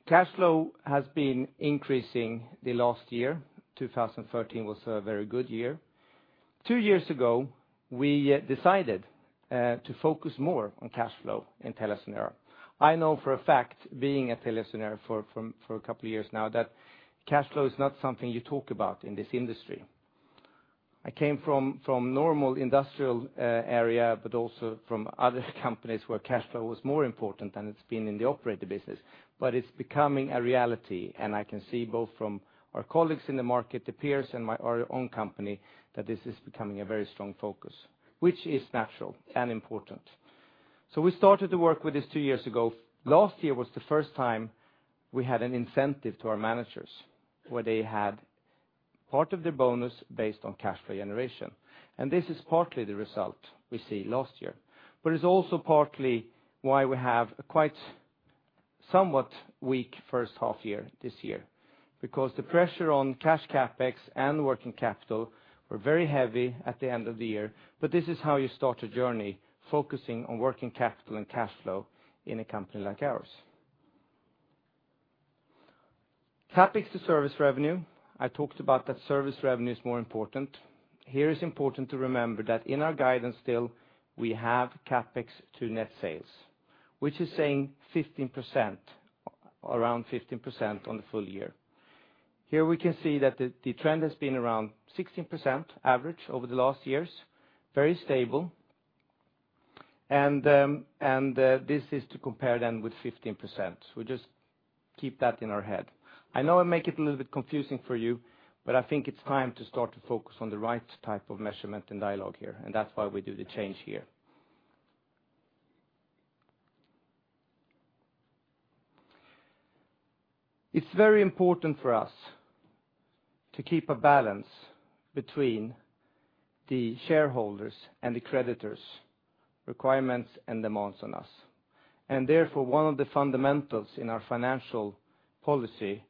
Cash flow has been increasing the last year. 2013 was a very good year. Two years ago, we decided to focus more on cash flow in TeliaSonera. I know for a fact, being at TeliaSonera for a couple of years now, that cash flow is not something you talk about in this industry. I came from normal industrial area, but also from other companies where cash flow was more important than it has been in the operator business, but it is becoming a reality, and I can see both from our colleagues in the market, the peers, and our own company, that this is becoming a very strong focus, which is natural and important. We started to work with this two years ago. Last year was the first time we had an incentive to our managers, where they had part of their bonus based on cash flow generation. This is partly the result we see last year. But it is also partly why we have a somewhat weak first half year this year, because the pressure on cash CapEx and working capital were very heavy at the end of the year. This is how you start a journey, focusing on working capital and cash flow in a company like ours. CapEx to service revenue. I talked about that service revenue is more important. Here it is important to remember that in our guidance still, we have CapEx to net sales, which is saying 15%, around 15% on the full year. Here we can see that the trend has been around 16% average over the last years, very stable, and this is to compare then with 15%. We just keep that in our head. I know I make it a little bit confusing for you, but I think it is time to start to focus on the right type of measurement and dialogue here, and that is why we do the change here. It is very important for us to keep a balance between the shareholders' and the creditors' requirements and demands on us. Therefore, one of the fundamentals in our financial policy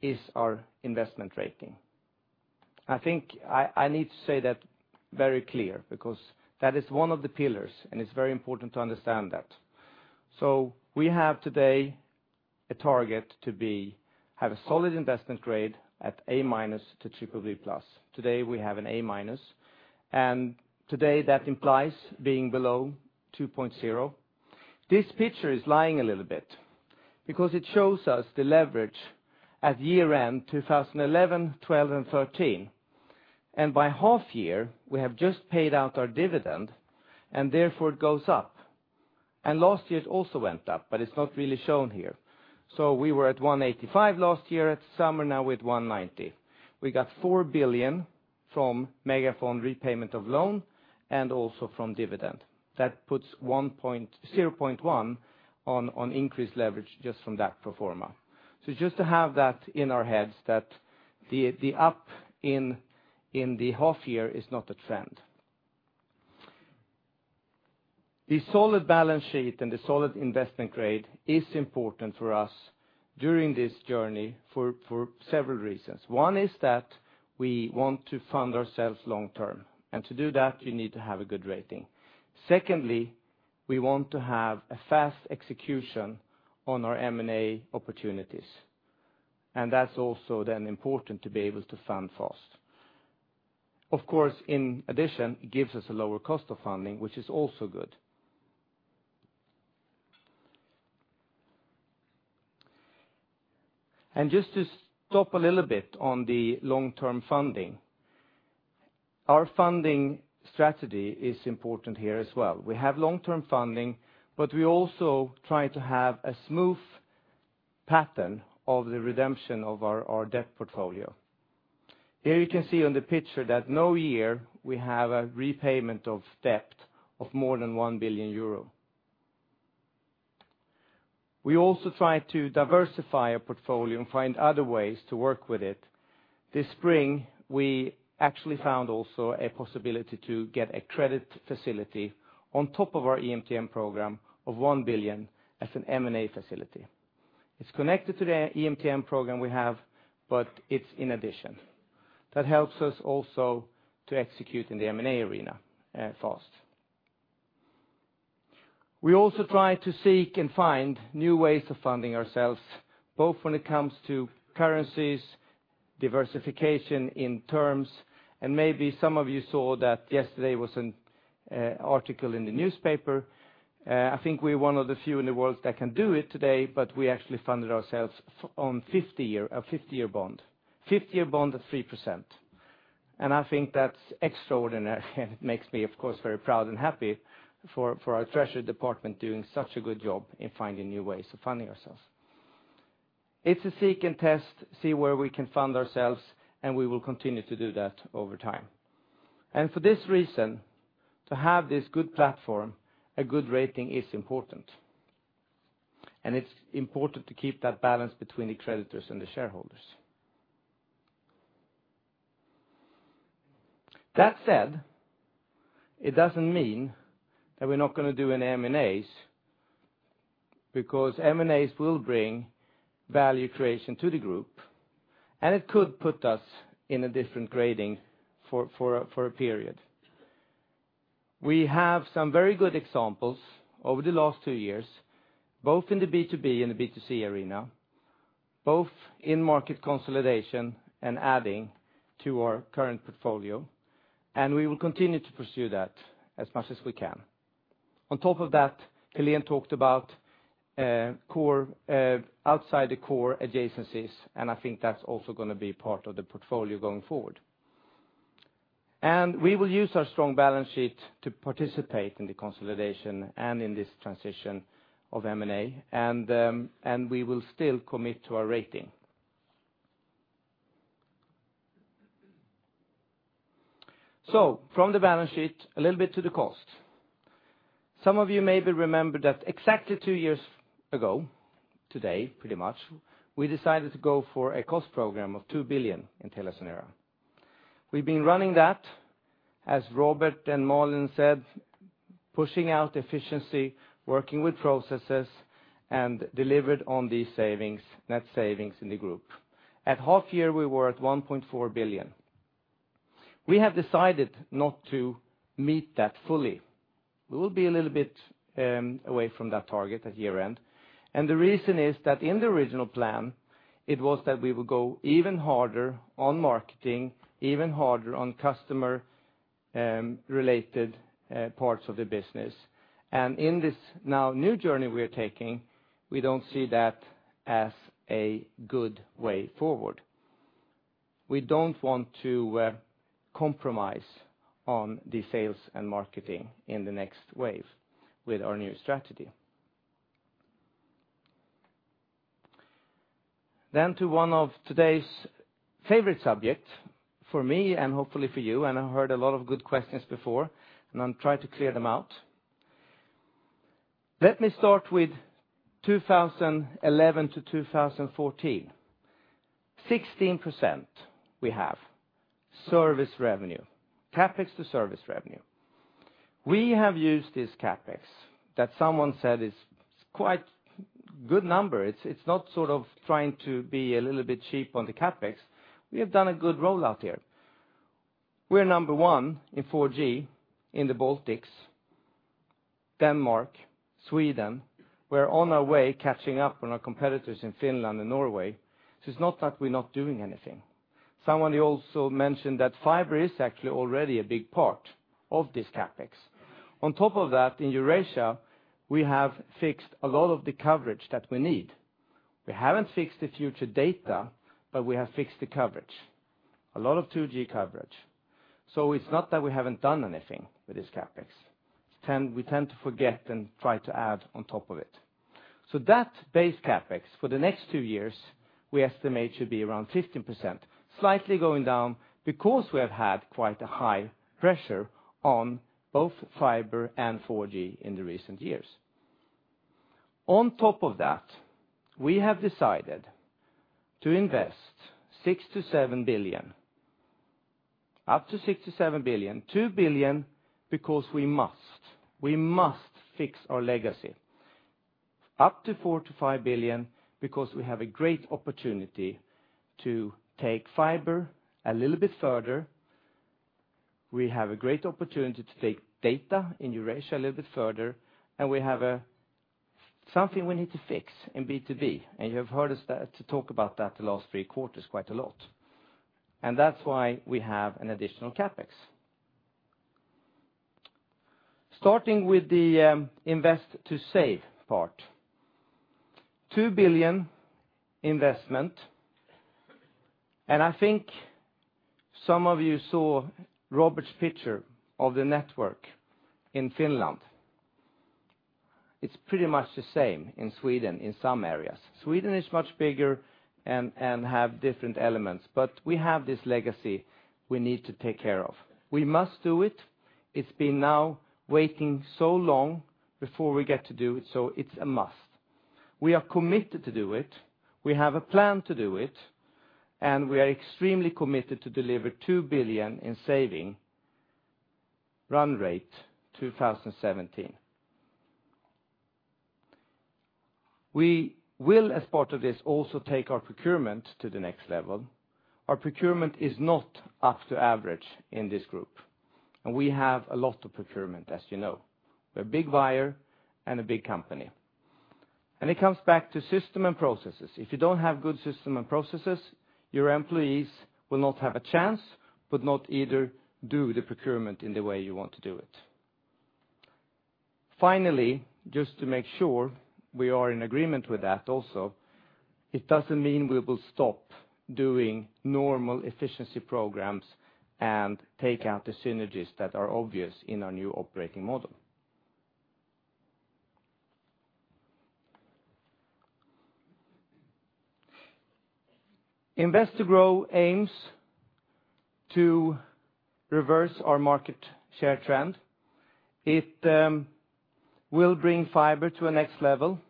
is our investment rating. I think I need to say that very clear, because that is one of the pillars, and it is very important to understand that. We have today a target to have a solid investment grade at A- to BBB+. Today we have an A-, and today that implies being below 2.0. This picture is lying a little bit, because it shows us the leverage at year-end 2011, 2012, and 2013. By half year, we have just paid out our dividend, therefore it goes up. Last year it also went up, but it's not really shown here. We were at 185 last year at summer, now we're at 190. We got 4 billion from MegaFon repayment of loan, and also from dividend. That puts 0.1 on increased leverage just from that pro forma. Just to have that in our heads that the up in the half year is not a trend. The solid balance sheet and the solid investment grade is important for us during this journey for several reasons. One is that we want to fund ourselves long-term, and to do that, you need to have a good rating. Secondly, we want to have a fast execution on our M&A opportunities. That's also then important to be able to fund fast. Of course, in addition, it gives us a lower cost of funding, which is also good. Just to stop a little bit on the long-term funding, our funding strategy is important here as well. We have long-term funding, we also try to have a smooth pattern of the redemption of our debt portfolio. Here you can see on the picture that no year we have a repayment of debt of more than 1 billion euro. We also try to diversify our portfolio and find other ways to work with it. This spring, we actually found also a possibility to get a credit facility on top of our EMTN program of 1 billion as an M&A facility. It's connected to the EMTN program we have, but it's in addition. That helps us also to execute in the M&A arena fast. We also try to seek and find new ways of funding ourselves, both when it comes to currencies, diversification in terms, maybe some of you saw that yesterday was an article in the newspaper. I think we're one of the few in the world that can do it today, but we actually funded ourselves on a 50-year bond at 3%. I think that's extraordinary, it makes me, of course, very proud and happy for our treasury department doing such a good job in finding new ways of funding ourselves. It's a seek and test, see where we can fund ourselves, we will continue to do that over time. For this reason, to have this good platform, a good rating is important. It's important to keep that balance between the creditors and the shareholders. That said, it doesn't mean that we're not going to do any M&As, M&As will bring value creation to the group, it could put us in a different grading for a period. We have some very good examples over the last two years, both in the B2B and the B2C arena, both in market consolidation and adding to our current portfolio, we will continue to pursue that as much as we can. On top of that, Hélène talked about outside the core adjacencies, I think that's also going to be part of the portfolio going forward. We will use our strong balance sheet to participate in the consolidation and in this transition of M&A, we will still commit to our rating. From the balance sheet, a little bit to the cost. Some of you maybe remember that exactly 2 years ago today, pretty much, we decided to go for a cost program of 2 billion in TeliaSonera. We've been running that, as Robert and Malin said, pushing out efficiency, working with processes, and delivered on these net savings in the group. At half year, we were at 1.4 billion. We have decided not to meet that fully. We will be a little bit away from that target at year-end. The reason is that in the original plan, it was that we would go even harder on marketing, even harder on customer-related parts of the business. In this now new journey we're taking, we don't see that as a good way forward. We don't want to compromise on the sales and marketing in the next wave with our new strategy. To one of today's favorite subject for me and hopefully for you, and I heard a lot of good questions before, and I'll try to clear them out. Let me start with 2011 to 2014. 16% we have service revenue, CapEx to service revenue. We have used this CapEx that someone said is quite good number. It's not sort of trying to be a little bit cheap on the CapEx. We have done a good rollout here. We're number 1 in 4G in the Baltics, Denmark, Sweden. We're on our way catching up on our competitors in Finland and Norway. It's not that we're not doing anything. Somebody also mentioned that fiber is actually already a big part of this CapEx. On top of that, in Eurasia, we have fixed a lot of the coverage that we need. We haven't fixed the future data, but we have fixed the coverage, a lot of 2G coverage. It's not that we haven't done anything with this CapEx. We tend to forget and try to add on top of it. That base CapEx for the next 2 years, we estimate should be around 15%, slightly going down because we have had quite a high pressure on both fiber and 4G in the recent years. On top of that, we have decided to invest up to 6 billion-7 billion, 2 billion because we must. We must fix our legacy. Up to 4 billion-5 billion because we have a great opportunity to take fiber a little bit further. We have a great opportunity to take data in Eurasia a little bit further, and we have something we need to fix in B2B. You have heard us talk about that the last 3 quarters quite a lot. That's why we have an additional CapEx. Starting with the invest to save part. SEK 2 billion investment, I think some of you saw Robert's picture of the network in Finland. It's pretty much the same in Sweden in some areas. Sweden is much bigger and have different elements, but we have this legacy we need to take care of. We must do it. It's been now waiting so long before we get to do it, so it's a must. We are committed to do it, we have a plan to do it, and we are extremely committed to deliver 2 billion in saving run rate 2017. We will, as part of this, also take our procurement to the next level. Our procurement is not up to average in this group, we have a lot of procurement, as you know. We're a big buyer and a big company. It comes back to system and processes. If you don't have good system and processes, your employees will not have a chance, but not either do the procurement in the way you want to do it. Finally, just to make sure we are in agreement with that also, it doesn't mean we will stop doing normal efficiency programs and take out the synergies that are obvious in our new operating model. Invest to Grow aims to reverse our market share trend. It will bring fiber to a next level.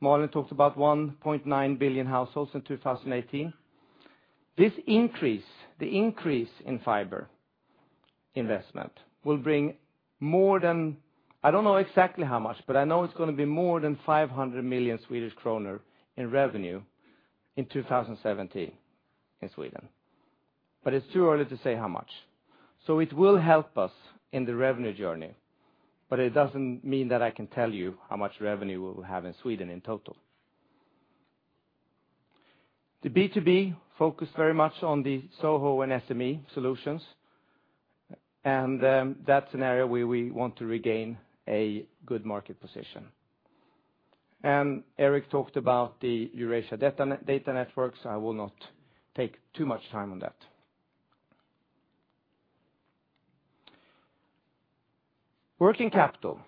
Malin talked about 1.9 million households in 2018. The increase in fiber investment will bring more than, I don't know exactly how much, but I know it's going to be more than 500 million Swedish kronor in revenue in 2017 in Sweden. It's too early to say how much. It will help us in the revenue journey, but it doesn't mean that I can tell you how much revenue we'll have in Sweden in total. The B2B focus very much on the SOHO and SME solutions, that's an area where we want to regain a good market position. Erik talked about the Eurasia data networks. I will not take too much time on that. Working capital.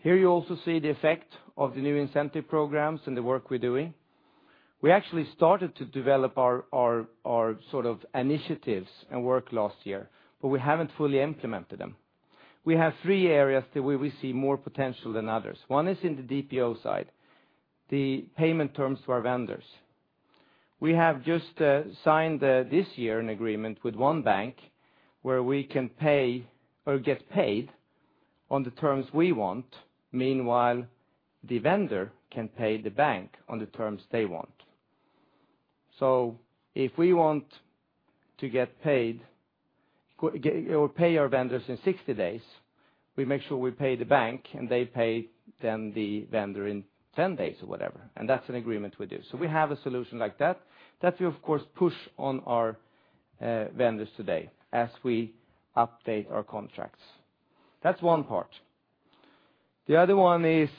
Here you also see the effect of the new incentive programs and the work we're doing. We actually started to develop our sort of initiatives and work last year, but we haven't fully implemented them. We have three areas that we will see more potential than others. One is in the DPO side, the payment terms to our vendors. We have just signed this year an agreement with one bank where we can pay or get paid on the terms we want. Meanwhile, the vendor can pay the bank on the terms they want. If we want to pay our vendors in 60 days, we make sure we pay the bank, they pay then the vendor in 10 days or whatever, that's an agreement we do. We have a solution like that we of course push on our vendors today as we update our contracts. That's one part. The other one is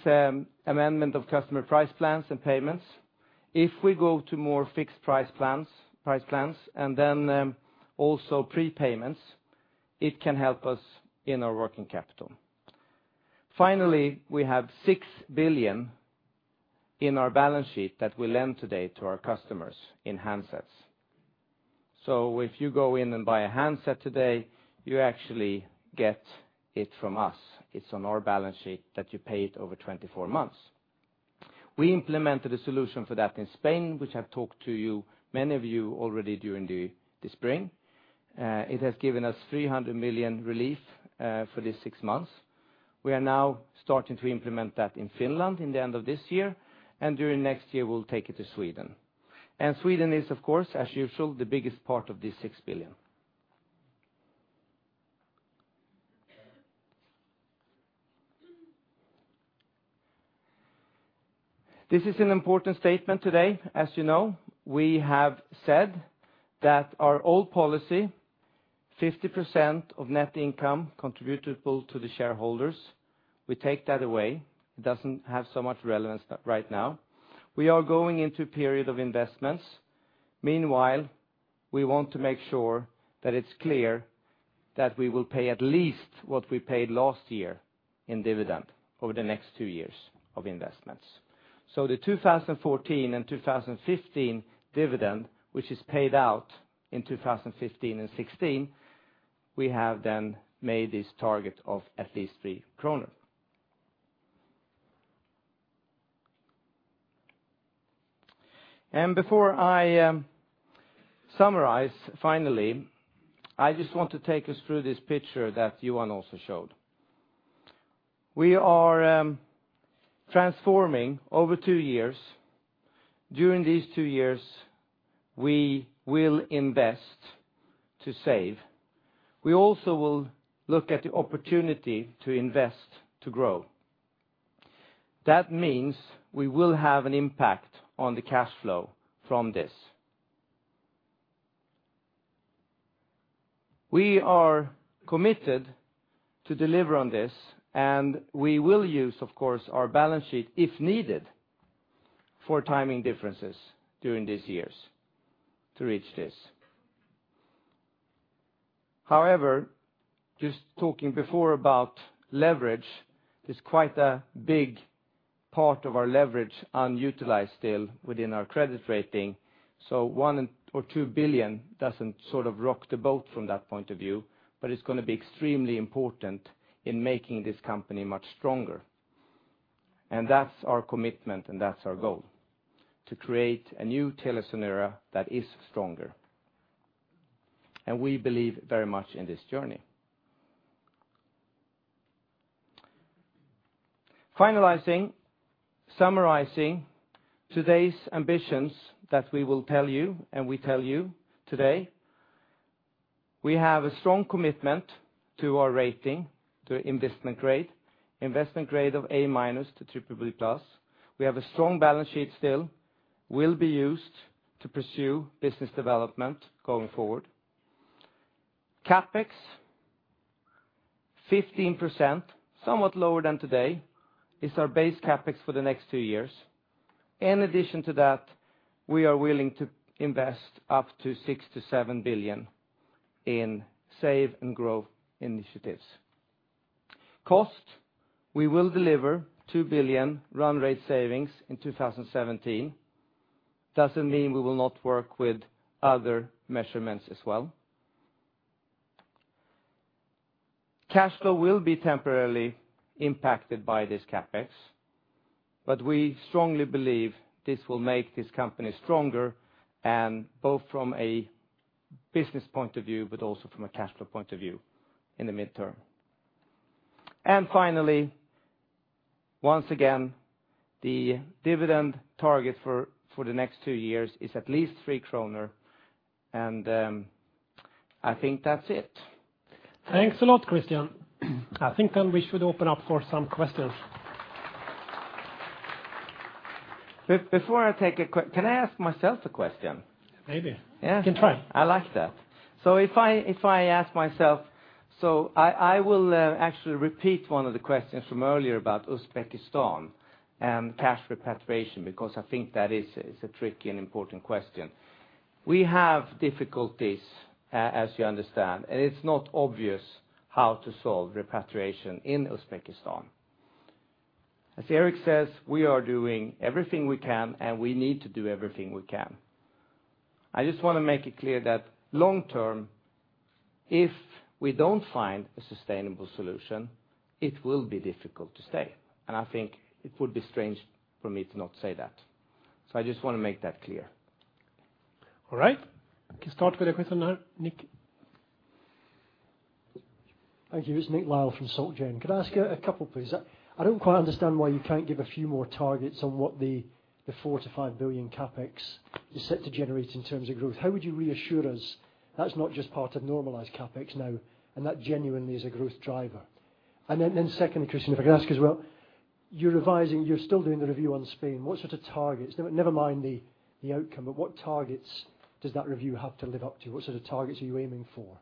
amendment of customer price plans and payments. If we go to more fixed price plans, and then also prepayments, it can help us in our working capital. Finally, we have 6 billion in our balance sheet that we lend today to our customers in handsets. If you go in and buy a handset today, you actually get it from us. It's on our balance sheet that you paid over 24 months. We implemented a solution for that in Spain, which I've talked to many of you already during the spring. It has given us 300 million relief for this six months. We are now starting to implement that in Finland in the end of this year, during next year, we'll take it to Sweden. Sweden is, of course, as usual, the biggest part of this 6 billion. This is an important statement today. As you know, we have said that our old policy, 50% of net income contributable to the shareholders, we take that away. It doesn't have so much relevance right now. We are going into a period of investments. Meanwhile, we want to make sure that it's clear that we will pay at least what we paid last year in dividend over the next 2 years of investments. The 2014 and 2015 dividend, which is paid out in 2015 and 2016, we have made this target of at least 3 kronor. Before I summarize, finally, I just want to take us through this picture that Johan also showed. We are transforming over 2 years. During these 2 years, we will invest to save. We also will look at the opportunity to invest to grow. That means we will have an impact on the cash flow from this. We are committed to deliver on this, and we will use, of course, our balance sheet, if needed, for timing differences during these years to reach this. However, just talking before about leverage, there's quite a big part of our leverage unutilized still within our credit rating. 1 billion or 2 billion doesn't rock the boat from that point of view, but it's going to be extremely important in making this company much stronger. That's our commitment and that's our goal. To create a new Telia era that is stronger. We believe very much in this journey. Finalizing, summarizing today's ambitions that we will tell you, and we tell you today, we have a strong commitment to our rating, to investment grade. Investment grade of A- to BBB+. We have a strong balance sheet still, will be used to pursue business development going forward. CapEx 15%, somewhat lower than today, is our base CapEx for the next 2 years. In addition to that, we are willing to invest up to 6 billion-7 billion in save and growth initiatives. Cost, we will deliver 2 billion run rate savings in 2017. Doesn't mean we will not work with other measurements as well. Cash flow will be temporarily impacted by this CapEx, but we strongly believe this will make this company stronger, both from a business point of view, but also from a cash flow point of view in the mid-term. Finally, once again, the dividend target for the next 2 years is at least 3 kronor. I think that's it.
Thanks a lot, Christian. I think we should open up for some questions.
Before I take a, can I ask myself a question?
Maybe.
Yeah.
You can try.
I like that. If I ask myself, I will actually repeat one of the questions from earlier about Uzbekistan and cash repatriation, because I think that is a tricky and important question. We have difficulties, as you understand, and it is not obvious how to solve repatriation in Uzbekistan. As Erik says, we are doing everything we can, and we need to do everything we can. I just want to make it clear that long term, if we do not find a sustainable solution, it will be difficult to stay, and I think it would be strange for me to not say that. I just want to make that clear.
All right. We can start with a question now. Nick.
Thank you. It's Nick Lyall from Société Générale. Could I ask you a couple, please? I don't quite understand why you can't give a few more targets on what the 4 billion-5 billion SEK CapEx is set to generate in terms of growth. How would you reassure us that's not just part of normalized CapEx now, and that genuinely is a growth driver? Secondly, Christian, if I could ask as well, you're still doing the review on Spain. What sort of targets, never mind the outcome, but what targets does that review have to live up to? What sort of targets are you aiming for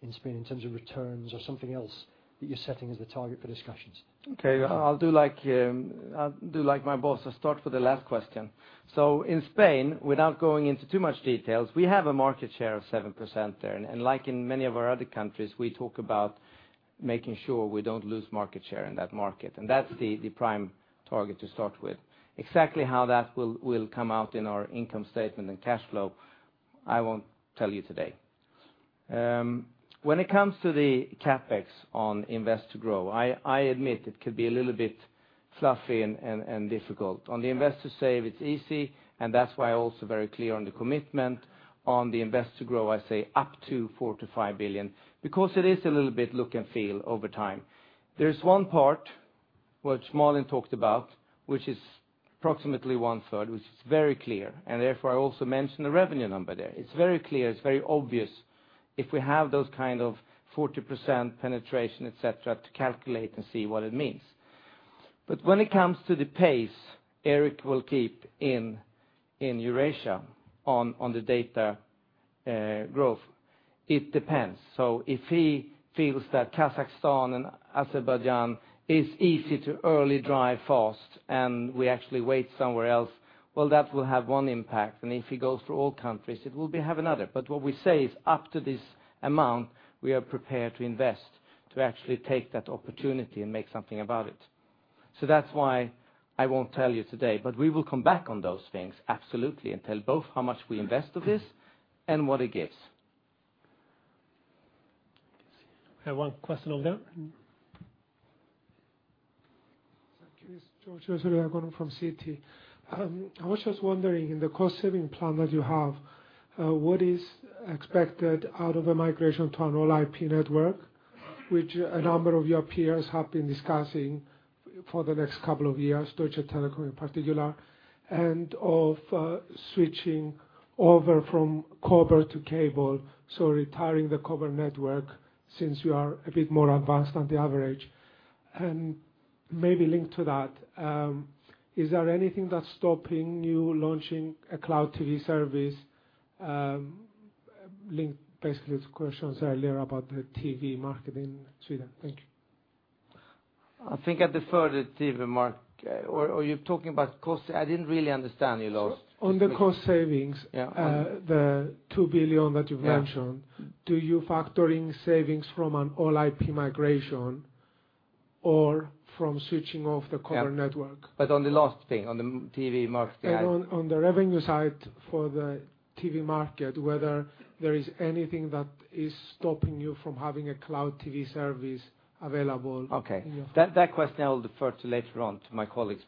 in Spain in terms of returns or something else that you're setting as the target for discussions?
Okay. I'll do like my boss. I start for the last question. In Spain, without going into too much details, we have a market share of 7% there. Like in many of our other countries, we talk about making sure we don't lose market share in that market, and that's the prime target to start with. Exactly how that will come out in our income statement and cash flow, I won't tell you today. When it comes to the CapEx on invest to grow, I admit it could be a little bit fluffy and difficult. On the invest to save, it's easy. That's why also very clear on the commitment. On the invest to grow, I say up to 4 billion-5 billion SEK, because it is a little bit look and feel over time. There's one part, which Malin talked about, which is approximately one third, which is very clear, and therefore I also mention the revenue number there. It's very clear. It's very obvious if we have those kind of 40% penetration, et cetera, to calculate and see what it means. When it comes to the pace Erik will keep in Eurasia on the data growth, it depends. If he feels that Kazakhstan and Azerbaijan is easy to early drive fast, and we actually wait somewhere else, well, that will have one impact. If he goes through all countries, it will have another. What we say is up to this amount, we are prepared to invest to actually take that opportunity and make something about it. That's why I won't tell you today, but we will come back on those things absolutely, and tell both how much we invest of this and what it gives.
We have one question over there.
Thank you. It's George from CT. I was just wondering, in the cost-saving plan that you have, what is expected out of a migration to an all-IP network, which a number of your peers have been discussing for the next couple of years, Deutsche Telekom in particular, and of switching over from copper to cable, so retiring the copper network since you are a bit more advanced than the average. Maybe linked to that, is there anything that's stopping you launching a cloud TV service? Linked basically to questions earlier about the TV market in Sweden. Thank you.
I think I defer the TV market. Are you talking about cost? I didn't really understand you, Lars.
On the cost savings-
Yeah the 2 billion that you've mentioned.
Yeah. Do you factor in savings from an all IP migration or from switching off the copper network?
Yeah. On the last thing, on the TV market.
On the revenue side for the TV market, whether there is anything that is stopping you from having a cloud TV service available.
That question I will defer to later on to my colleagues.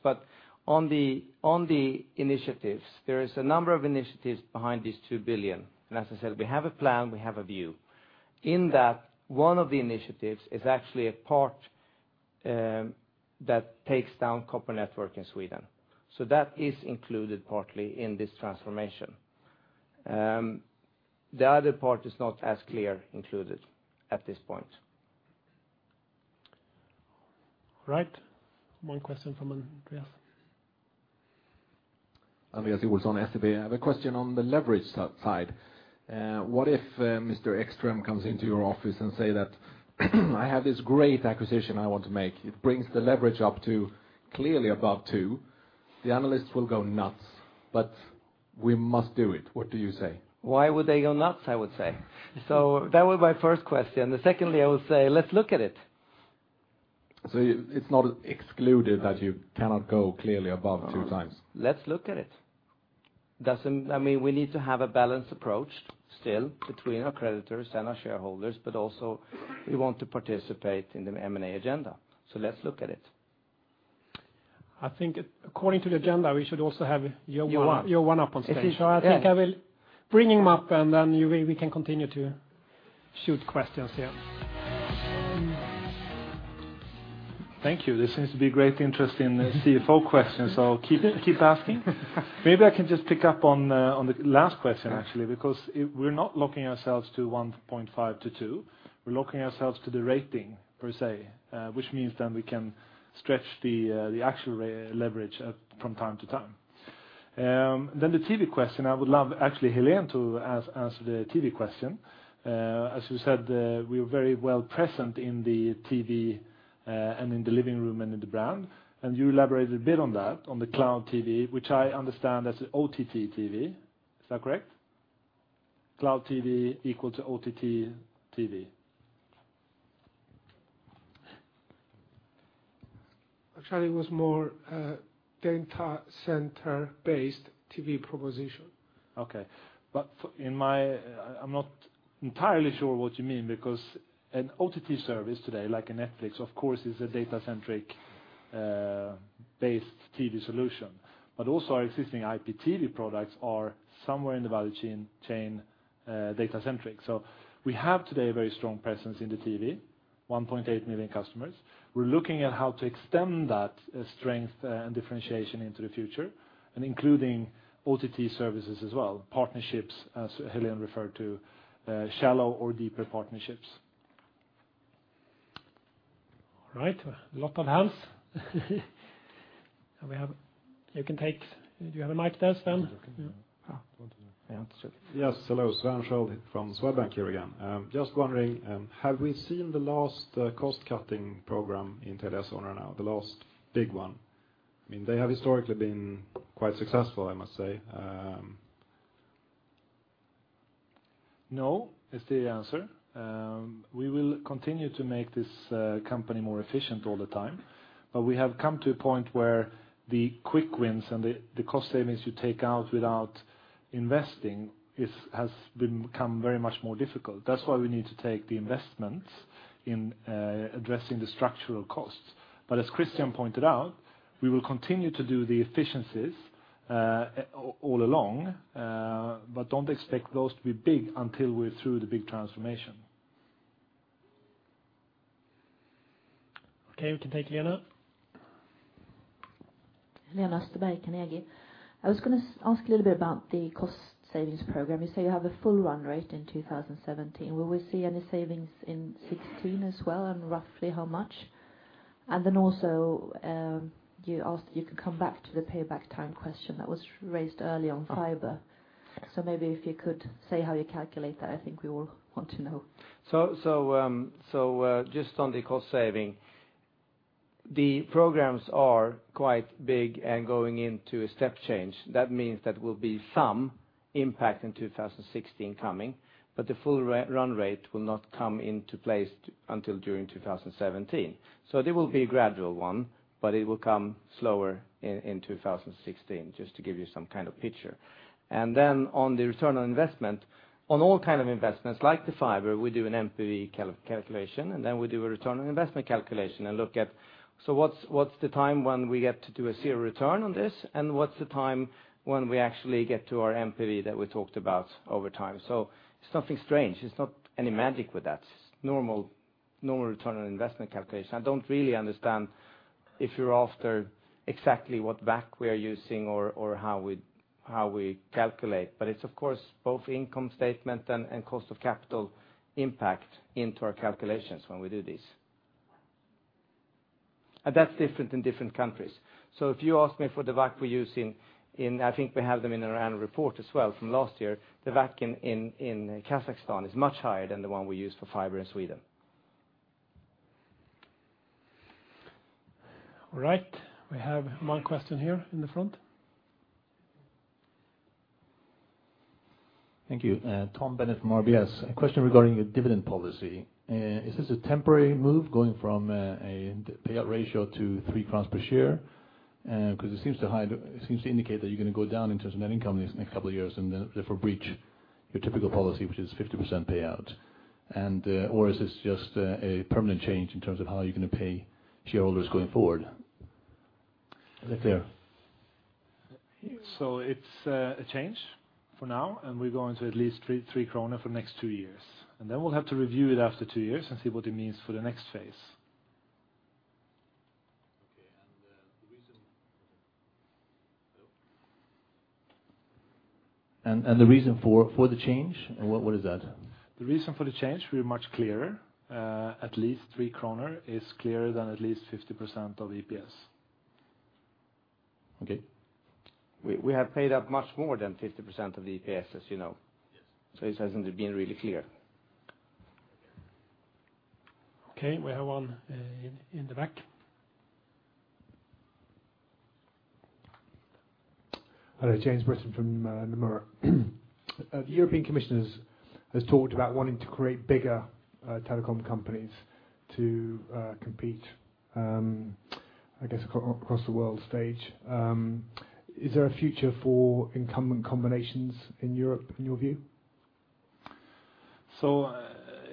On the initiatives, there is a number of initiatives behind this 2 billion, as I said, we have a plan, we have a view. In that, one of the initiatives is actually a part that takes down copper network in Sweden. That is included partly in this transformation. The other part is not as clear included at this point.
Right. One question from Andreas.
Andreas with. I have a question on the leverage side. What if Mr. Ekström comes into your office and say that "I have this great acquisition I want to make. It brings the leverage up to clearly above two. The analysts will go nuts, we must do it." What do you say?
Why would they go nuts, I would say. That was my first question. Secondly, I would say, let's look at it.
It's not excluded that you cannot go clearly above two times.
Let's look at it. We need to have a balanced approach still between our creditors and our shareholders, but also we want to participate in the M&A agenda. Let's look at it.
I think according to the agenda, we should also have Johan up on stage.
Johan.
I think I will bring him up, and then we can continue to shoot questions, yeah.
Thank you. There seems to be great interest in the CFO questions, keep asking. Maybe I can just pick up on the last question actually, because we're not locking ourselves to 1.5-2. We're locking ourselves to the rating, per se, which means we can stretch the actual leverage from time to time. The TV question, I would love actually Hélène to answer the TV question. As you said, we are very well present in the TV and in the living room and in the brand, and you elaborated a bit on that, on the cloud TV, which I understand as OTT TV. Is that correct? Cloud TV equal to OTT TV.
It was more data center-based TV proposition.
I'm not entirely sure what you mean because an OTT service today, like a Netflix, of course, is a data centric-based TV solution. Also our existing IPTV products are somewhere in the value chain data centric. We have today a very strong presence in the TV, 1.8 million customers. We're looking at how to extend that strength and differentiation into the future, and including OTT services as well. Partnerships, as Hélène referred to, shallow or deeper partnerships.
A lot of hands. You can take. Do you have a mic there, Sven?
Yes. Hello. Sven Sköld from Swedbank here again. Just wondering, have we seen the last cost-cutting program in TeliaSonera now, the last big one? They have historically been quite successful, I must say.
No is the answer. We will continue to make this company more efficient all the time, we have come to a point where the quick wins and the cost savings you take out without investing has become very much more difficult. That's why we need to take the investments in addressing the structural costs. As Christian pointed out, we will continue to do the efficiencies all along, but don't expect those to be big until we're through the big transformation.
Okay, we can take Lena.
Lena Österberg, Carnegie. I was going to ask a little bit about the cost savings program. You say you have a full run rate in 2017. Will we see any savings in 2016 as well, and roughly how much? Then also, you asked if you could come back to the payback time question that was raised early on fiber. Maybe if you could say how you calculate that, I think we all want to know.
Just on the cost saving. The programs are quite big and going into a step change. That means that there will be some impact in 2016 coming, but the full run rate will not come into place until during 2017. It will be a gradual one, but it will come slower in 2016, just to give you some kind of picture. On the return on investment, on all kind of investments like the fiber, we do an NPV calculation, and then we do a return on investment calculation and look at, what's the time when we get to do a zero return on this, and what's the time when we actually get to our NPV that we talked about over time. It's nothing strange. It's not any magic with that. Normal return on investment calculation. I don't really understand if you're after exactly what WACC we are using or how we calculate, but it's of course both income statement and cost of capital impact into our calculations when we do this. That's different in different countries. If you ask me for the WACC we use in, I think we have them in our annual report as well from last year. The WACC in Kazakhstan is much higher than the one we use for fiber in Sweden.
All right. We have one question here in the front.
Thank you. Tom Bennett from RBS. A question regarding your dividend policy. Is this a temporary move going from a payout ratio to 3 crowns per share? It seems to indicate that you're going to go down in terms of net income in the next couple of years and therefore breach your typical policy, which is 50% payout. Is this just a permanent change in terms of how you're going to pay shareholders going forward? Is that fair?
It's a change for now. We're going to at least 3 krona for next 2 years. We'll have to review it after 2 years and see what it means for the next phase.
Okay. The reason for the change? What is that?
The reason for the change, we're much clearer. At least 3 kronor is clearer than at least 50% of EPS.
Okay.
We have paid out much more than 50% of the EPS, as you know.
Yes.
It hasn't been really clear.
Okay, we have one in the back.
Hello, James Britton from Nomura. European Commissioners has talked about wanting to create bigger telecom companies to compete, I guess, across the world stage. Is there a future for incumbent combinations in Europe, in your view?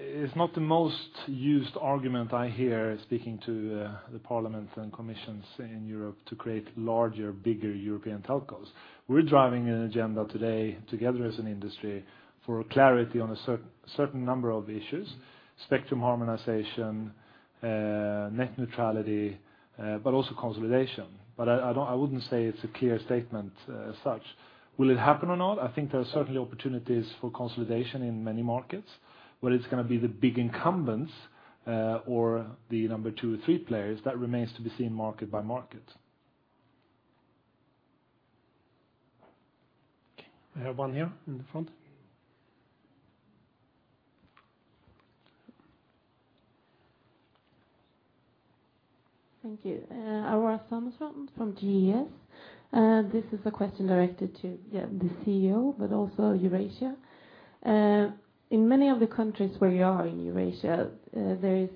It's not the most used argument I hear speaking to the parliaments and commissions in Europe to create larger, bigger European telcos. We're driving an agenda today, together as an industry, for clarity on a certain number of issues, spectrum harmonization, net neutrality, but also consolidation. I wouldn't say it's a clear statement as such. Will it happen or not? I think there are certainly opportunities for consolidation in many markets, but it's going to be the big incumbents, or the number two or three players, that remains to be seen market by market.
Okay. We have one here in the front.
Thank you. Aurora Sanderson from GES. This is a question directed to the CEO, but also Eurasia. In many of the countries where you are in Eurasia, there is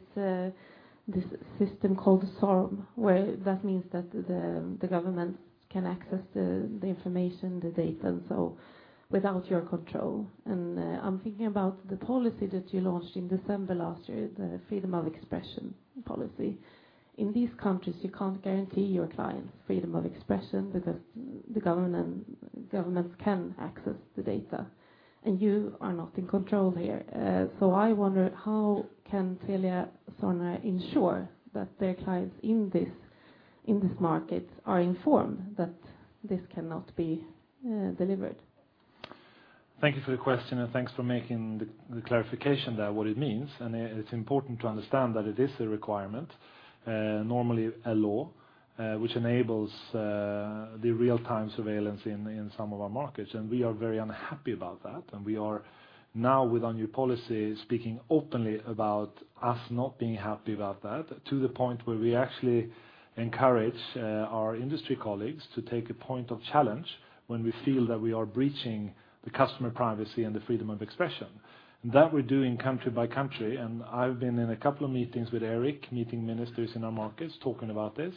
this system called SORM, where that means that the government can access the information, the data, without your control. I'm thinking about the policy that you launched in December last year, the Freedom of Expression Policy. In these countries, you can't guarantee your clients freedom of expression because the governments can access the data, you are not in control here. I wonder, how can TeliaSonera ensure that their clients in these markets are informed that this cannot be delivered?
Thank you for the question, and thanks for making the clarification there, what it means. It's important to understand that it is a requirement, normally a law, which enables the real-time surveillance in some of our markets. We are very unhappy about that, and we are now, with our new policy, speaking openly about us not being happy about that, to the point where we actually encourage our industry colleagues to take a point of challenge when we feel that we are breaching the customer privacy and the Freedom of Expression. That we're doing country by country, and I've been in a couple of meetings with Erik, meeting ministers in our markets, talking about this.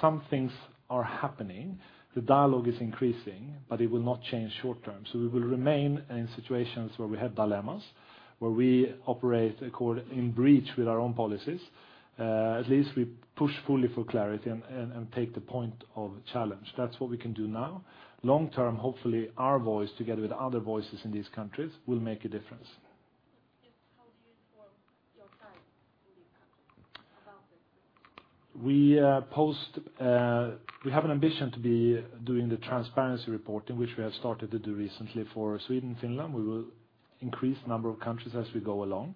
Some things are happening. The dialogue is increasing, but it will not change short-term. We will remain in situations where we have dilemmas, where we operate in breach with our own policies. At least we push fully for clarity and take the point of challenge. That's what we can do now. Long-term, hopefully our voice, together with other voices in these countries, will make a difference.
How do you inform your clients in these countries about this?
We have an ambition to be doing the transparency report, which we have started to do recently for Sweden and Finland. We will increase the number of countries as we go along.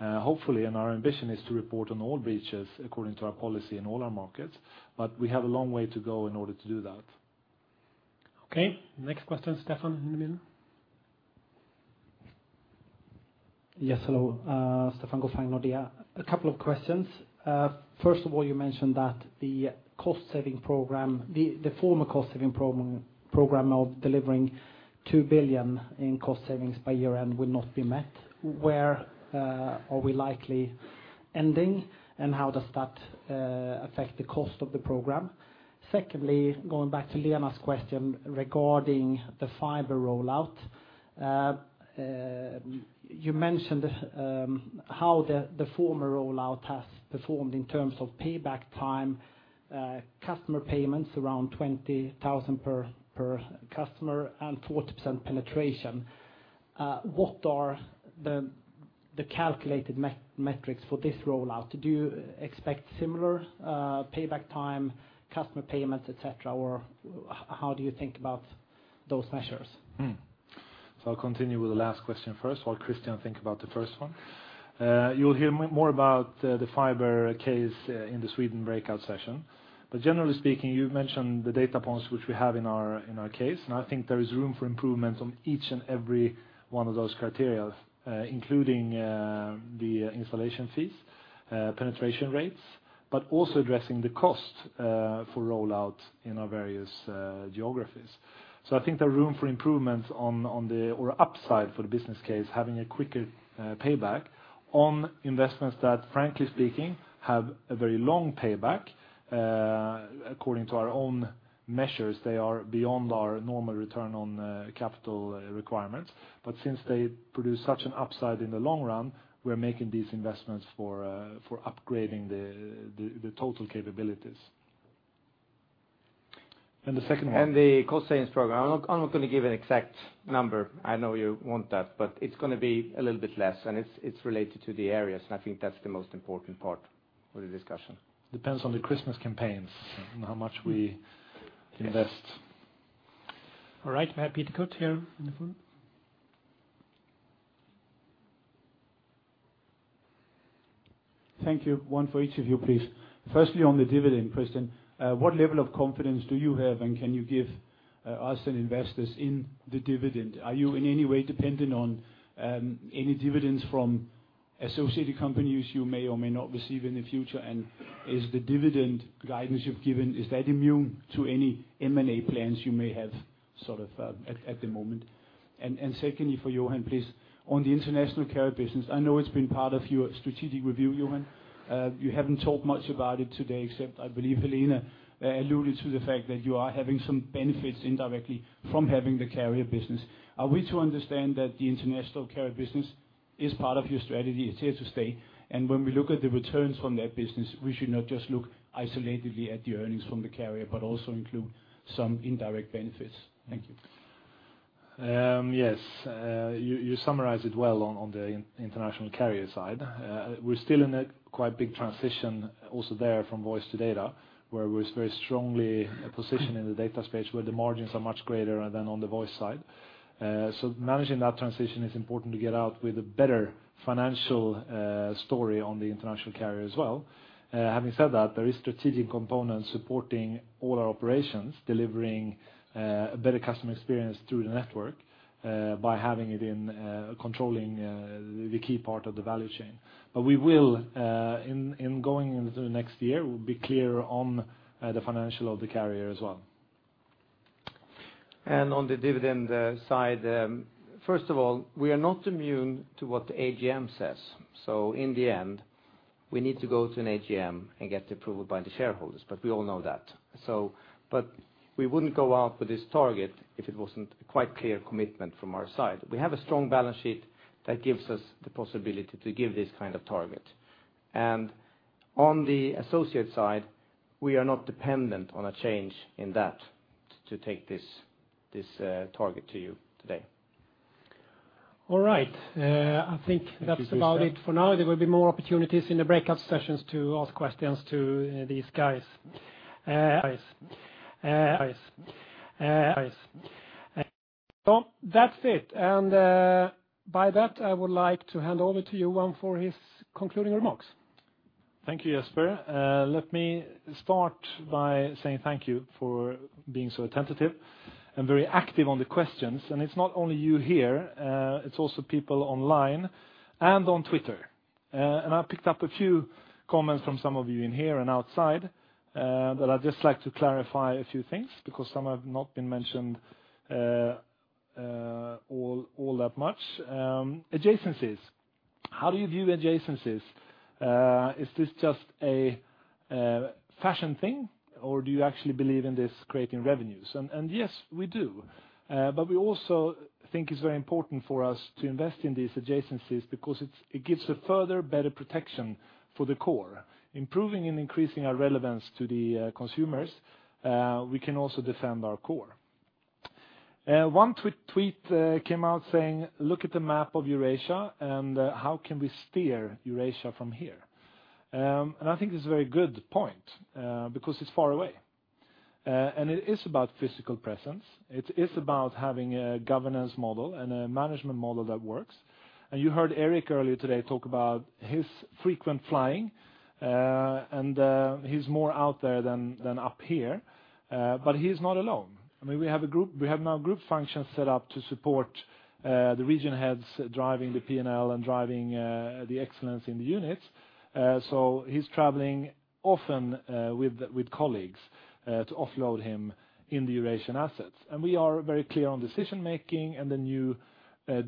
Hopefully, our ambition is to report on all breaches according to our policy in all our markets, we have a long way to go in order to do that.
Okay. Next question, Stefan in the middle.
Yes, hello. Stefan Gothberg, Nordea. A couple of questions. First of all, you mentioned that the former cost-saving program of delivering 2 billion in cost savings by year-end will not be met. Where are we likely ending, and how does that affect the cost of the program? Secondly, going back to Lena's question regarding the fiber rollout. You mentioned how the former rollout has performed in terms of payback time, customer payments around 20,000 per customer, and 40% penetration. What are the calculated metrics for this rollout? Do you expect similar payback time, customer payments, et cetera, or how do you think about those measures?
I'll continue with the last question first while Christian think about the first one. You'll hear more about the fiber case in the Sweden breakout session. Generally speaking, you've mentioned the data points which we have in our case, and I think there is room for improvement on each and every one of those criteria, including the installation fees.
-penetration rates, also addressing the cost for rollout in our geographies. I think there is room for improvements on the upside for the business case, having a quicker payback on investments that frankly speaking, have a very long payback. According to our own measures, they are beyond our normal return on capital requirements, since they produce such an upside in the long run, we're making these investments for upgrading the total capabilities.
The second one?
The cost savings program. I'm not going to give an exact number. I know you want that, it's going to be a little bit less, and it's related to the areas. I think that's the most important part for the discussion.
Depends on the Christmas campaigns and how much we invest.
All right. We have Peter Kurt here in the front.
Thank you. One for each of you, please. Firstly, on the dividend question, what level of confidence do you have, can you give us and investors in the dividend? Are you in any way dependent on any dividends from associated companies you may or may not receive in the future? Is the dividend guidance you've given, is that immune to any M&A plans you may have at the moment? Secondly, for Johan, please, on the international carrier business, I know it's been part of your strategic review, Johan. You haven't talked much about it today, except I believe Hélène alluded to the fact that you are having some benefits indirectly from having the carrier business. Are we to understand that the international carrier business is part of your strategy, it's here to stay, when we look at the returns from their business, we should not just look isolatedly at the earnings from the carrier, but also include some indirect benefits? Thank you.
Yes. You summarized it well on the International Carrier side. We're still in a quite big transition also there from voice to data, where we're very strongly positioned in the data space, where the margins are much greater than on the voice side. Managing that transition is important to get out with a better financial story on the international carrier as well. Having said that, there is strategic component supporting all our operations, delivering better customer experience through the network, by having it in controlling the key part of the value chain. We will, in going into the next year, be clearer on the financial of the carrier as well.
On the dividend side. First of all, we are not immune to what the AGM says. In the end, we need to go to an AGM and get approval by the shareholders, but we all know that. We wouldn't go out with this target if it wasn't quite clear commitment from our side. We have a strong balance sheet that gives us the possibility to give this kind of target. On the associate side, we are not dependent on a change in that to take this target to you today.
All right. I think that's about it for now. There will be more opportunities in the breakout sessions to ask questions to these guys. That's it. By that, I would like to hand over to Johan for his concluding remarks.
Thank you, Jesper. Let me start by saying thank you for being so attentive and very active on the questions. It's not only you here, it's also people online and on Twitter. I picked up a few comments from some of you in here and outside that I'd just like to clarify a few things, because some have not been mentioned all that much. Adjacencies. How do you view adjacencies? Is this just a fashion thing, or do you actually believe in this creating revenues? Yes, we do. We also think it's very important for us to invest in these adjacencies because it gives a further better protection for the core. Improving and increasing our relevance to the consumers, we can also defend our core. One tweet came out saying, "Look at the map of Eurasia, how can we steer Eurasia from here?" I think this is a very good point, because it's far away. It is about physical presence. It is about having a governance model and a management model that works. You heard Erik earlier today talk about his frequent flying, he's more out there than up here. He's not alone. We have now group functions set up to support the region heads driving the P&L and driving the excellence in the units. He's traveling often with colleagues to offload him in the Eurasian assets. We are very clear on decision-making and the new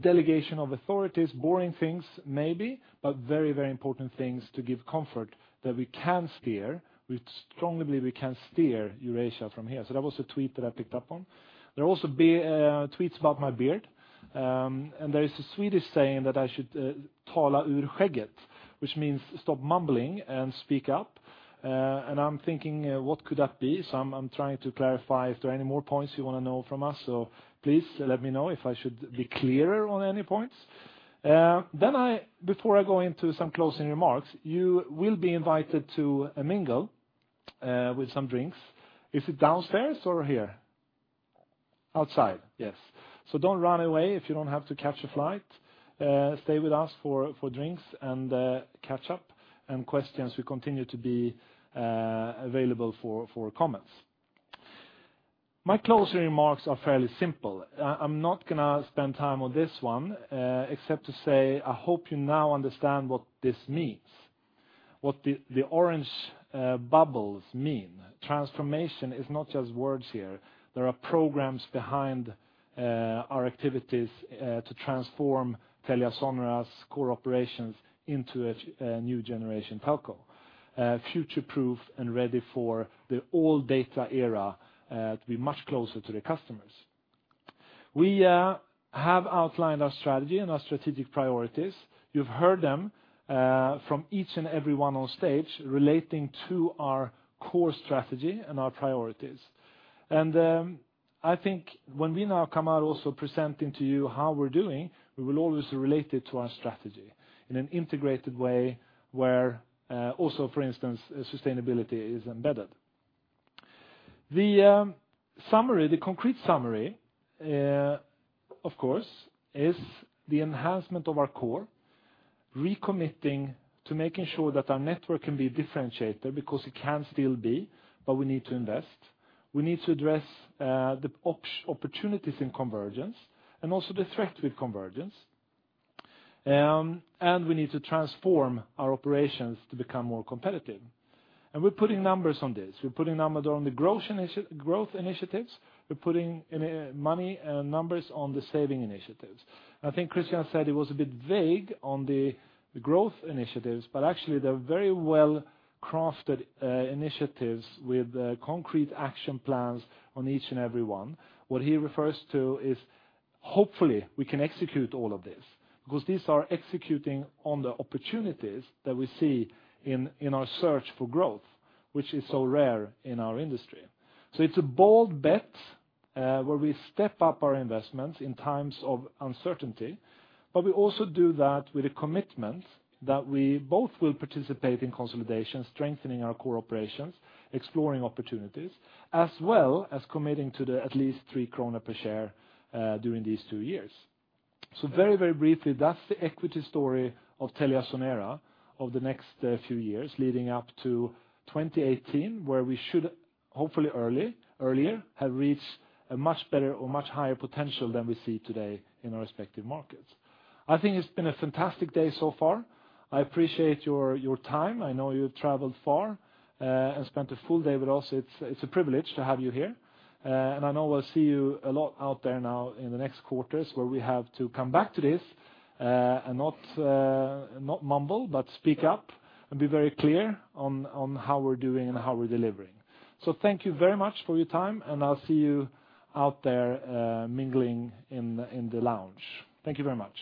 delegation of authorities. Boring things, maybe, but very, very important things to give comfort that we can steer, we strongly believe we can steer Eurasia from here. That was a tweet that I picked up on. There are also tweets about my beard, and there is a Swedish saying that I should, which means stop mumbling and speak up. I'm thinking, what could that be? I'm trying to clarify if there are any more points you want to know from us. Please let me know if I should be clearer on any points. Before I go into some closing remarks, you will be invited to mingle with some drinks. Is it downstairs or here? Outside. Yes. Don't run away if you don't have to catch a flight. Stay with us for drinks and catch up, and questions. We continue to be available for comments. My closing remarks are fairly simple. I'm not going to spend time on this one except to say, I hope you now understand what this means, what the orange bubbles mean. Transformation is not just words here. There are programs behind our activities to transform TeliaSonera's core operations into a new generation telco, future-proof and ready for the all-data era to be much closer to the customers. We have outlined our strategy and our strategic priorities. You've heard them from each and every one on stage relating to our core strategy and our priorities. I think when we now come out also presenting to you how we're doing, we will always relate it to our strategy in an integrated way where also, for instance, sustainability is embedded. The concrete summary, of course, is the enhancement of our core, recommitting to making sure that our network can be differentiated because it can still be, we need to invest. We need to address the opportunities in convergence and also the threat with convergence. We need to transform our operations to become more competitive. We're putting numbers on this. We're putting numbers on the growth initiatives. We're putting money and numbers on the saving initiatives. I think Christian said he was a bit vague on the growth initiatives, actually, they're very well-crafted initiatives with concrete action plans on each and every one. What he refers to is, hopefully, we can execute all of this because these are executing on the opportunities that we see in our search for growth, which is so rare in our industry. It's a bold bet where we step up our investments in times of uncertainty, but we also do that with a commitment that we both will participate in consolidation, strengthening our core operations, exploring opportunities, as well as committing to at least 3 krona per share during these two years. Very briefly, that's the equity story of TeliaSonera over the next few years, leading up to 2018, where we should, hopefully earlier, have reached a much better or much higher potential than we see today in our respective markets. I think it's been a fantastic day so far. I appreciate your time. I know you've traveled far and spent a full day with us. It's a privilege to have you here. I know we'll see you a lot out there now in the next quarters where we have to come back to this and not mumble, but speak up and be very clear on how we're doing and how we're delivering. Thank you very much for your time, and I'll see you out there mingling in the lounge. Thank you very much